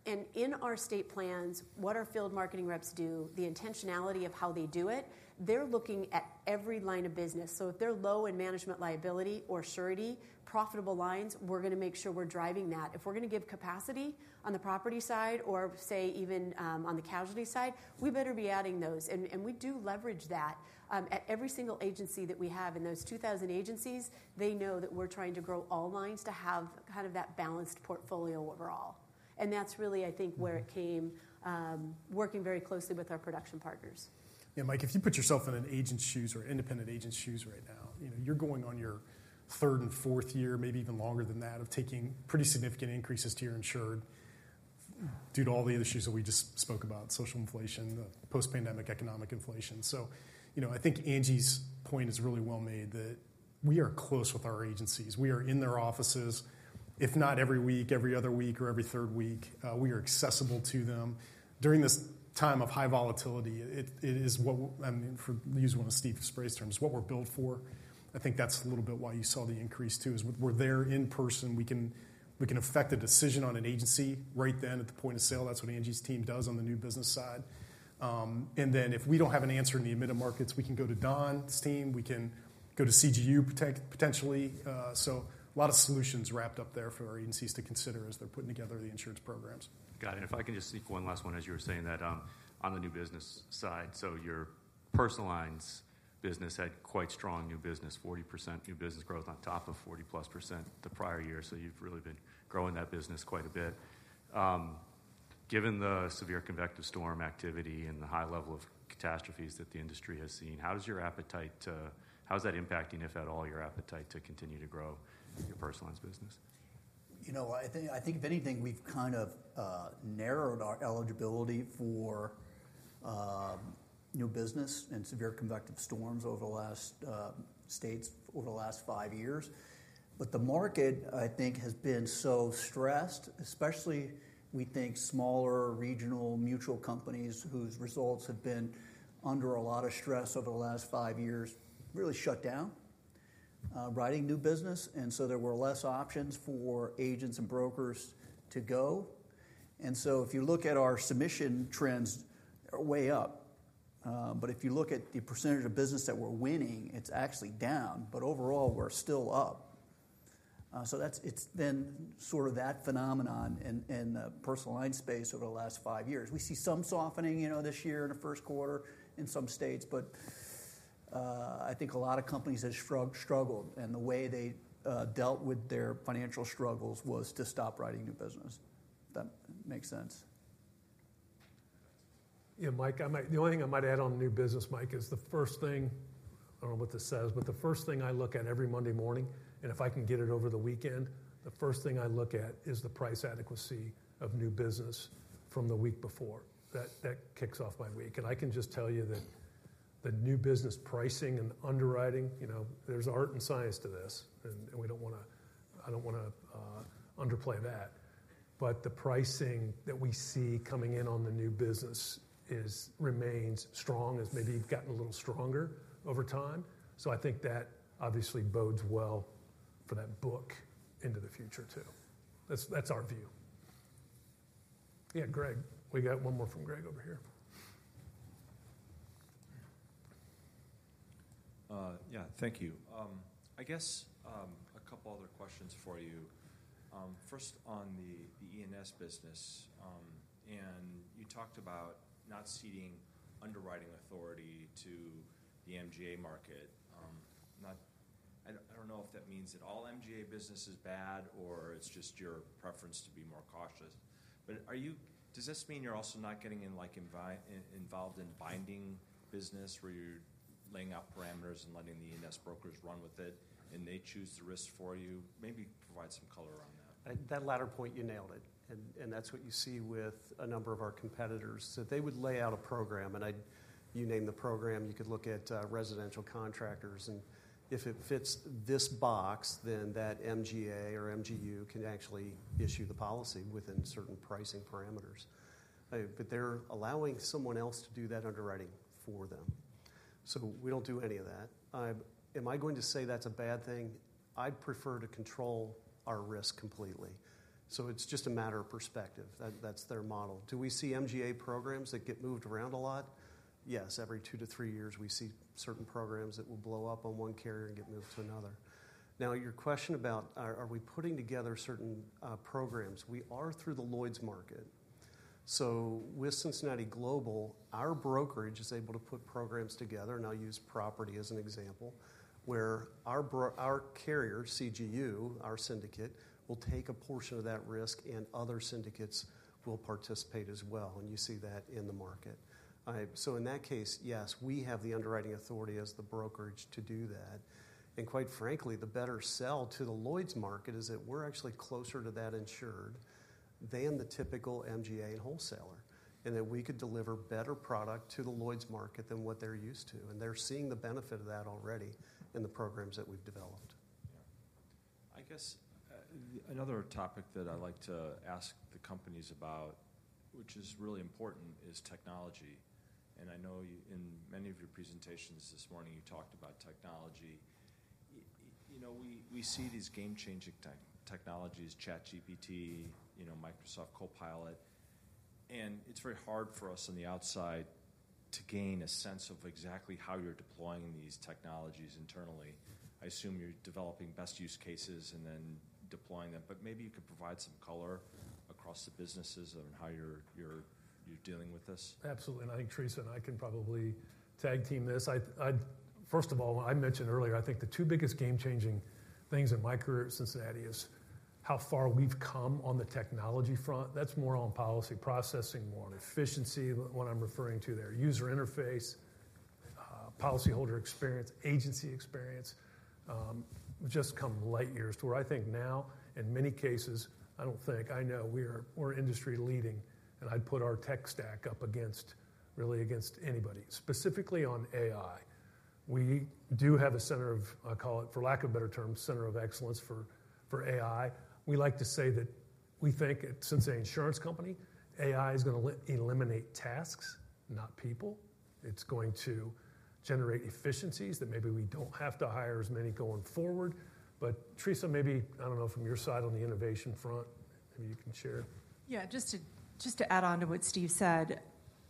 In our state plans, what our field marketing reps do, the intentionality of how they do it, they're looking at every line of business. If they're low in management liability or surety, profitable lines, we're going to make sure we're driving that. If we're going to give capacity on the property side or say even on the casualty side, we better be adding those. We do leverage that. At every single agency that we have in those 2,000 agencies, they know that we're trying to grow all lines to have kind of that balanced portfolio overall. That's really, I think, where it came, working very closely with our production partners. Yeah, Mike, if you put yourself in an agent's shoes or independent agent's shoes right now, you're going on your third and fourth year, maybe even longer than that, of taking pretty significant increases to your insured due to all the issues that we just spoke about, social inflation, post-pandemic economic inflation. I think Angie's point is really well made that we are close with our agencies. We are in their offices, if not every week, every other week, or every third week. We are accessible to them. During this time of high volatility, it is what I mean, for use of one of Steve's phrase terms, what we're built for. I think that's a little bit why you saw the increase too, is we're there in person. We can affect a decision on an agency right then at the point of sale. That's what Angie's team does on the new business side. If we don't have an answer in the admitted markets, we can go to Don's team. We can go to CGU potentially. A lot of solutions wrapped up there for our agencies to consider as they're putting together the insurance programs. Got it. If I can just sneak one last one, as you were saying that on the new business side, your personal lines business had quite strong new business, 40% new business growth on top of 40%+ the prior year. You have really been growing that business quite a bit. Given the severe convective storm activity and the high level of catastrophes that the industry has seen, how does your appetite to, how is that impacting, if at all, your appetite to continue to grow your personal lines business? You know, I think if anything, we have kind of narrowed our eligibility for new business and severe convective storms over the last states over the last five years. The market, I think, has been so stressed, especially we think smaller regional mutual companies whose results have been under a lot of stress over the last five years really shut down writing new business. There were less options for agents and brokers to go. If you look at our submission trends, they're way up. If you look at the percentage of business that we're winning, it's actually down, but overall, we're still up. It has been sort of that phenomenon in the personal line space over the last five years. We see some softening this year in the first quarter in some states, but I think a lot of companies have struggled. The way they dealt with their financial struggles was to stop writing new business. That makes sense. Yeah, Mike, the only thing I might add on new business, Mike, is the first thing I don't know what this says, but the first thing I look at every Monday morning, and if I can get it over the weekend, the first thing I look at is the price adequacy of new business from the week before. That kicks off my week. I can just tell you that the new business pricing and underwriting, there's art and science to this. I don't want to underplay that. The pricing that we see coming in on the new business remains strong, as maybe you've gotten a little stronger over time. I think that obviously bodes well for that book into the future too. That's our view. Yeah, Greg, we got one more from Greg over here. Yeah, thank you. I guess a couple other questions for you. First, on the E&S business, and you talked about not ceding underwriting authority to the MGA market. I do not know if that means that all MGA business is bad or it is just your preference to be more cautious. Does this mean you are also not getting involved in binding business where you are laying out parameters and letting the E&S brokers run with it and they choose the risk for you? Maybe provide some color on that. That latter point, you nailed it. That is what you see with a number of our competitors. They would lay out a program, and you name the program, you could look at residential contractors. If it fits this box, then that MGA or MGU can actually issue the policy within certain pricing parameters. They are allowing someone else to do that underwriting for them. We do not do any of that. Am I going to say that's a bad thing? I'd prefer to control our risk completely. It's just a matter of perspective. That's their model. Do we see MGA programs that get moved around a lot? Yes, every two to three years, we see certain programs that will blow up on one carrier and get moved to another. Now, your question about are we putting together certain programs, we are through the Lloyd's market. With Cincinnati Global, our brokerage is able to put programs together, and I'll use property as an example, where our carrier, CGU, our syndicate, will take a portion of that risk and other syndicates will participate as well. You see that in the market. In that case, yes, we have the underwriting authority as the brokerage to do that. Quite frankly, the better sell to the Lloyd's market is that we're actually closer to that insured than the typical MGA and wholesaler, and that we could deliver better product to the Lloyd's market than what they're used to. They are seeing the benefit of that already in the programs that we've developed. I guess another topic that I like to ask the companies about, which is really important, is technology. I know in many of your presentations this morning, you talked about technology. We see these game-changing technologies, ChatGPT, Microsoft Copilot. It is very hard for us on the outside to gain a sense of exactly how you're deploying these technologies internally. I assume you're developing best use cases and then deploying them. Maybe you could provide some color across the businesses on how you're dealing with this. Absolutely. I think, Teresa, and I can probably tag team this. First of all, I mentioned earlier, I think the two biggest game-changing things in my career at Cincinnati is how far we've come on the technology front. That's more on policy processing, more on efficiency. What I'm referring to there, user interface, policyholder experience, agency experience, we've just come light years to where I think now, in many cases, I don't think, I know we're industry leading, and I'd put our tech stack up against really against anybody, specifically on AI. We do have a center of, I'll call it, for lack of a better term, center of excellence for AI. We like to say that we think at Cincinnati Insurance Company, AI is going to eliminate tasks, not people. It's going to generate efficiencies that maybe we don't have to hire as many going forward. Teresa, maybe, I do not know from your side on the innovation front, maybe you can share. Yeah, just to add on to what Steve said,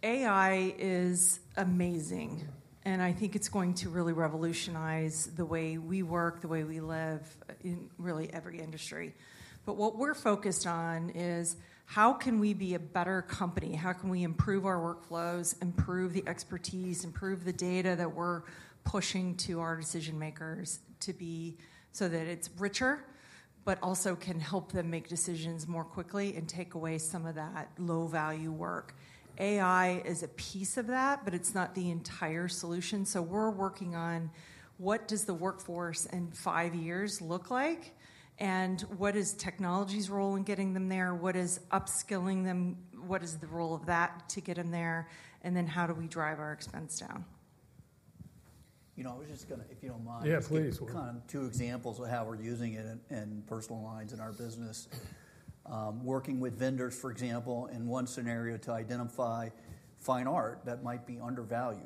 AI is amazing. I think it is going to really revolutionize the way we work, the way we live in really every industry. What we are focused on is how can we be a better company? How can we improve our workflows, improve the expertise, improve the data that we are pushing to our decision-makers so that it is richer, but also can help them make decisions more quickly and take away some of that low-value work? AI is a piece of that, but it is not the entire solution. We are working on what does the workforce in five years look like, and what is technology's role in getting them there? What is upskilling them? What is the role of that to get them there? How do we drive our expense down? You know, I was just going to, if you don't mind, kind of two examples of how we're using it in personal lines in our business. Working with vendors, for example, in one scenario to identify fine art that might be undervalued.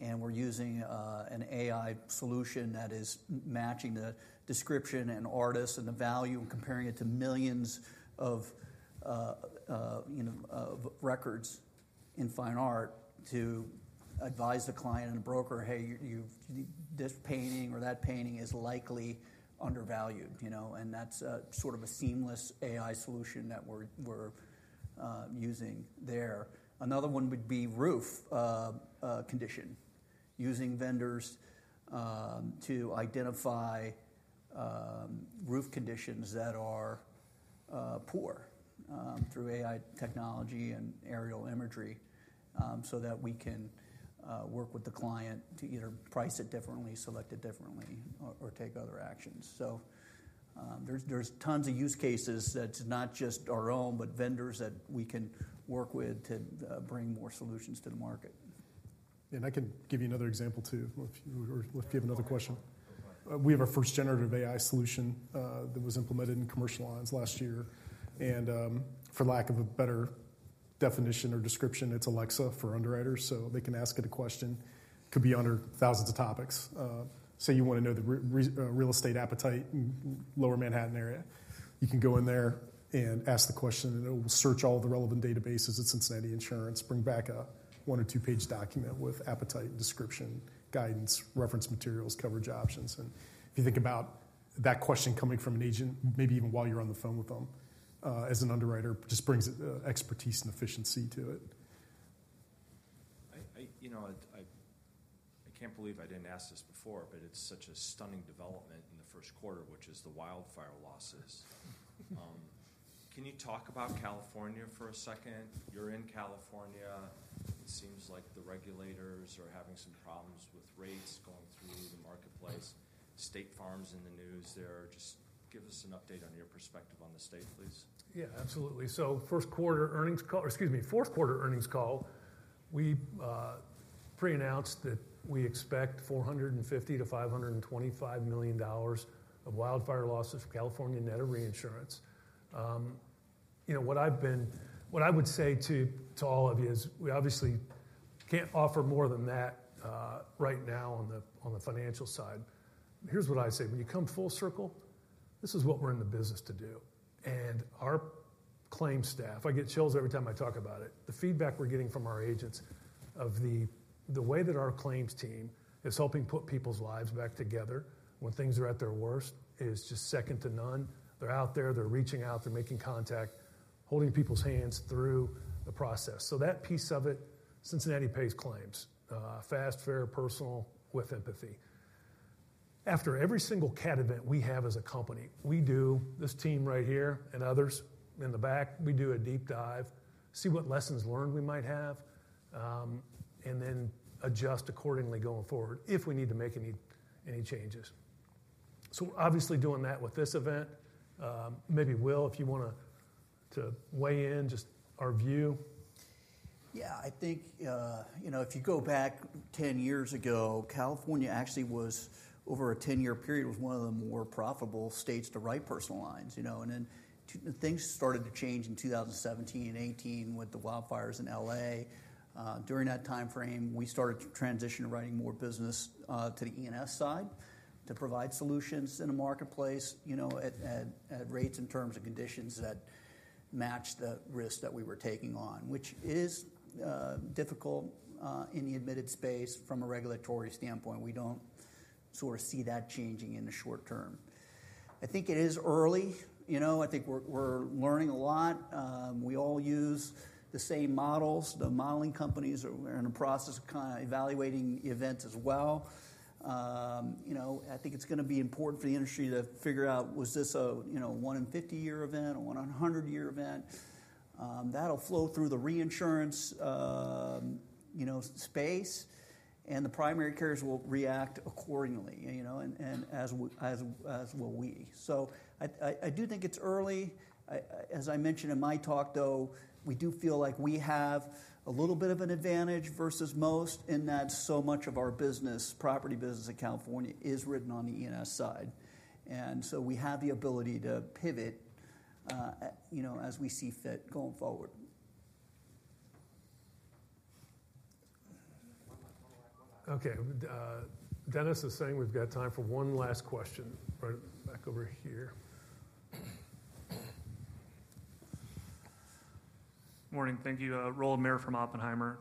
We're using an AI solution that is matching the description and artists and the value and comparing it to millions of records in fine art to advise the client and the broker, "Hey, this painting or that painting is likely undervalued." That's sort of a seamless AI solution that we're using there. Another one would be roof condition, using vendors to identify roof conditions that are poor through AI technology and aerial imagery so that we can work with the client to either price it differently, select it differently, or take other actions. There are tons of use cases that's not just our own, but vendors that we can work with to bring more solutions to the market. I can give you another example too, if you have another question. We have a first generative AI solution that was implemented in commercial lines last year. For lack of a better definition or description, it's Alexa for underwriters. They can ask it a question. It could be under thousands of topics. Say you want to know the real estate appetite in the Lower Manhattan area. You can go in there and ask the question, and it will search all the relevant databases at Cincinnati Insurance, bring back a one or two-page document with appetite, description, guidance, reference materials, coverage options. If you think about that question coming from an agent, maybe even while you're on the phone with them as an underwriter, it just brings expertise and efficiency to it. You know, I can't believe I didn't ask this before, but it's such a stunning development in the first quarter, which is the wildfire losses. Can you talk about California for a second? You're in California. It seems like the regulators are having some problems with rates going through the marketplace. State Farm's in the news there. Just give us an update on your perspective on the state, please. Yeah, absolutely. First quarter earnings call, or excuse me, fourth quarter earnings call, we pre-announced that we expect $450 million-$525 million of wildfire losses for California Net a Reinsurance. You know, what I would say to all of you is we obviously can't offer more than that right now on the financial side. Here's what I say. When you come full circle, this is what we're in the business to do. And our claims staff, I get chills every time I talk about it. The feedback we're getting from our agents of the way that our claims team is helping put people's lives back together when things are at their worst is just second to none. They're out there, they're reaching out, they're making contact, holding people's hands through the process. That piece of it, Cincinnati pays claims fast, fair, personal, with empathy. After every single CAT event we have as a company, we do, this team right here and others in the back, we do a deep dive, see what lessons learned we might have, and then adjust accordingly going forward if we need to make any changes. Obviously doing that with this event, maybe Will, if you want to weigh in, just our view. Yeah, I think, you know, if you go back 10 years ago, California actually was, over a 10-year period, was one of the more profitable states to write personal lines. And then things started to change in 2017 and 2018 with the wildfires in LA. During that timeframe, we started to transition to writing more business to the E&S side to provide solutions in a marketplace at rates and terms and conditions that match the risk that we were taking on, which is difficult in the admitted space from a regulatory standpoint. We do not sort of see that changing in the short term. I think it is early. You know, I think we are learning a lot. We all use the same models. The modeling companies are in the process of kind of evaluating events as well. You know, I think it is going to be important for the industry to figure out, was this a 150-year event or 100-year event? That will flow through the reinsurance space, and the primary carriers will react accordingly, you know, and as will we. I do think it is early. As I mentioned in my talk, though, we do feel like we have a little bit of an advantage versus most in that so much of our business, property business in California, is written on the E&S side. We have the ability to pivot as we see fit going forward. Okay. Dennis is saying we've got time for one last question. Back over here. Morning. Thank you. Rowland Mayor from Oppenheimer.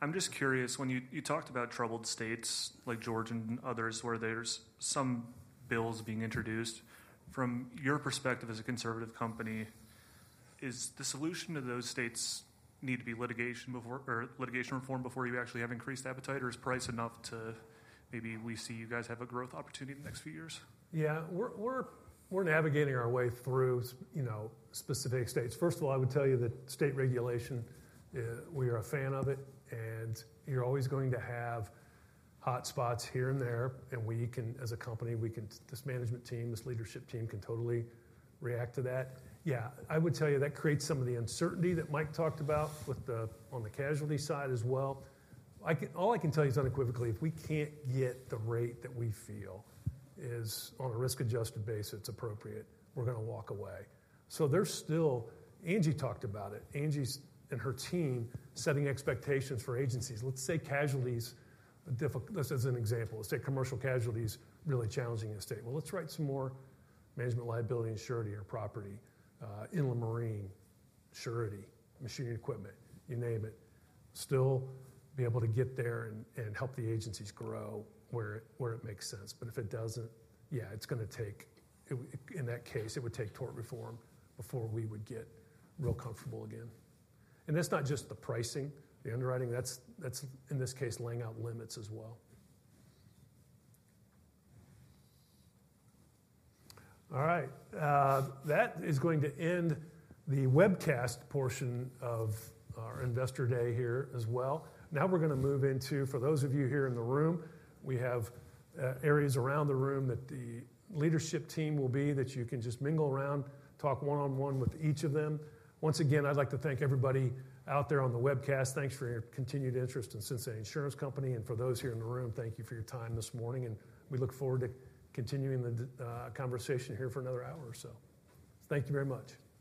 I'm just curious, when you talked about troubled states like Georgia and others where there's some bills being introduced, from your perspective as a conservative company, is the solution to those states need to be litigation reform before you actually have increased appetite, or is price enough to maybe we see you guys have a growth opportunity in the next few years? Yeah, we're navigating our way through specific states. First of all, I would tell you that state regulation, we are a fan of it, and you're always going to have hotspots here and there, and we can, as a company, we can, this management team, this leadership team can totally react to that. Yeah, I would tell you that creates some of the uncertainty that Mike talked about on the casualty side as well. All I can tell you is unequivocally, if we can't get the rate that we feel is on a risk-adjusted base, it's appropriate. We're going to walk away. There's still, Angie talked about it, Angie and her team setting expectations for agencies. Let's say casualties, this is an example, let's say commercial casualties really challenging the state. Let's write some more management liability and surety or property, inland marine surety, machine equipment, you name it. Still be able to get there and help the agencies grow where it makes sense. If it does not, yeah, it's going to take, in that case, it would take tort reform before we would get real comfortable again. That is not just the pricing, the underwriting, that is in this case laying out limits as well. All right. That is going to end the webcast portion of our investor day here as well. Now we are going to move into, for those of you here in the room, we have areas around the room that the leadership team will be that you can just mingle around, talk one-on-one with each of them. Once again, I'd like to thank everybody out there on the webcast. Thanks for your continued interest in Cincinnati Insurance Company. For those here in the room, thank you for your time this morning. We look forward to continuing the conversation here for another hour or so. Thank you very much.